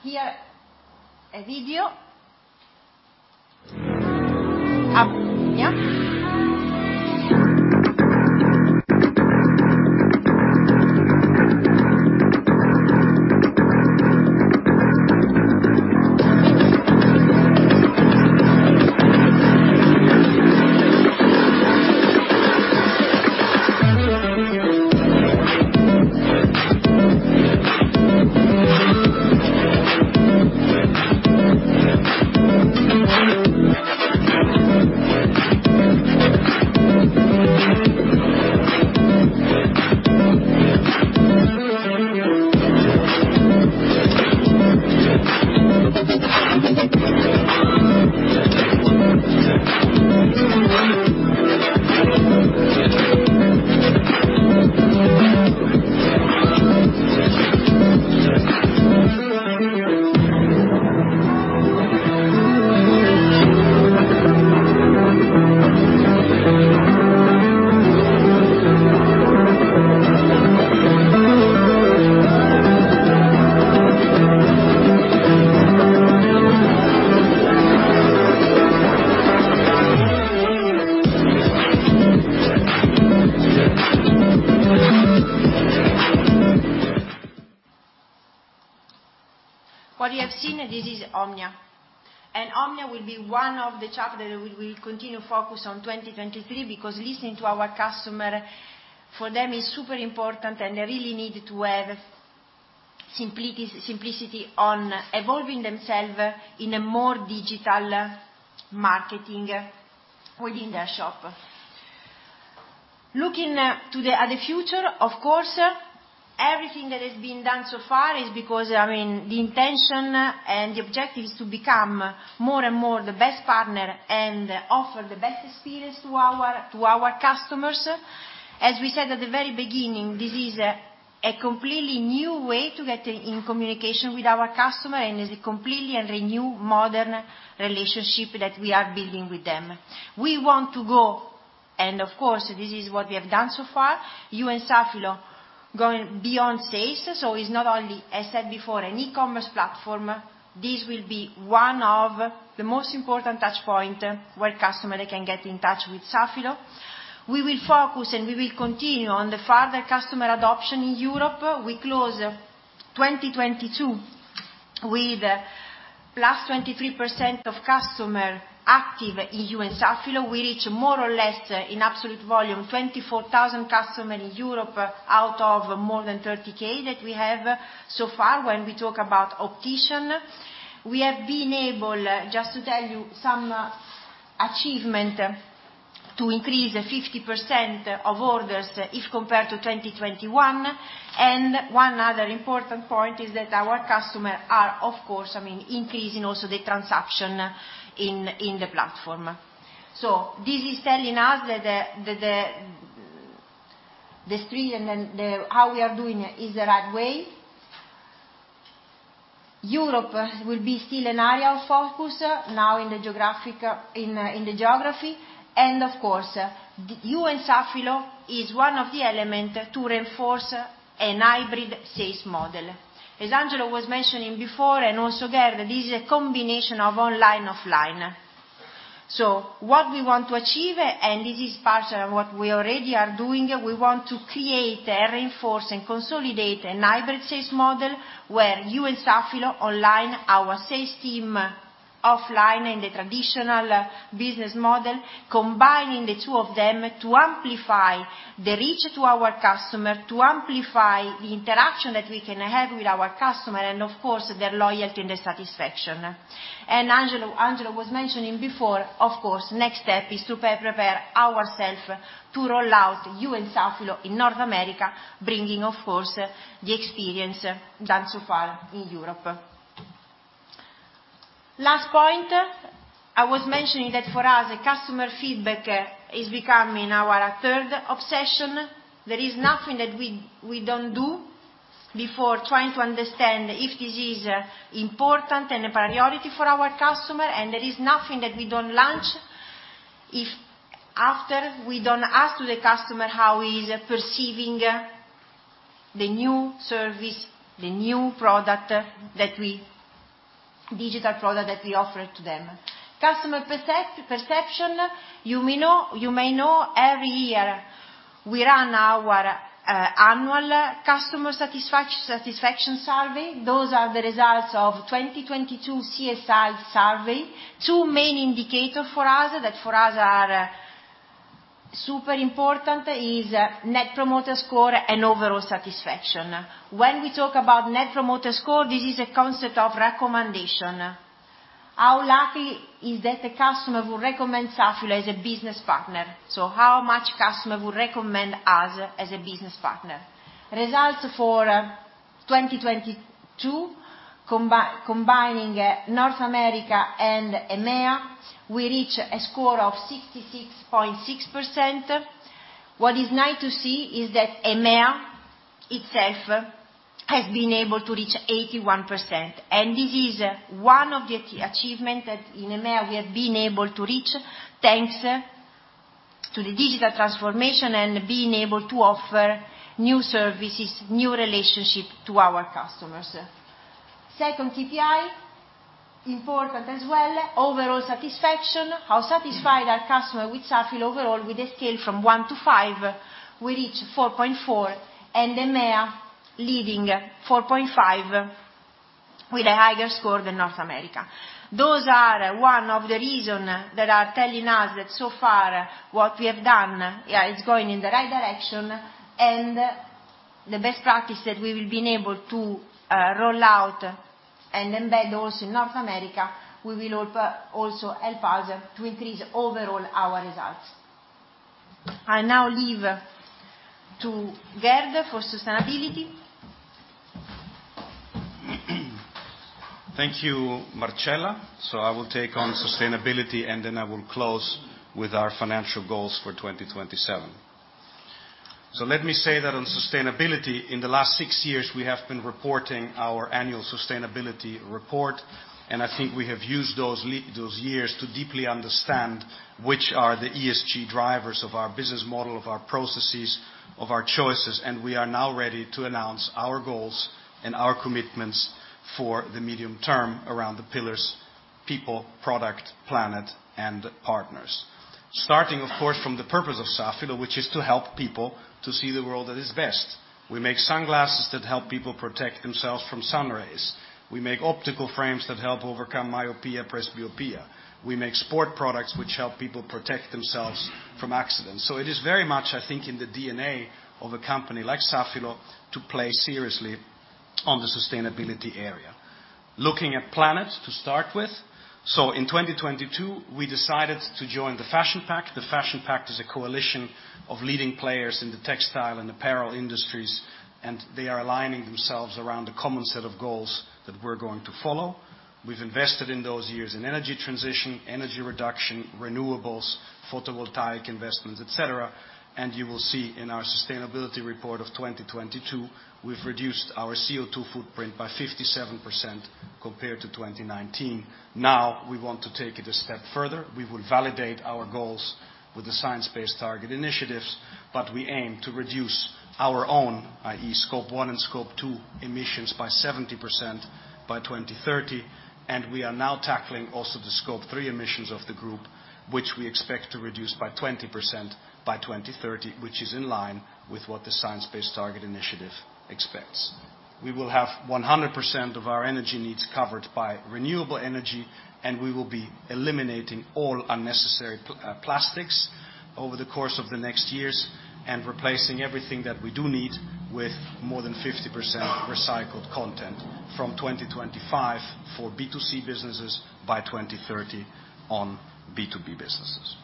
Here a video of Omnia. What you have seen, this is Omnia. Omnia will be one of the chapter that we will continue focus on 2023 because listening to our customer, for them it's super important, and they really need to have simplicity on evolving themselves in a more digital marketing within their shop. Looking to the, at the future, of course, everything that has been done so far is because, I mean, the intention and the objective is to become more and more the best partner and offer the best experience to our, to our customers. As we said at the very beginning, this is a completely new way to get in communication with our customer, and it's a completely and renew modern relationship that we are building with them. Of course, this is what we have done so far. You&Safilo going beyond sales, it's not only, I said before, an e-commerce platform. This will be one of the most important touchpoint where customer can get in touch with Safilo. We will focus, and we will continue on the further customer adoption in Europe. We close 2022 with +23% of customer active in You&Safilo. We reach more or less in absolute volume, 24,000 customer in Europe out of more than 30K that we have so far when we talk about optician. We have been able, just to tell you some achievement, to increase 50% of orders if compared to 2021. One other important point is that our customer are of course, I mean, increasing also the transaction in the platform. This is telling us that the stream and the, how we are doing is the right way. Europe will be still an area of focus now in the geographic, in the geography. Of course, the You&Safilo is one of the element to reinforce a hybrid sales model. As Angelo was mentioning before and also Gerd, this is a combination of online, offline. What we want to achieve, and this is part of what we already are doing, we want to create and reinforce and consolidate a hybrid sales model where You&Safilo online, our sales team offline in the traditional business model, combining the two of them to amplify the reach to our customer, to amplify the interaction that we can have with our customer and of course their loyalty and their satisfaction. Angelo was mentioning before, of course, next step is to pre-prepare ourselves to roll out You&Safilo in North America, bringing of course, the experience done so far in Europe. Last point, I was mentioning that for us, the customer feedback is becoming our third obsession. There is nothing that we don't do before trying to understand if this is important and a priority for our customer, and there is nothing that we don't launch if after we don't ask the customer how he is perceiving the new service, the new Digital product that we offer to them. Customer perception, you may know, every year we run our annual customer satisfaction survey. Those are the results of 2022 CSI survey. Two main indicator for us, that for us are super important is Net Promoter Score and overall satisfaction. When we talk about Net Promoter Score, this is a concept of recommendation. How likely is that a customer would recommend Safilo as a business partner? How much customer would recommend us as a business partner? Results for 2022 combining North America and EMEA, we reach a score of 66.6%. What is nice to see is that EMEA itself has been able to reach 81%, and this is one of the achievement that in EMEA we have been able to reach thanks to the digital transformation and being able to offer new services, new relationship to our customers. Second KPI, important as well, overall satisfaction. How satisfied are customer with Safilo overall with a scale from 1 to 5, we reach 4.4 and EMEA leading 4.5 with a higher score than North America. Those are one of the reason that are telling us that so far what we have done, yeah, is going in the right direction and the best practice that we will be able to roll out and embed also in North America, will also help us to increase overall our results. I now leave to Gerd for sustainability. Thank you, Marcella. I will take on sustainability, and then I will close with our financial goals for 2027. Let me say that on sustainability, in the last six years, we have been reporting our annual sustainability report, and I think we have used those years to deeply understand which are the ESG drivers of our business model, of our processes, of our choices, and we are now ready to announce our goals and our commitments for the medium term around the pillars, people, product, planet, and partners. Starting of course, from the purpose of Safilo, which is to help people to see the world at its best. We make sunglasses that help people protect themselves from sun rays. We make optical frames that help overcome myopia, presbyopia. We make sport products which help people protect themselves from accidents. It is very much, I think, in the DNA of a company like Safilo to play seriously on the sustainability area. Looking at planet to start with. In 2022, we decided to join the Fashion Pact. The Fashion Pact is a coalition of leading players in the textile and apparel industries, they are aligning themselves around a common set of goals that we're going to follow. We've invested in those years in energy transition, energy reduction, renewables, photovoltaic investments, et cetera. You will see in our sustainability report of 2022, we've reduced our CO2 footprint by 57% compared to 2019. We want to take it a step further. We will validate our goals with the Science Based Targets initiative, we aim to reduce our own, i.e., Scope 1 and Scope 2 emissions by 70% by 2030. We are now tackling also the Scope 3 emissions of the group, which we expect to reduce by 20% by 2030, which is in line with what the Science Based Targets initiative expects. We will have 100% of our energy needs covered by renewable energy, we will be eliminating all unnecessary plastics over the course of the next years and replacing everything that we do need with more than 50% recycled content from 2025 for B2C businesses by 2030 on B2B businesses.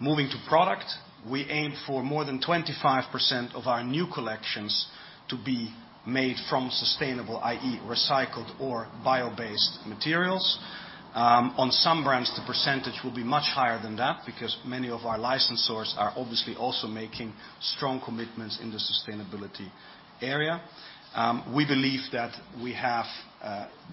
Moving to product, we aim for more than 25% of our new collections to be made from sustainable, i.e., recycled or bio-based materials. On some brands, the percentage will be much higher than that because many of our licensors are obviously also making strong commitments in the sustainability area. We believe that we have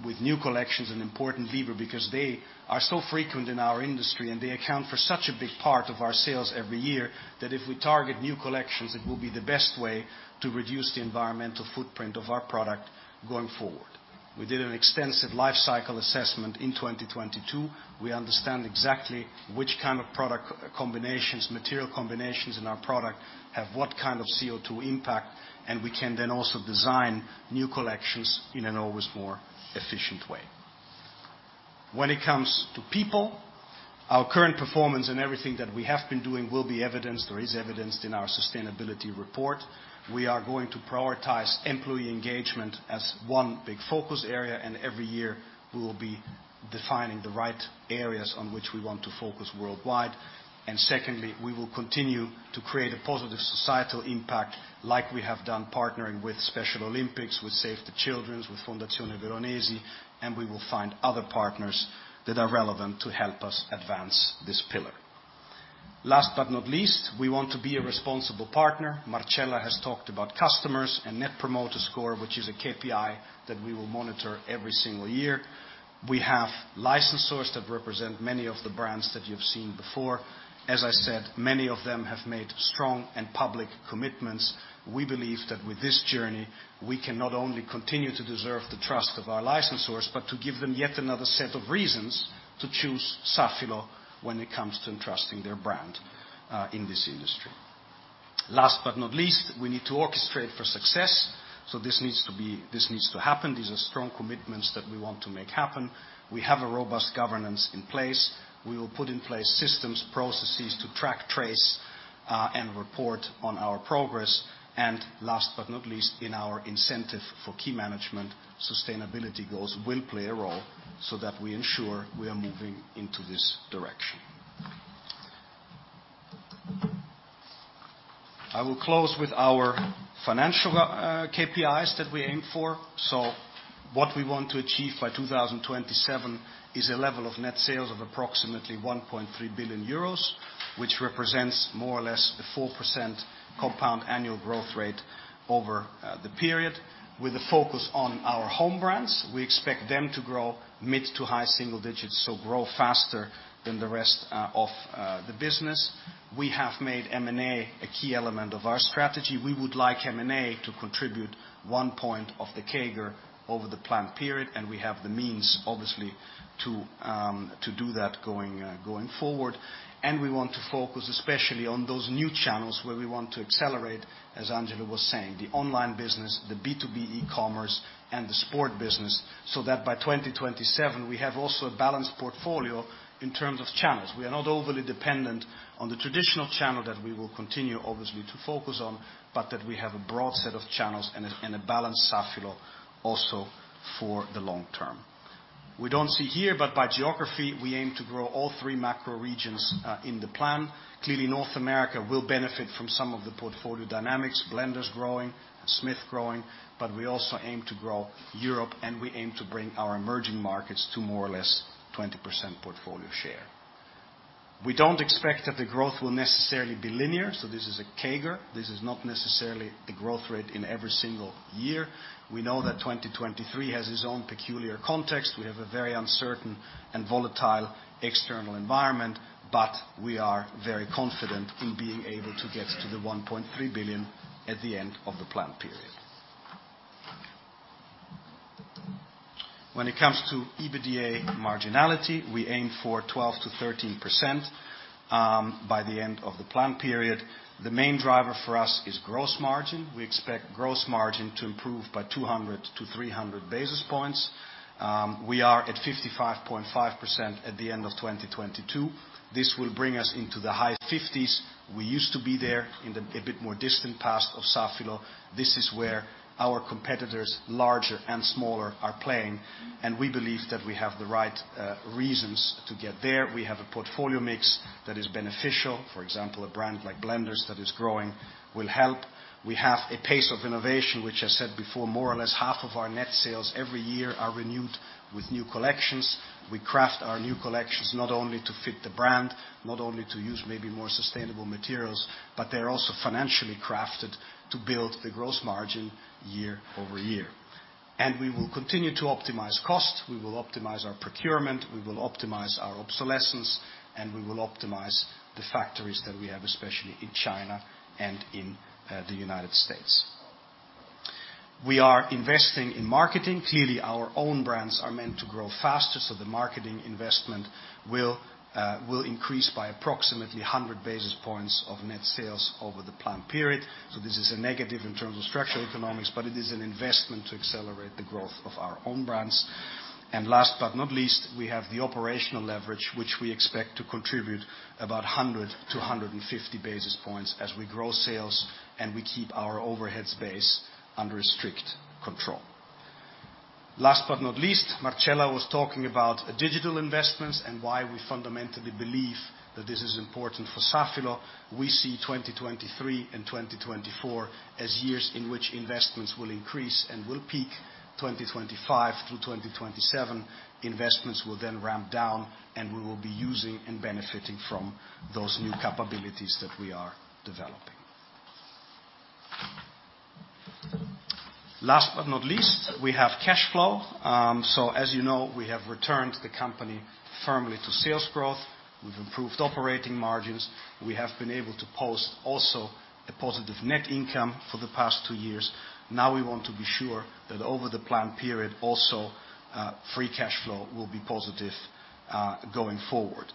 with new collections an important lever because they are so frequent in our industry and they account for such a big part of our sales every year, that if we target new collections, it will be the best way to reduce the environmental footprint of our product going forward. We did an extensive life cycle assessment in 2022. We understand exactly which kind of product combinations, material combinations in our product have what kind of CO2 impact, and we can then also design new collections in an always more efficient way. When it comes to people, our current performance and everything that we have been doing will be evidenced or is evidenced in our sustainability report. We are going to prioritize employee engagement as one big focus area, and every year we will be defining the right areas on which we want to focus worldwide. Secondly, we will continue to create a positive societal impact like we have done partnering with Special Olympics, with Save the Children, with Fondazione Veronesi, and we will find other partners that are relevant to help us advance this pillar. Last but not least, we want to be a responsible partner. Marcella has talked about customers and Net Promoter Score, which is a KPI that we will monitor every single year. We have licensors that represent many of the brands that you've seen before. As I said, many of them have made strong and public commitments. We believe that with this journey, we can not only continue to deserve the trust of our licensors, but to give them yet another set of reasons to choose Safilo when it comes to entrusting their brand in this industry. Last but not least, we need to orchestrate for success. This needs to happen. These are strong commitments that we want to make happen. We have a robust governance in place. We will put in place systems, processes to track, trace, and report on our progress. Last but not least, in our incentive for key management, sustainability goals will play a role so that we ensure we are moving into this direction. I will close with our financial KPIs that we aim for. What we want to achieve by 2027 is a level of net sales of approximately 1.3 billion euros, which represents more or less the 4% compound annual growth rate over the period. With a focus on our home brands, we expect them to grow mid to high single digits, so grow faster than the rest of the business. We have made M&A a key element of our strategy. We would like M&A to contribute 1 point of the CAGR over the planned period, and we have the means, obviously, to do that going forward. We want to focus especially on those new channels where we want to accelerate, as Angela was saying, the online business, the B2B e-commerce, and the sport business, so that by 2027, we have also a balanced portfolio in terms of channels. We are not overly dependent on the traditional channel that we will continue obviously to focus on, but that we have a broad set of channels and a balanced Safilo also for the long term. We don't see here, but by geography, we aim to grow all three macro regions in the plan. Clearly, North America will benefit from some of the portfolio dynamics. Blenders growing, Smith growing, but we also aim to grow Europe, and we aim to bring our emerging markets to more or less 20% portfolio share. We don't expect that the growth will necessarily be linear. This is a CAGR. This is not necessarily the growth rate in every single year. We know that 2023 has its own peculiar context. We have a very uncertain and volatile external environment. We are very confident in being able to get to 1.3 billion at the end of the plan period. When it comes to EBITDA marginality, we aim for 12%-13% by the end of the plan period. The main driver for us is gross margin. We expect gross margin to improve by 200-300 basis points. We are at 55.5% at the end of 2022. This will bring us into the high fifties. We used to be there in a bit more distant past of Safilo. This is where our competitors, larger and smaller, are playing. We believe that we have the right reasons to get there. We have a portfolio mix that is beneficial. For example, a brand like Blenders that is growing will help. We have a pace of innovation which I said before, more or less half of our net sales every year are renewed with new collections. We craft our new collections not only to fit the brand, not only to use maybe more sustainable materials, but they're also financially crafted to build the gross margin year-over-year. We will continue to optimize costs, we will optimize our procurement, we will optimize our obsolescence, and we will optimize the factories that we have, especially in China and in the United States. We are investing in marketing. Clearly, our own brands are meant to grow faster, the marketing investment will increase by approximately 100 basis points of net sales over the plan period. This is a negative in terms of structural economics, but it is an investment to accelerate the growth of our own brands. Last but not least, we have the operational leverage which we expect to contribute about 100 to 150 basis points as we grow sales and we keep our overhead space under strict control. Last but not least, Marcella was talking about digital investments and why we fundamentally believe that this is important for Safilo. We see 2023 and 2024 as years in which investments will increase and will peak. 2025 through 2027, investments will then ramp down, and we will be using and benefiting from those new capabilities that we are developing. Last but not least, we have cash flow. As you know, we have returned the company firmly to sales growth. We've improved operating margins. We have been able to post also a positive net income for the past two years. Now we want to be sure that over the plan period also, free cash flow will be positive going forward.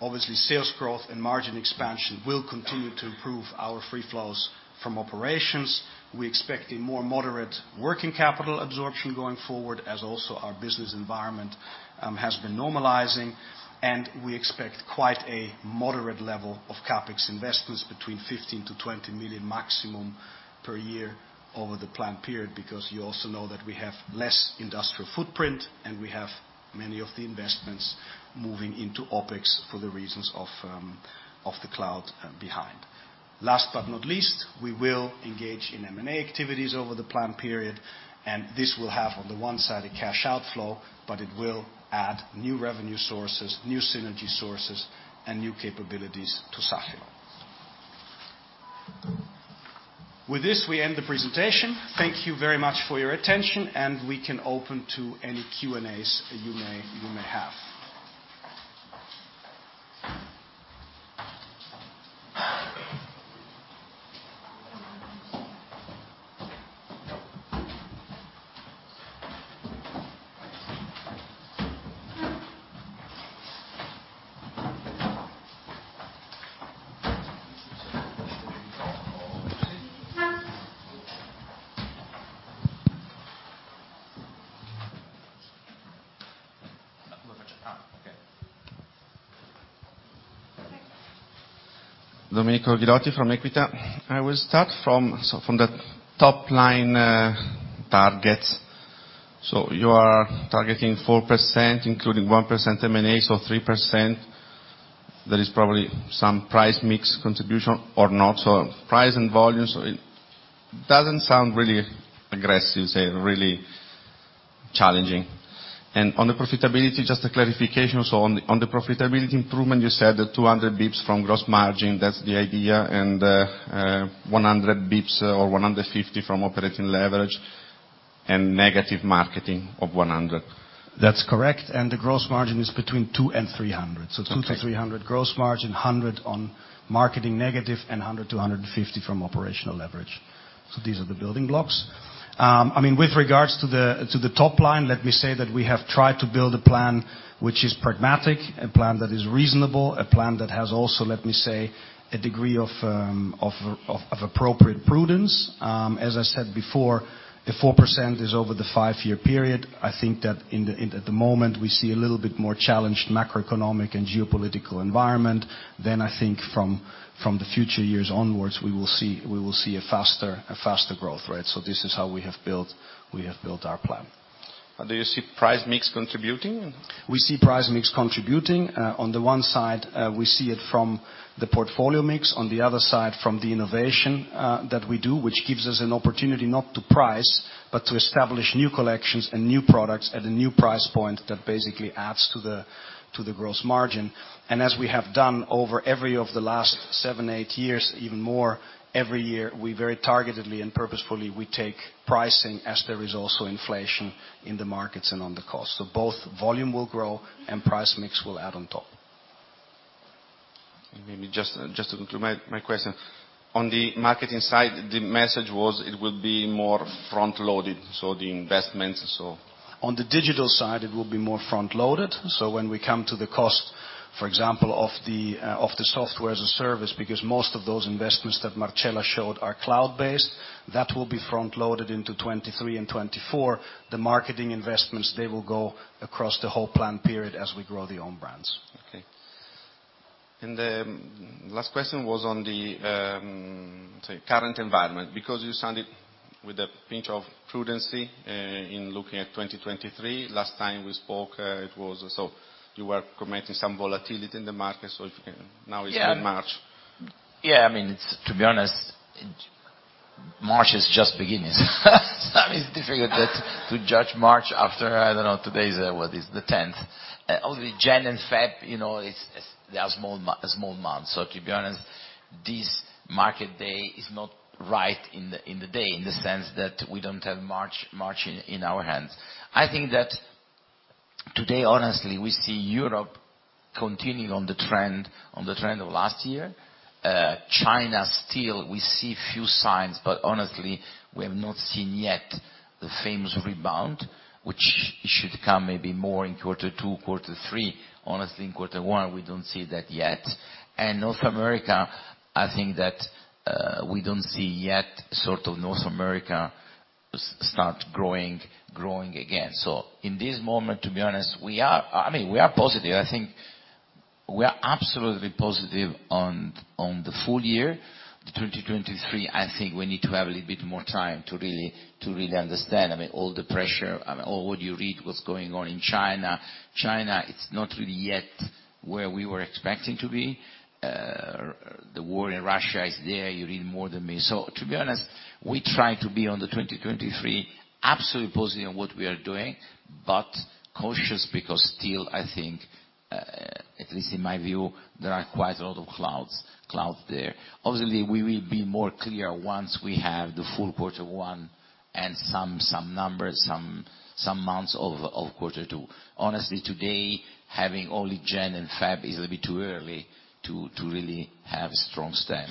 Obviously, sales growth and margin expansion will continue to improve our free flows from operations. We expect a more moderate working capital absorption going forward, as also our business environment has been normalizing, and we expect quite a moderate level of CapEx investments between 15-20 million maximum per year over the plan period, because you also know that we have less industrial footprint, and we have many of the investments moving into OpEx for the reasons of the cloud behind. Last but not least, we will engage in M&A activities over the plan period, and this will have, on the one side, a cash outflow, but it will add new revenue sources, new synergy sources, and new capabilities to Safilo. With this, we end the presentation. Thank you very much for your attention, and we can open to any Q&As you may have. Okay. Okay. Domenico Ghilotti from Equita. I will start from the top line targets. You are targeting 4%, including 1% M&A, so 3%. There is probably some price mix contribution or not. Price and volume, so it doesn't sound really aggressive, say, really challenging. On the profitability, just a clarification. On the profitability improvement, you said 200 basis points from gross margin, that's the idea, and 100 basis points or 150 from operating leverage and negative marketing of 100. That's correct. The gross margin is between 2 and 300. Okay. 200-300 gross margin, 100 on marketing negative and 100-150 from operational leverage. These are the building blocks. I mean, with regards to the top line, let me say that we have tried to build a plan which is pragmatic, a plan that is reasonable, a plan that has also, let me say, a degree of appropriate prudence. As I said before, the 4% is over the five-year period. I think that at the moment, we see a little bit more challenged macroeconomic and geopolitical environment. I think from the future years onwards, we will see a faster growth, right? This is how we have built our plan. Do see price mix contributing? We see price mix contributing. On the one side, we see it from the portfolio mix. On the other side, from the innovation that we do, which gives us an opportunity not to price, but to establish new collections and new products at a new price point that basically adds to the gross margin. As we have done over every of the last seven, eight years, even more every year, we very targetedly and purposefully take pricing as there is also inflation in the markets and on the cost. Both volume will grow and price mix will add on top. Maybe just to conclude my question. On the marketing side, the message was it will be more front-loaded, so the investments. On the digital side, it will be more front-loaded. When we come to the cost, for example, of the software as a service, because most of those investments that Marcella showed are cloud-based, that will be front-loaded into 2023 and 2024. The marketing investments, they will go across the whole plan period as we grow the owned brands. Okay. The last question was on the say, current environment because you sounded with a pinch of prudency in looking at 2023. Last time we spoke, it was so you were commenting some volatility in the market. If you can... Now it's in March. Yeah. I mean, to be honest, March is just beginning. It's difficult to judge March after, I don't know, today is, what, is the tenth. Obviously Jan and Feb, you know, they are small months. To be honest, this market day is not right in the day in the sense that we don't have March in our hands. I think that today, honestly, we see Europe continuing on the trend of last year. China, still we see few signs, but honestly, we have not seen yet the famous rebound, which should come maybe more in quarter two, quarter three. Honestly, in quarter one, we don't see that yet. North America, I think that, we don't see yet sort of North America start growing again. In this moment, to be honest, I mean, we are positive. I think we are absolutely positive on the full year. The 2023, I think we need to have a little bit more time to really understand. I mean, all the pressure, I mean, all what you read, what's going on in China. China, it's not really yet where we were expecting to be. The war in Russia is there. You read more than me. To be honest, we try to be on the 2023, absolutely positive on what we are doing, but cautious because still, I think, at least in my view, there are quite a lot of clouds there. Obviously, we will be more clear once we have the full quarter one and some numbers, some months of quarter two. Honestly, today, having only January and February is a bit too early to really have strong stand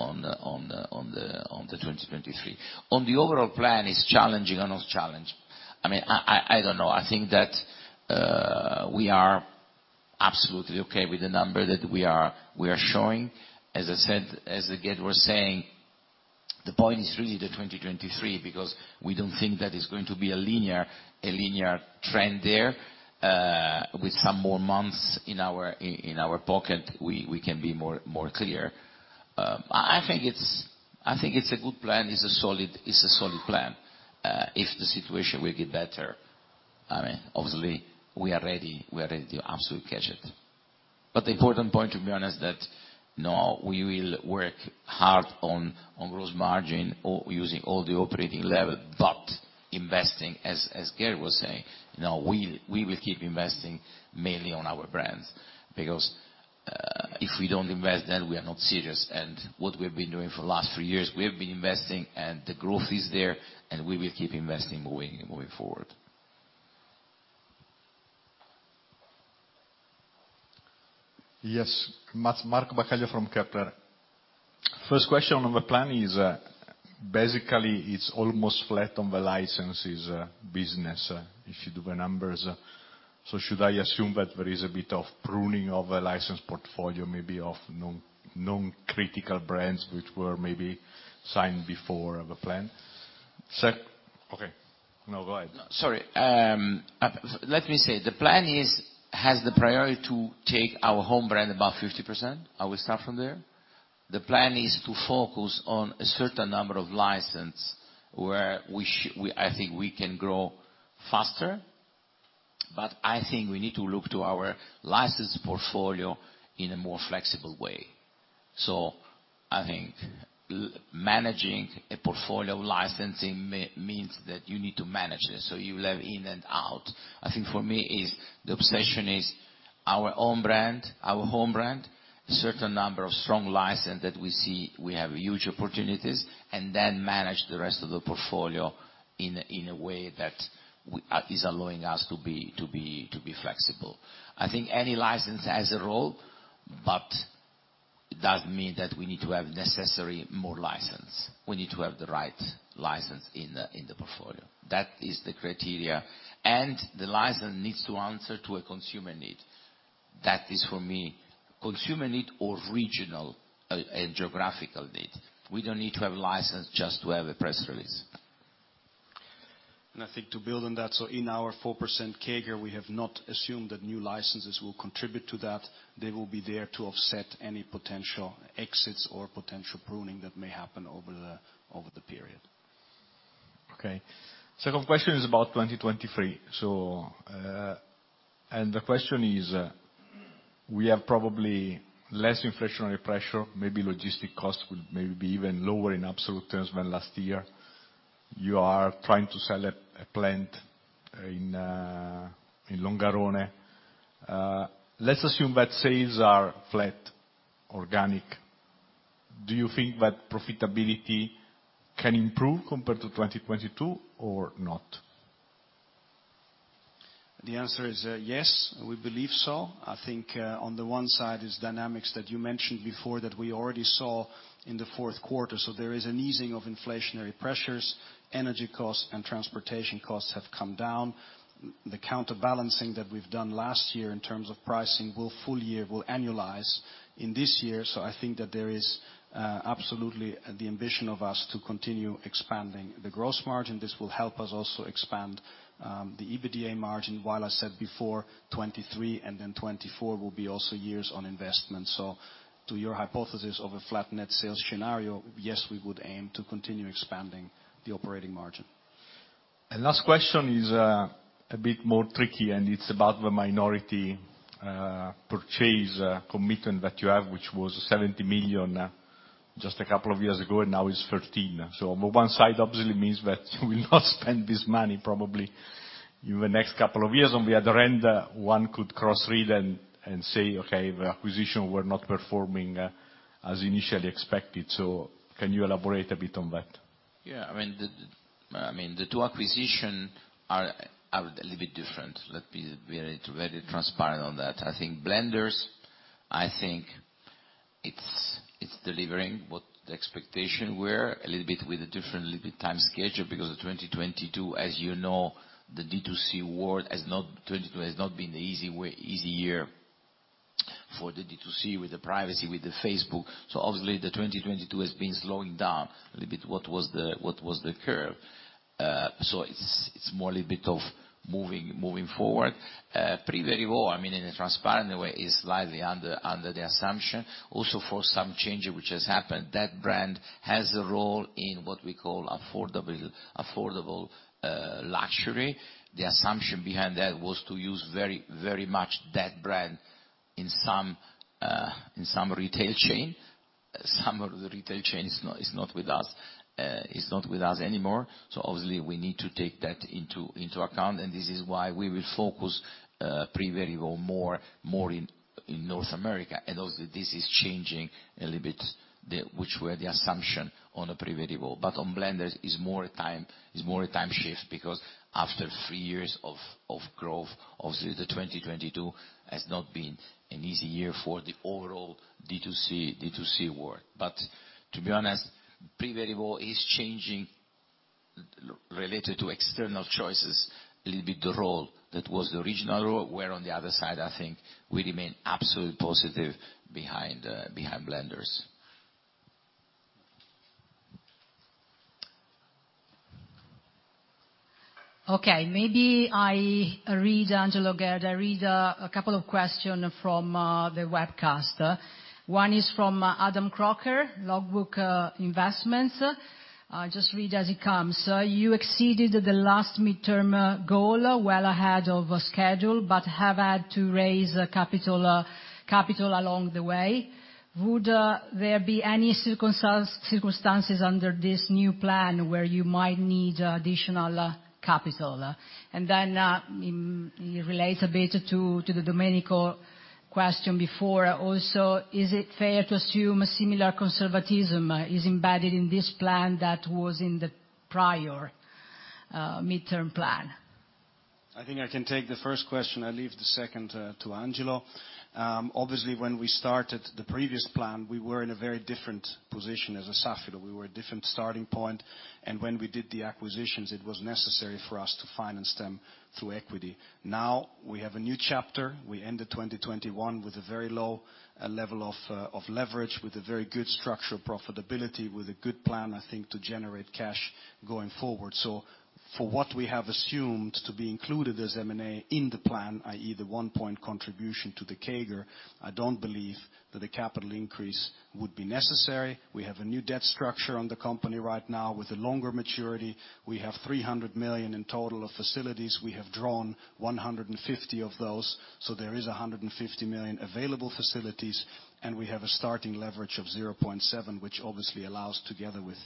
on the 2023. On the overall plan, it's challenging and not challenge. I mean, I don't know. I think that we are absolutely okay with the number that we are showing. As I said, as Gerd was saying, the point is really the 2023, because we don't think that it's going to be a linear trend there. With some more months in our pocket, we can be more clear. I think it's a good plan. It's a solid plan. If the situation will get better, I mean, obviously, we are ready to absolutely catch it. The important point, to be honest, that, no, we will work hard on gross margin using all the operating level, but investing, as Geert was saying, you know, we will keep investing mainly on our brands, because if we don't invest, then we are not serious. What we've been doing for the last three years, we have been investing and the growth is there, and we will keep investing moving forward. Yes. Marco Baccaglio from Kepler. First question on the plan is, basically, it's almost flat on the licenses business if you do the numbers. Should I assume that there is a bit of pruning of a license portfolio, maybe of non-critical brands which were maybe signed before the plan? Okay. No, go ahead. Sorry. Let me say, the plan has the priority to take our home brand above 50%. I will start from there. The plan is to focus on a certain number of license where I think we can grow faster. I think we need to look to our license portfolio in a more flexible way. I think managing a portfolio licensing me, means that you need to manage this, so you will have in and out. I think for me is, the obsession is our own brand, our home brand, a certain number of strong license that we see we have huge opportunities, and then manage the rest of the portfolio in a way that is allowing us to be flexible. I think any license has a role, but it doesn't mean that we need to have necessary more license. We need to have the right license in the, in the portfolio. That is the criteria. The license needs to answer to a consumer need. That is for me, consumer need or regional, and geographical need. We don't need to have a license just to have a press release. I think to build on that, so in our 4% CAGR, we have not assumed that new licenses will contribute to that. They will be there to offset any potential exits or potential pruning that may happen over the period.. Second question is about 2023. The question is, we have probably less inflationary pressure, maybe logistic costs will maybe be even lower in absolute terms than last year. You are trying to sell a plant in Longarone. Let's assume that sales are flat, organic. Do you think that profitability can improve compared to 2022 or not? The answer is, yes, we believe so. I think, on the one side is dynamics that you mentioned before that we already saw in the fourth quarter. There is an easing of inflationary pressures, energy costs and transportation costs have come down. The counterbalancing that we've done last year in terms of pricing will full year annualize in this year. I think that there is absolutely the ambition of us to continue expanding the gross margin. This will help us also expand the EBITDA margin, while I said before 2023 and then 2024 will be also years on investment. To your hypothesis of a flat net sales scenario, yes, we would aim to continue expanding the operating margin. Last question is a bit more tricky, and it's about the minority purchase commitment that you have, which was 70 million just a couple of years ago, and now it's 13 million. On the one side, obviously means that we will not spend this money probably in the next couple of years. On the other end, one could cross read and say, "Okay, the acquisition were not performing as initially expected." Can you elaborate a bit on that? Yeah. I mean, the two acquisition are a little bit different. Let me be very, very transparent on that. I think Blenders, I think it's delivering what the expectation were. A little bit with a different time schedule because of 2022, as you know, the D2C world has not been an easy way, easy year for the D2C with the privacy, with the Facebook. Obviously the 2022 has been slowing down a little bit what was the curve. It's more a little bit of moving forward. Privé Revaux, I mean, in a transparent way is slightly under the assumption also for some change which has happened. That brand has a role in what we call affordable luxury. The assumption behind that was to use very much that brand in some retail chain. Some of the retail chains is not with us anymore. Obviously we need to take that into account. This is why we will focus Privé Revaux more in North America. Also this is changing a little bit the assumption on the Privé Revaux. On Blenders is more a time shift because after three years of growth, obviously 2022 has not been an easy year for the overall D2C world. To be honest, Privé Revaux is changing related to external choices a little bit the role that was the original role. Where on the other side, I think we remain absolutely positive behind Blenders. Okay. Maybe I read Angelo, Gerd, I read a couple of questions from the webcast. One is from Adam Crocker, Logbook Investments. I just read as it comes. You exceeded the last midterm goal well ahead of schedule, but have had to raise capital along the way. Would there be any circumstances under this new plan where you might need additional capital? It relates a bit to the Domenico question before also. Is it fair to assume a similar conservatism is embedded in this plan that was in the prior midterm plan? I think I can take the first question. I leave the second to Angelo. Obviously, when we started the previous plan, we were in a very different position as Safilo. We were a different starting point, when we did the acquisitions, it was necessary for us to finance them through equity. Now we have a new chapter. We ended 2021 with a very low level of leverage, with a very good structure profitability, with a good plan, I think, to generate cash going forward. For what we have assumed to be included as M&A in the plan, i.e. the 1 point contribution to the CAGR, I don't believe that a capital increase would be necessary. We have a new debt structure on the company right now with a longer maturity. We have 300 million in total of facilities. We have drawn 150 of those, so there is 150 million available facilities, and we have a starting leverage of 0.7, which obviously allows together with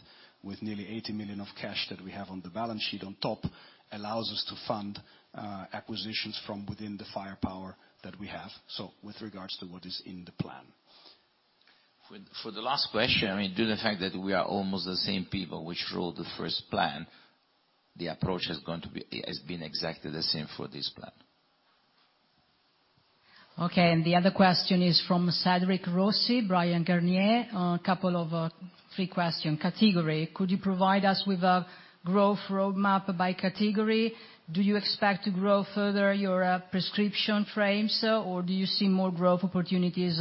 nearly 80 million of cash that we have on the balance sheet on top, allows us to fund acquisitions from within the firepower that we have. With regards to what is in the plan. For the last question, I mean, due to the fact that we are almost the same people which wrote the first plan, the approach is going to be exactly the same for this plan. Okay. The other question is from Cedric Rossi, Bryan Garnier. a couple of, three question. Category. Could you provide us with a growth roadmap by category? Do you expect to grow further your prescription frames, or do you see more growth opportunities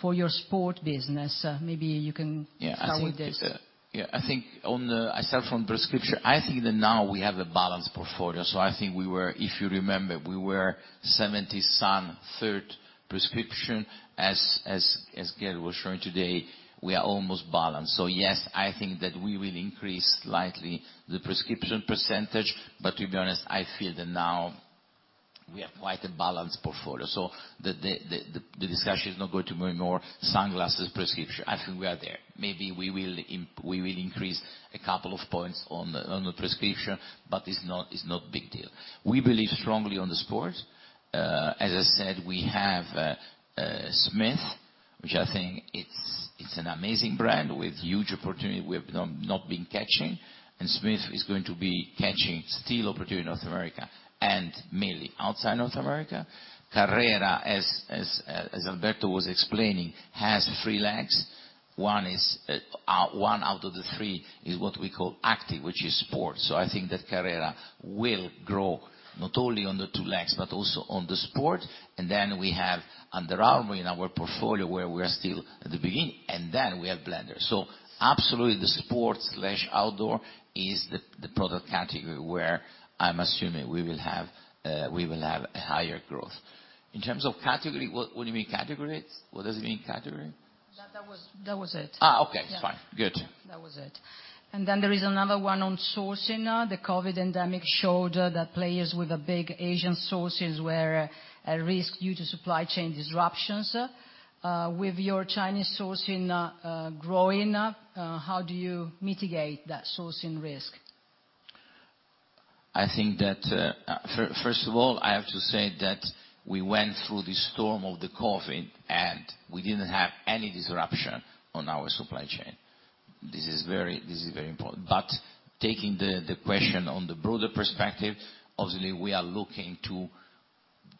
for your sport business? maybe you can Yeah, I. Start with this. I start from prescription. I think that now we have a balanced portfolio. I think if you remember, we were 70 sun, third prescription. As Gerd was showing today, we are almost balanced. Yes, I think that we will increase slightly the prescription %, but to be honest, I feel that now we have quite a balanced portfolio. The discussion is not going to be more sunglasses, prescription. I think we are there. Maybe we will increase a couple of points on the prescription, but it's not big deal. We strongly on the sport. As I said, we have Smith, which I think it's an amazing brand with huge opportunity we have not been catching, and Smith is going to be catching still opportunity in North America and mainly outside North America. Carrera, as Alberto was explaining, has three legs. One out of the three is what we call active, which is sport. I think that Carrera will grow not only on the two legs, but also on the sport. We have Under Armour in our portfolio, where we are still at the beginning. We have Blenders. Absolutely, the sport/outdoor is the product category where I'm assuming we will have a higher growth. In terms of category, what do you mean category? What does it mean, category? That was... That was it. Okay. Yeah. It's fine. Good. That was it. There is another one on sourcing. The COVID endemic showed that players with the big Asian sources were at risk due to supply chain disruptions. With your Chinese sourcing, growing, how do you mitigate that sourcing risk? I that, first of all, I have to say that we went through the storm of the COVID, we didn't have any disruption on our supply chain. This is very important. Taking the question on the broader perspective, obviously, we are looking to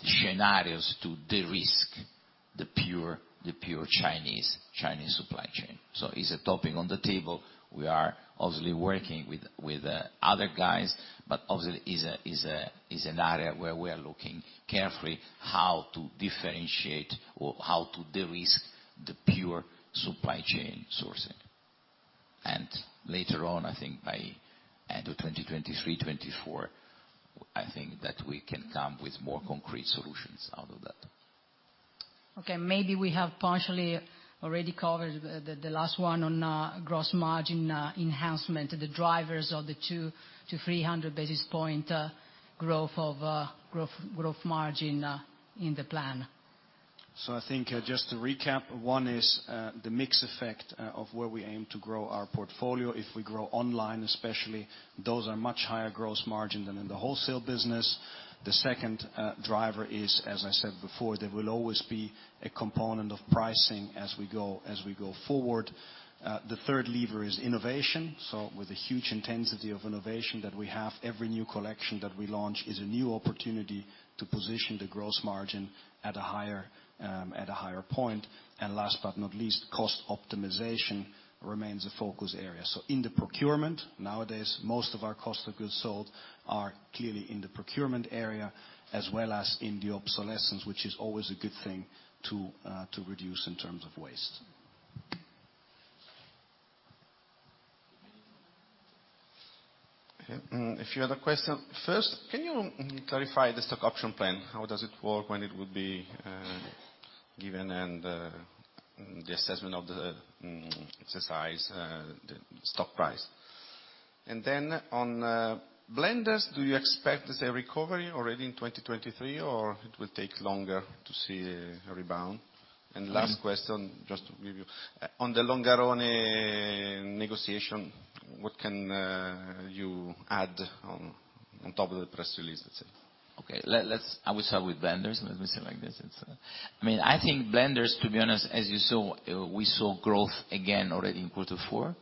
scenarios to de-risk the pure Chinese supply chain. It's a topic on the table. We are obviously working with other guys, obviously is an area where we are looking carefully how to differentiate or how to de-risk the pure supply chain sourcing. Later on, I think by end of 2023, 2024, I think that we can come with more concrete solutions out of that. Okay. Maybe we have partially already covered the last one on, gross margin enhancement, the drivers of the 200-300 basis point growth of growth margin in the plan. I think, just to recap, one is the mix effect of where we aim to grow our portfolio. If we grow online, especially, those are much higher gross margin than in the wholesale business. The second driver is, as I said before, there will always be a component of pricing as we go forward. The third lever is innovation. With the huge intensity of innovation that we have, every new collection that we launch is a new opportunity to position the gross margin at a higher point. Last but not least, cost optimization remains a focus area. In the procurement, nowadays, most of our cost of goods sold are clearly in the procurement area, as well as in the obsolescence, which is always a good thing to reduce in terms of waste. Okay. A few other question. First, can you clarify the stock option plan? How does it work, when it will be given, and the assessment of the exercise, the stock price? On Blenders, do you expect there's a recovery already in 2023, or it will take longer to see a rebound? Mm-hmm. Last question, just to give you, on the Longarone negotiation, what can you add on top of the press release, let's say? Okay. I will start with Blenders. Let me say like this, it's I mean, I think Blenders, to be honest, as you saw, we saw growth again already in quarter four.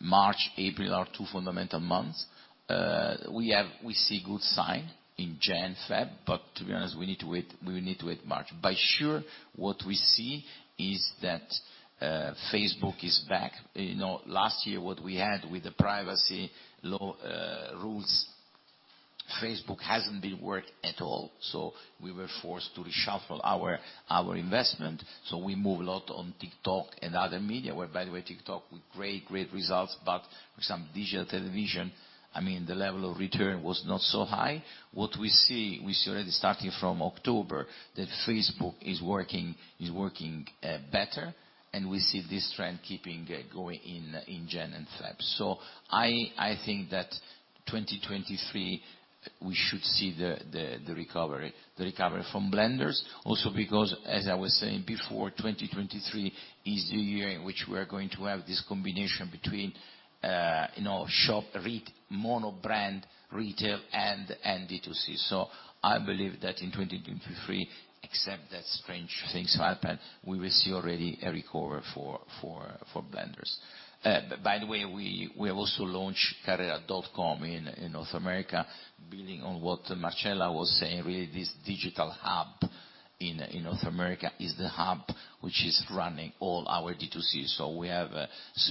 March, April are two fundamental months. We see good sign in Jan, Feb, to be honest, we need to wait March. Sure, what we see is that Facebook is back. You know, last year, what we had with the privacy law rules, Facebook hasn't been work at all, we were forced to reshuffle our investment. We move a lot on TikTok and other media, where by the way, TikTok with great results, with some digital television, I mean, the level of return was not so high. What we see, we see already starting from October, that Facebook is working better, and we see this trend keeping going in January and February. I think that 2023, we should see the recovery from Blenders. Because, as I was saying before, 2023 is the year in which we are going to have this combination between, you know, shop, monobrand retail and D2C. I believe that in 2023, except that strange things happen, we will see already a recovery for Blenders. By the way, we have also launched carrera.com in North America. Building on what Marcella was saying, really this digital hub in North America is the hub which is running all our D2C. We have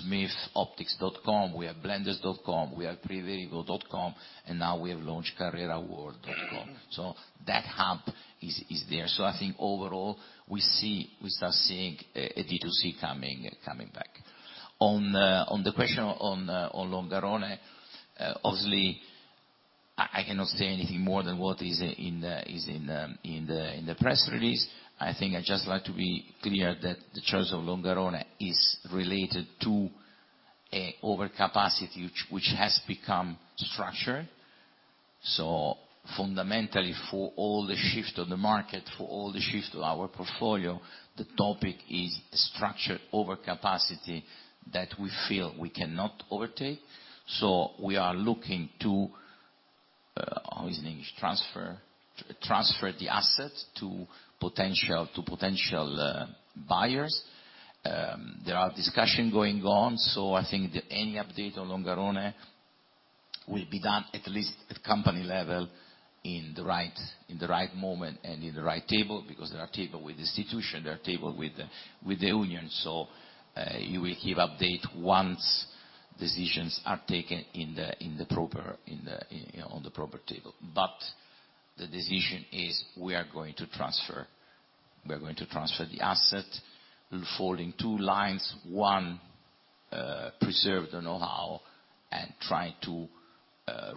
smithoptics.com, we have blenderseyewear.com, we have Privé Revaux.com, and now we have launched carreraworld.com. That hub is there. I think overall, we see, we start seeing a D2C coming back. On the question on Longarone, obviously, I cannot say anything more than what is in the press release. I think I'd just like to be clear that the choice of Longarone is related to an overcapacity which has become structured. Fundamentally, for all the shift of the market, for all the shift of our portfolio, the topic is structured overcapacity that we feel we cannot overtake. We are looking to transfer the asset to potential buyers. There are discussion going on. I think any update on Longarone will be done at least at company level in the right, in the right moment and in the right table, because there are table with institution, there are table with the union. You will give update once decisions are taken in the proper, on the proper table. The decision is we are going to transfer, we are going to transfer the asset. We're following two lines. One, preserve the know-how and try to,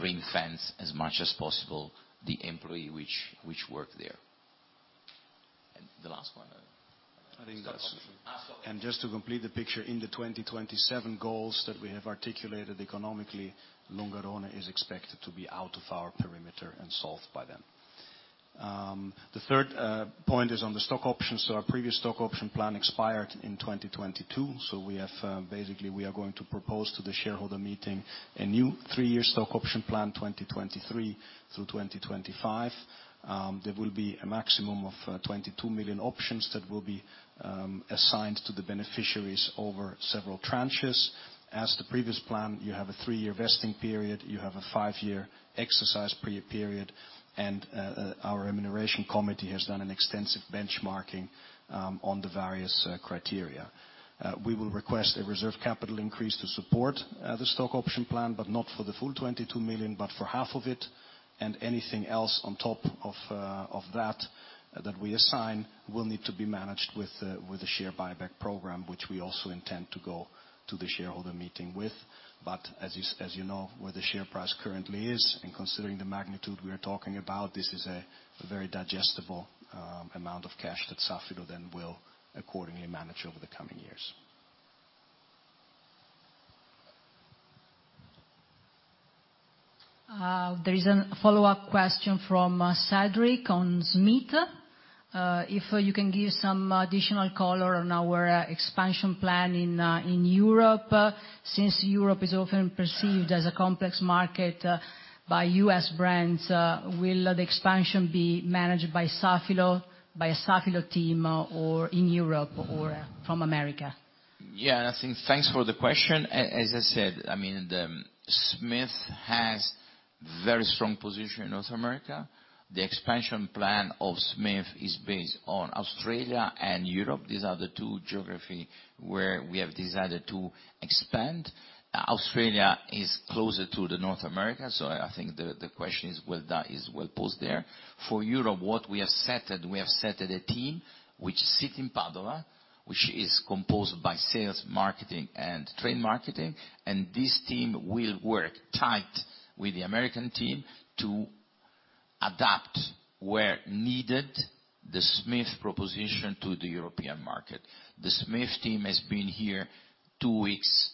ring-fence as much as possible the employee which work there. The last one. I think that's... Ask. Just to complete the picture, in the 2027 goals that we have articulated economically, Longarone is expected to be out of our perimeter and solved by then. The third point is on the stock options. Our previous stock option plan expired in 2022, we have, basically, we are going to propose to the shareholder meeting a new three year stock option plan, 2023 through 2025. There will be a maximum of 22 million options that will be assigned to the beneficiaries over several tranches. As the previous plan, you have a three year vesting period, you have a five year exercise period, and our remuneration committee has done an extensive benchmarking on the various criteria. We will request a reserve capital increase to support the stock option plan, but not for the full 22 million, but for half of it, and anything else on top of that that we assign will need to be managed with the share buyback program, which we also intend to go to the shareholder meeting with. As is, as you know, where the share price currently is, and considering the magnitude we are talking about, this is a very digestible amount of cash that Safilo then will accordingly manage over the coming years. There is an follow-up question from Cedric on Smith. If you can give some additional color on our expansion plan in Europe, since Europe is often perceived as a complex market by U.S. brands, will the expansion be managed by Safilo, by a Safilo team or in Europe or from America? I think thanks for the question. As I said, I mean, Smith has very strong position in North America. The expansion plan of Smith is based on Australia and Europe. These are the two geographies where we have decided to expand. Australia is closer to North America, so I think the question is well done, is well posed there. For Europe, what we have set, we have set a team which sits in Padova, which is composed by sales, marketing, and trade marketing, and this team will work tight with the American team to adapt where needed the Smith proposition to the European market. The Smith team has been here two weeks,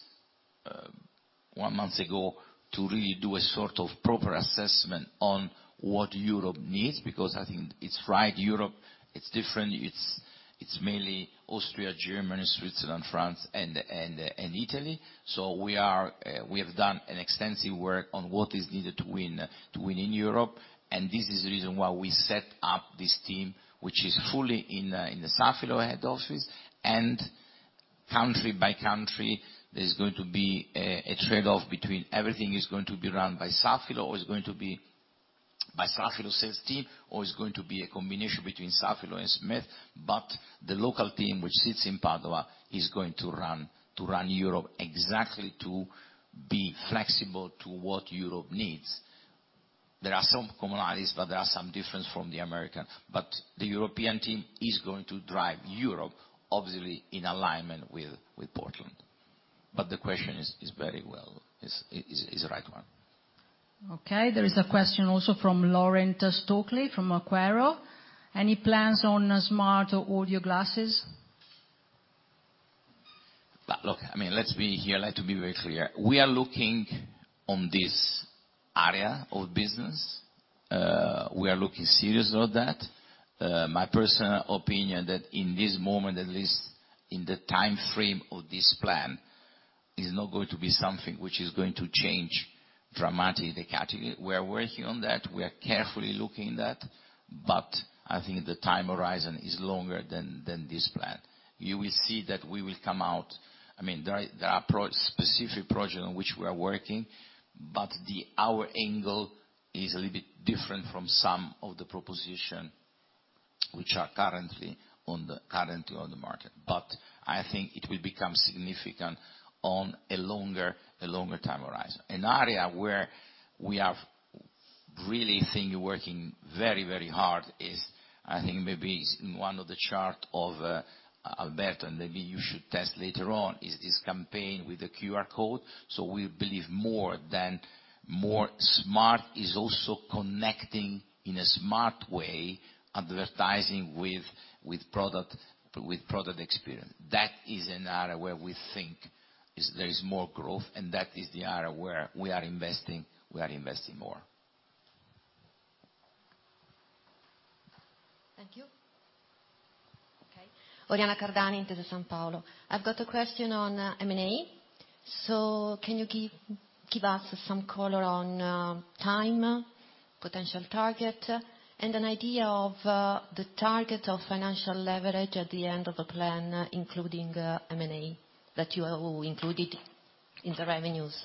one month ago, to really do a sort of proper assessment on what Europe needs, because I think it's right, Europe, it's different. It's mainly Austria, Germany, Switzerland, France, and Italy. We are, we have done an extensive work on what is needed to win in Europe, and this is the reason why we set up this team, which is fully in the Safilo head office. Country by country, there's going to be a trade-off between everything is going to be run by Safilo or is going to be by Safilo sales team or is going to be a combination between Safilo and Smith. The local team which sits in Padova is going to run Europe exactly to be flexible to what Europe needs. There are some commonalities, but there are some difference from the American. The European team is going to drive Europe obviously in alignment with Portland. The question is very well, is the right one. Okay, there is a question also from Lauren Stobbe fromEquita. Any plans on smart or audio glasses? Look, I mean, let's be here, I'd like to be very clear. We are looking on this area of business. We are looking serious on that. My personal opinion that in this moment, at least in the time frame of this plan, is not going to be something which is going to change dramatically the category. We are working on that. We are carefully looking at that. I think the time horizon is longer than this plan. You will see that we will come out. I mean, there are pro-specific projects on which we are working, but our angle is a little bit different from some of the proposition which are currently on the market. I think it will become significant on a longer time horizon. An area where we are really, I think, working very, very hard is, I think maybe it's in one of the chart of Alberto, and maybe you should test later on, is this campaign with the QR code. We believe more than more smart is also connecting in a smart way, advertising with product experience. That is an area where we think there is more growth, and that is the area where we are investing more. Thank you. Okay. Oriana Cardani, Intesa Sanpaolo. I've got a question on M&A. Can you give us some color on time, potential target, and an idea of the target of financial leverage at the end of the plan, including M&A that you have included in the revenues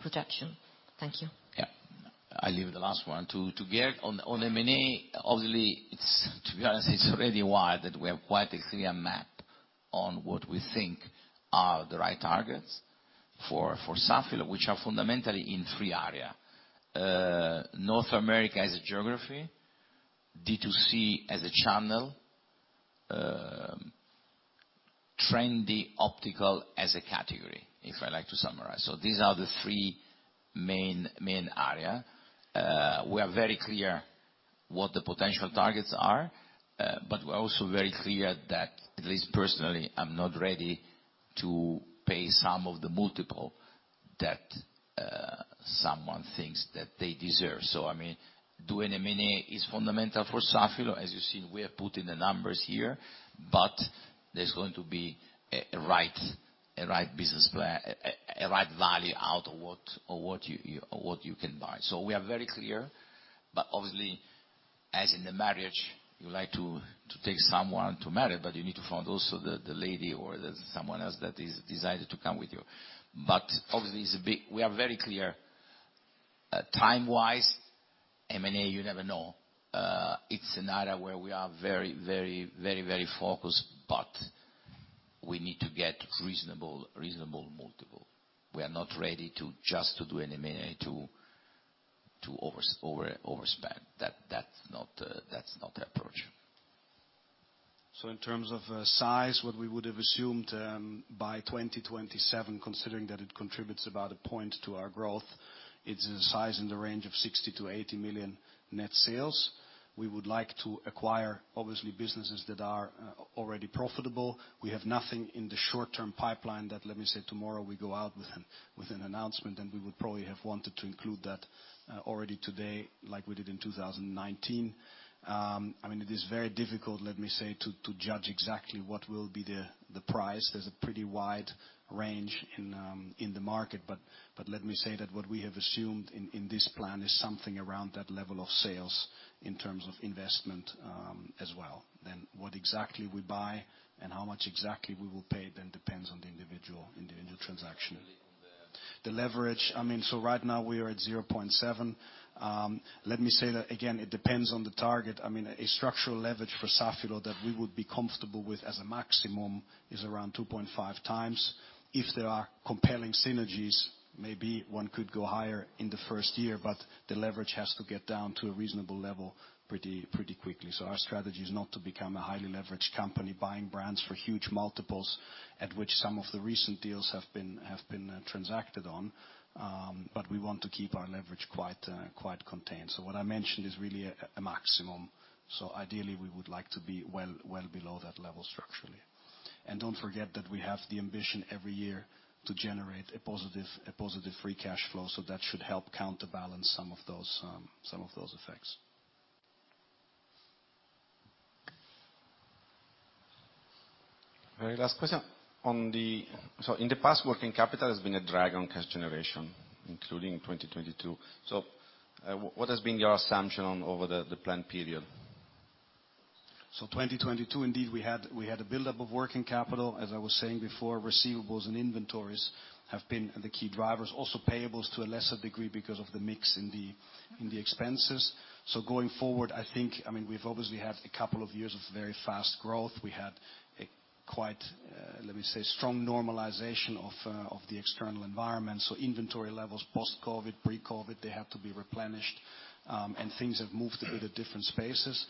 projection? Thank you. I leave the last one to Gerd. On M&A, obviously, to be honest, it's already wide, that we have quite a clear map on what we think are the right targets for Safilo, which are fundamentally in three area. North America as a geography, D2C as a channel, trendy optical as a category, if I like to summarize. These are the three main area. We are very clear what the potential targets are, but we're also very clear that, at least personally, I'm not ready to pay some of the multiple that someone thinks that they deserve. I mean, doing M&A is fundamental for Safilo. As you've seen, we have put in the numbers here, there's going to be a right value out of what you can buy. We are very clear, obviously, as in a marriage, you like to take someone to marry, you need to find also the lady or the someone else that is decided to come with you. Obviously it's a big... We are very clear. Time-wise, M&A, you never know. It's an area where we are very focused, we need to get reasonable multiple. We are not ready just to do an M&A to overspend. That's not the approach. In terms of size, what we would have assumed by 2027, considering that it contributes about a point to our growth, it's a size in the range of 60 million-80 million net sales. We would like to acquire, obviously, businesses that are already profitable. We have nothing in the short-term pipeline that, let me say, tomorrow we go out with an announcement, and we would probably have wanted to include that already today, like we did in 2019. I mean, it is very difficult, let me say, to judge exactly what will be the price. There's a pretty wide range in the market. But let me say that what we have assumed in this plan is something around that level of sales in terms of investment as well. What exactly we buy and how much exactly we will pay then depends on the individual transaction. Really on the- The leverage, right now we are at 0.7. Let me say that again, it depends on the target. A structural leverage for Safilo that we would be comfortable with as a maximum is around 2.5x. If there are compelling synergies, maybe one could go higher in the 1st year, but the leverage has to get down to a reasonable level pretty quickly. Our strategy is not to become a highly leveraged company buying brands for huge multiples, at which some of the recent deals have been transacted on, but we want to keep our leverage quite contained. What I mentioned is really a maximum. Ideally, we would like to be well below that level structurally. Don't forget that we have the ambition every year to generate a positive free cash flow, so that should help counterbalance some of those, some of those effects. Very last question on the. In the past, working capital has been a drag on cash generation, including 2022. What has been your assumption on over the planned period? 2022, indeed, we had a buildup of working capital. As I was saying before, receivables and inventories have been the key drivers. Also payables to a lesser degree because of the mix in the expenses. Going forward, I think, I mean, we've obviously had two years of very fast growth. We had a quite, let me say, strong normalization of the external environment. Inventory levels post-COVID, pre-COVID, they have to be replenished, and things have moved a bit at different spaces.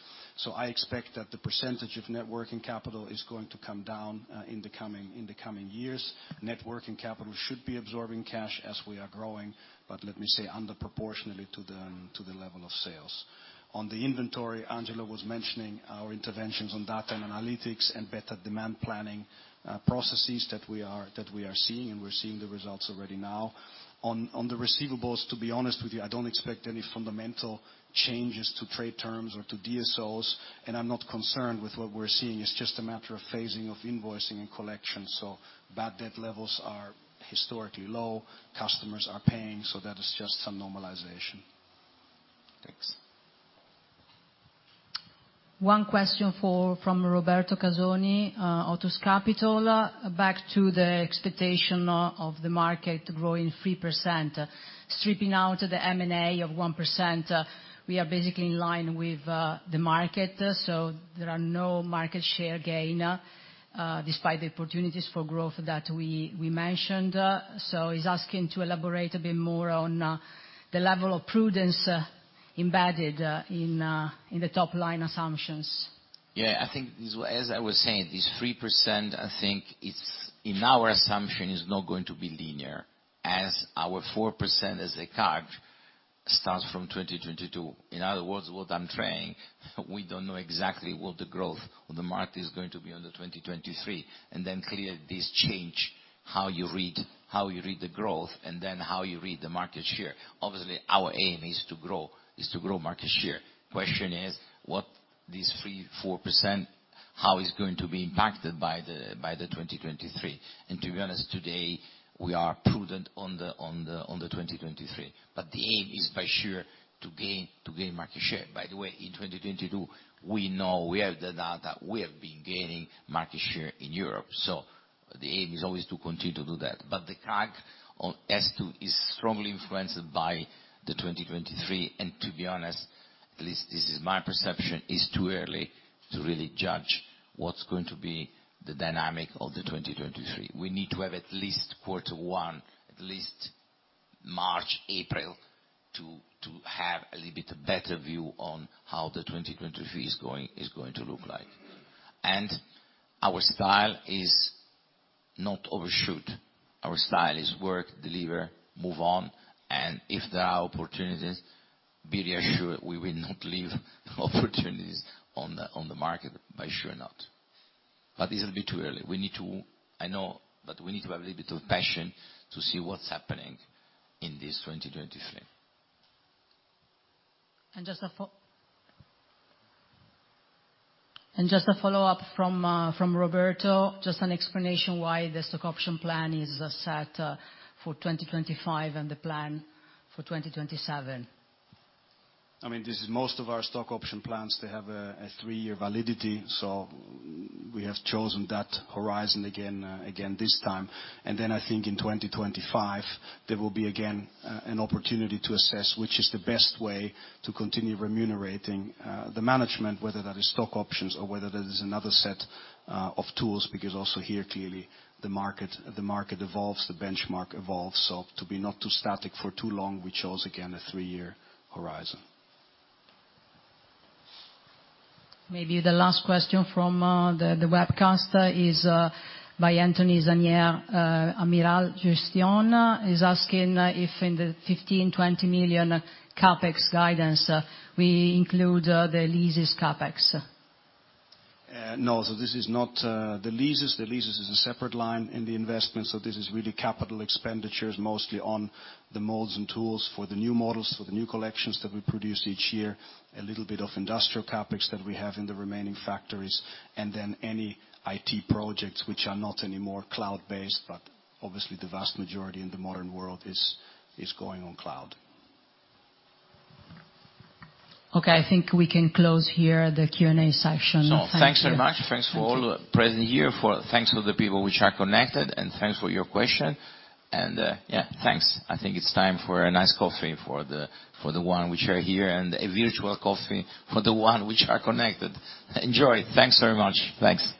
I expect that the percentage of net working capital is going to come down in the coming years. Net working capital should be absorbing cash as we are growing, but let me say under proportionally to the level of sales. On the inventory, Angelo was mentioning our interventions on data and analytics and better demand planning, processes that we are seeing, and we're seeing the results already now. On the receivables, to be honest with you, I don't expect any fundamental changes to trade terms or to DSOs, and I'm not concerned with what we're seeing. It's just a matter of phasing of invoicing and collection. Bad debt levels are historically low. Customers are paying, so that is just a normalization. Thanks. One question for, from Roberto Casoni, Otus Capital. Back to the expectation of the market growing 3%, stripping out the M&A of 1%, we are basically in line with the market. There are no market share gain despite the opportunities for growth that we mentioned. He's asking to elaborate a bit more on the level of prudence embedded in the top-line assumptions. Yeah, I think as I was saying, this 3%, I think it's, in our assumption, is not going to be linear, as our 4% as a CAGR starts from 2022. In other words, what I'm saying, we don't know exactly what the growth of the market is going to be under 2023. Clearly this change how you read the growth and then how you read the market share. Obviously, our aim is to grow market share. Question is what these 3%-4%. How it's going to be impacted by the 2023. To be honest, today we are prudent on the 2023. The aim is for sure to gain market share. By the way, in 2022, we know, we have the data, we have been gaining market share in Europe. The aim is always to continue to do that. The CAG on S2 is strongly influenced by the 2023. To be honest, at least this is my perception, it's too early to really judge what's going to be the dynamic of the 2023. We need to have at least quarter one, at least March, April to have a little bit better view on how the 2023 is going to look like. Our style is not overshoot. Our style is work, deliver, move on, and if there are opportunities, be reassured we will not leave opportunities on the market, for sure not. It's a little bit too early. I know, we need to have a little bit of patience to see what's happening in this 2023. Just a follow-up from Roberto, just an explanation why the stock option plan is set for 2025 and the plan for 2027. I mean, this is most of our stock option plans, they have a three year validity. We have chosen that horizon again this time. I think in 2025, there will be again an opportunity to assess which is the best way to continue remunerating the management, whether that is stock options or whether that is another set of tools, because also here, clearly the market evolves, the benchmark evolves. To be not too static for too long, we chose again a three year horizon. Maybe the last question from the webcast is by Anthony Zanier, Amiral Gestion. He's asking if in the 15 million-20 million CapEx guidance, we include the leases CapEx. No. This is not the leases. The leases is a separate line in the investment, so this is really capital expenditures mostly on the molds and tools for the new models, for the new collections that we produce each year, a little bit of industrial CapEx that we have in the remaining factories, and then any IT projects which are not anymore cloud-based, but obviously the vast majority in the modern world is going on cloud. Okay. I think we can close here the Q&A session. Thank you. Thanks very much. Thanks for all present here. Thanks to the people which are connected, thanks for your question. Yeah, thanks. I think it's time for a nice coffee for the one which are here and a virtual coffee for the one are connected. Enjoy. Thanks very much. Thanks.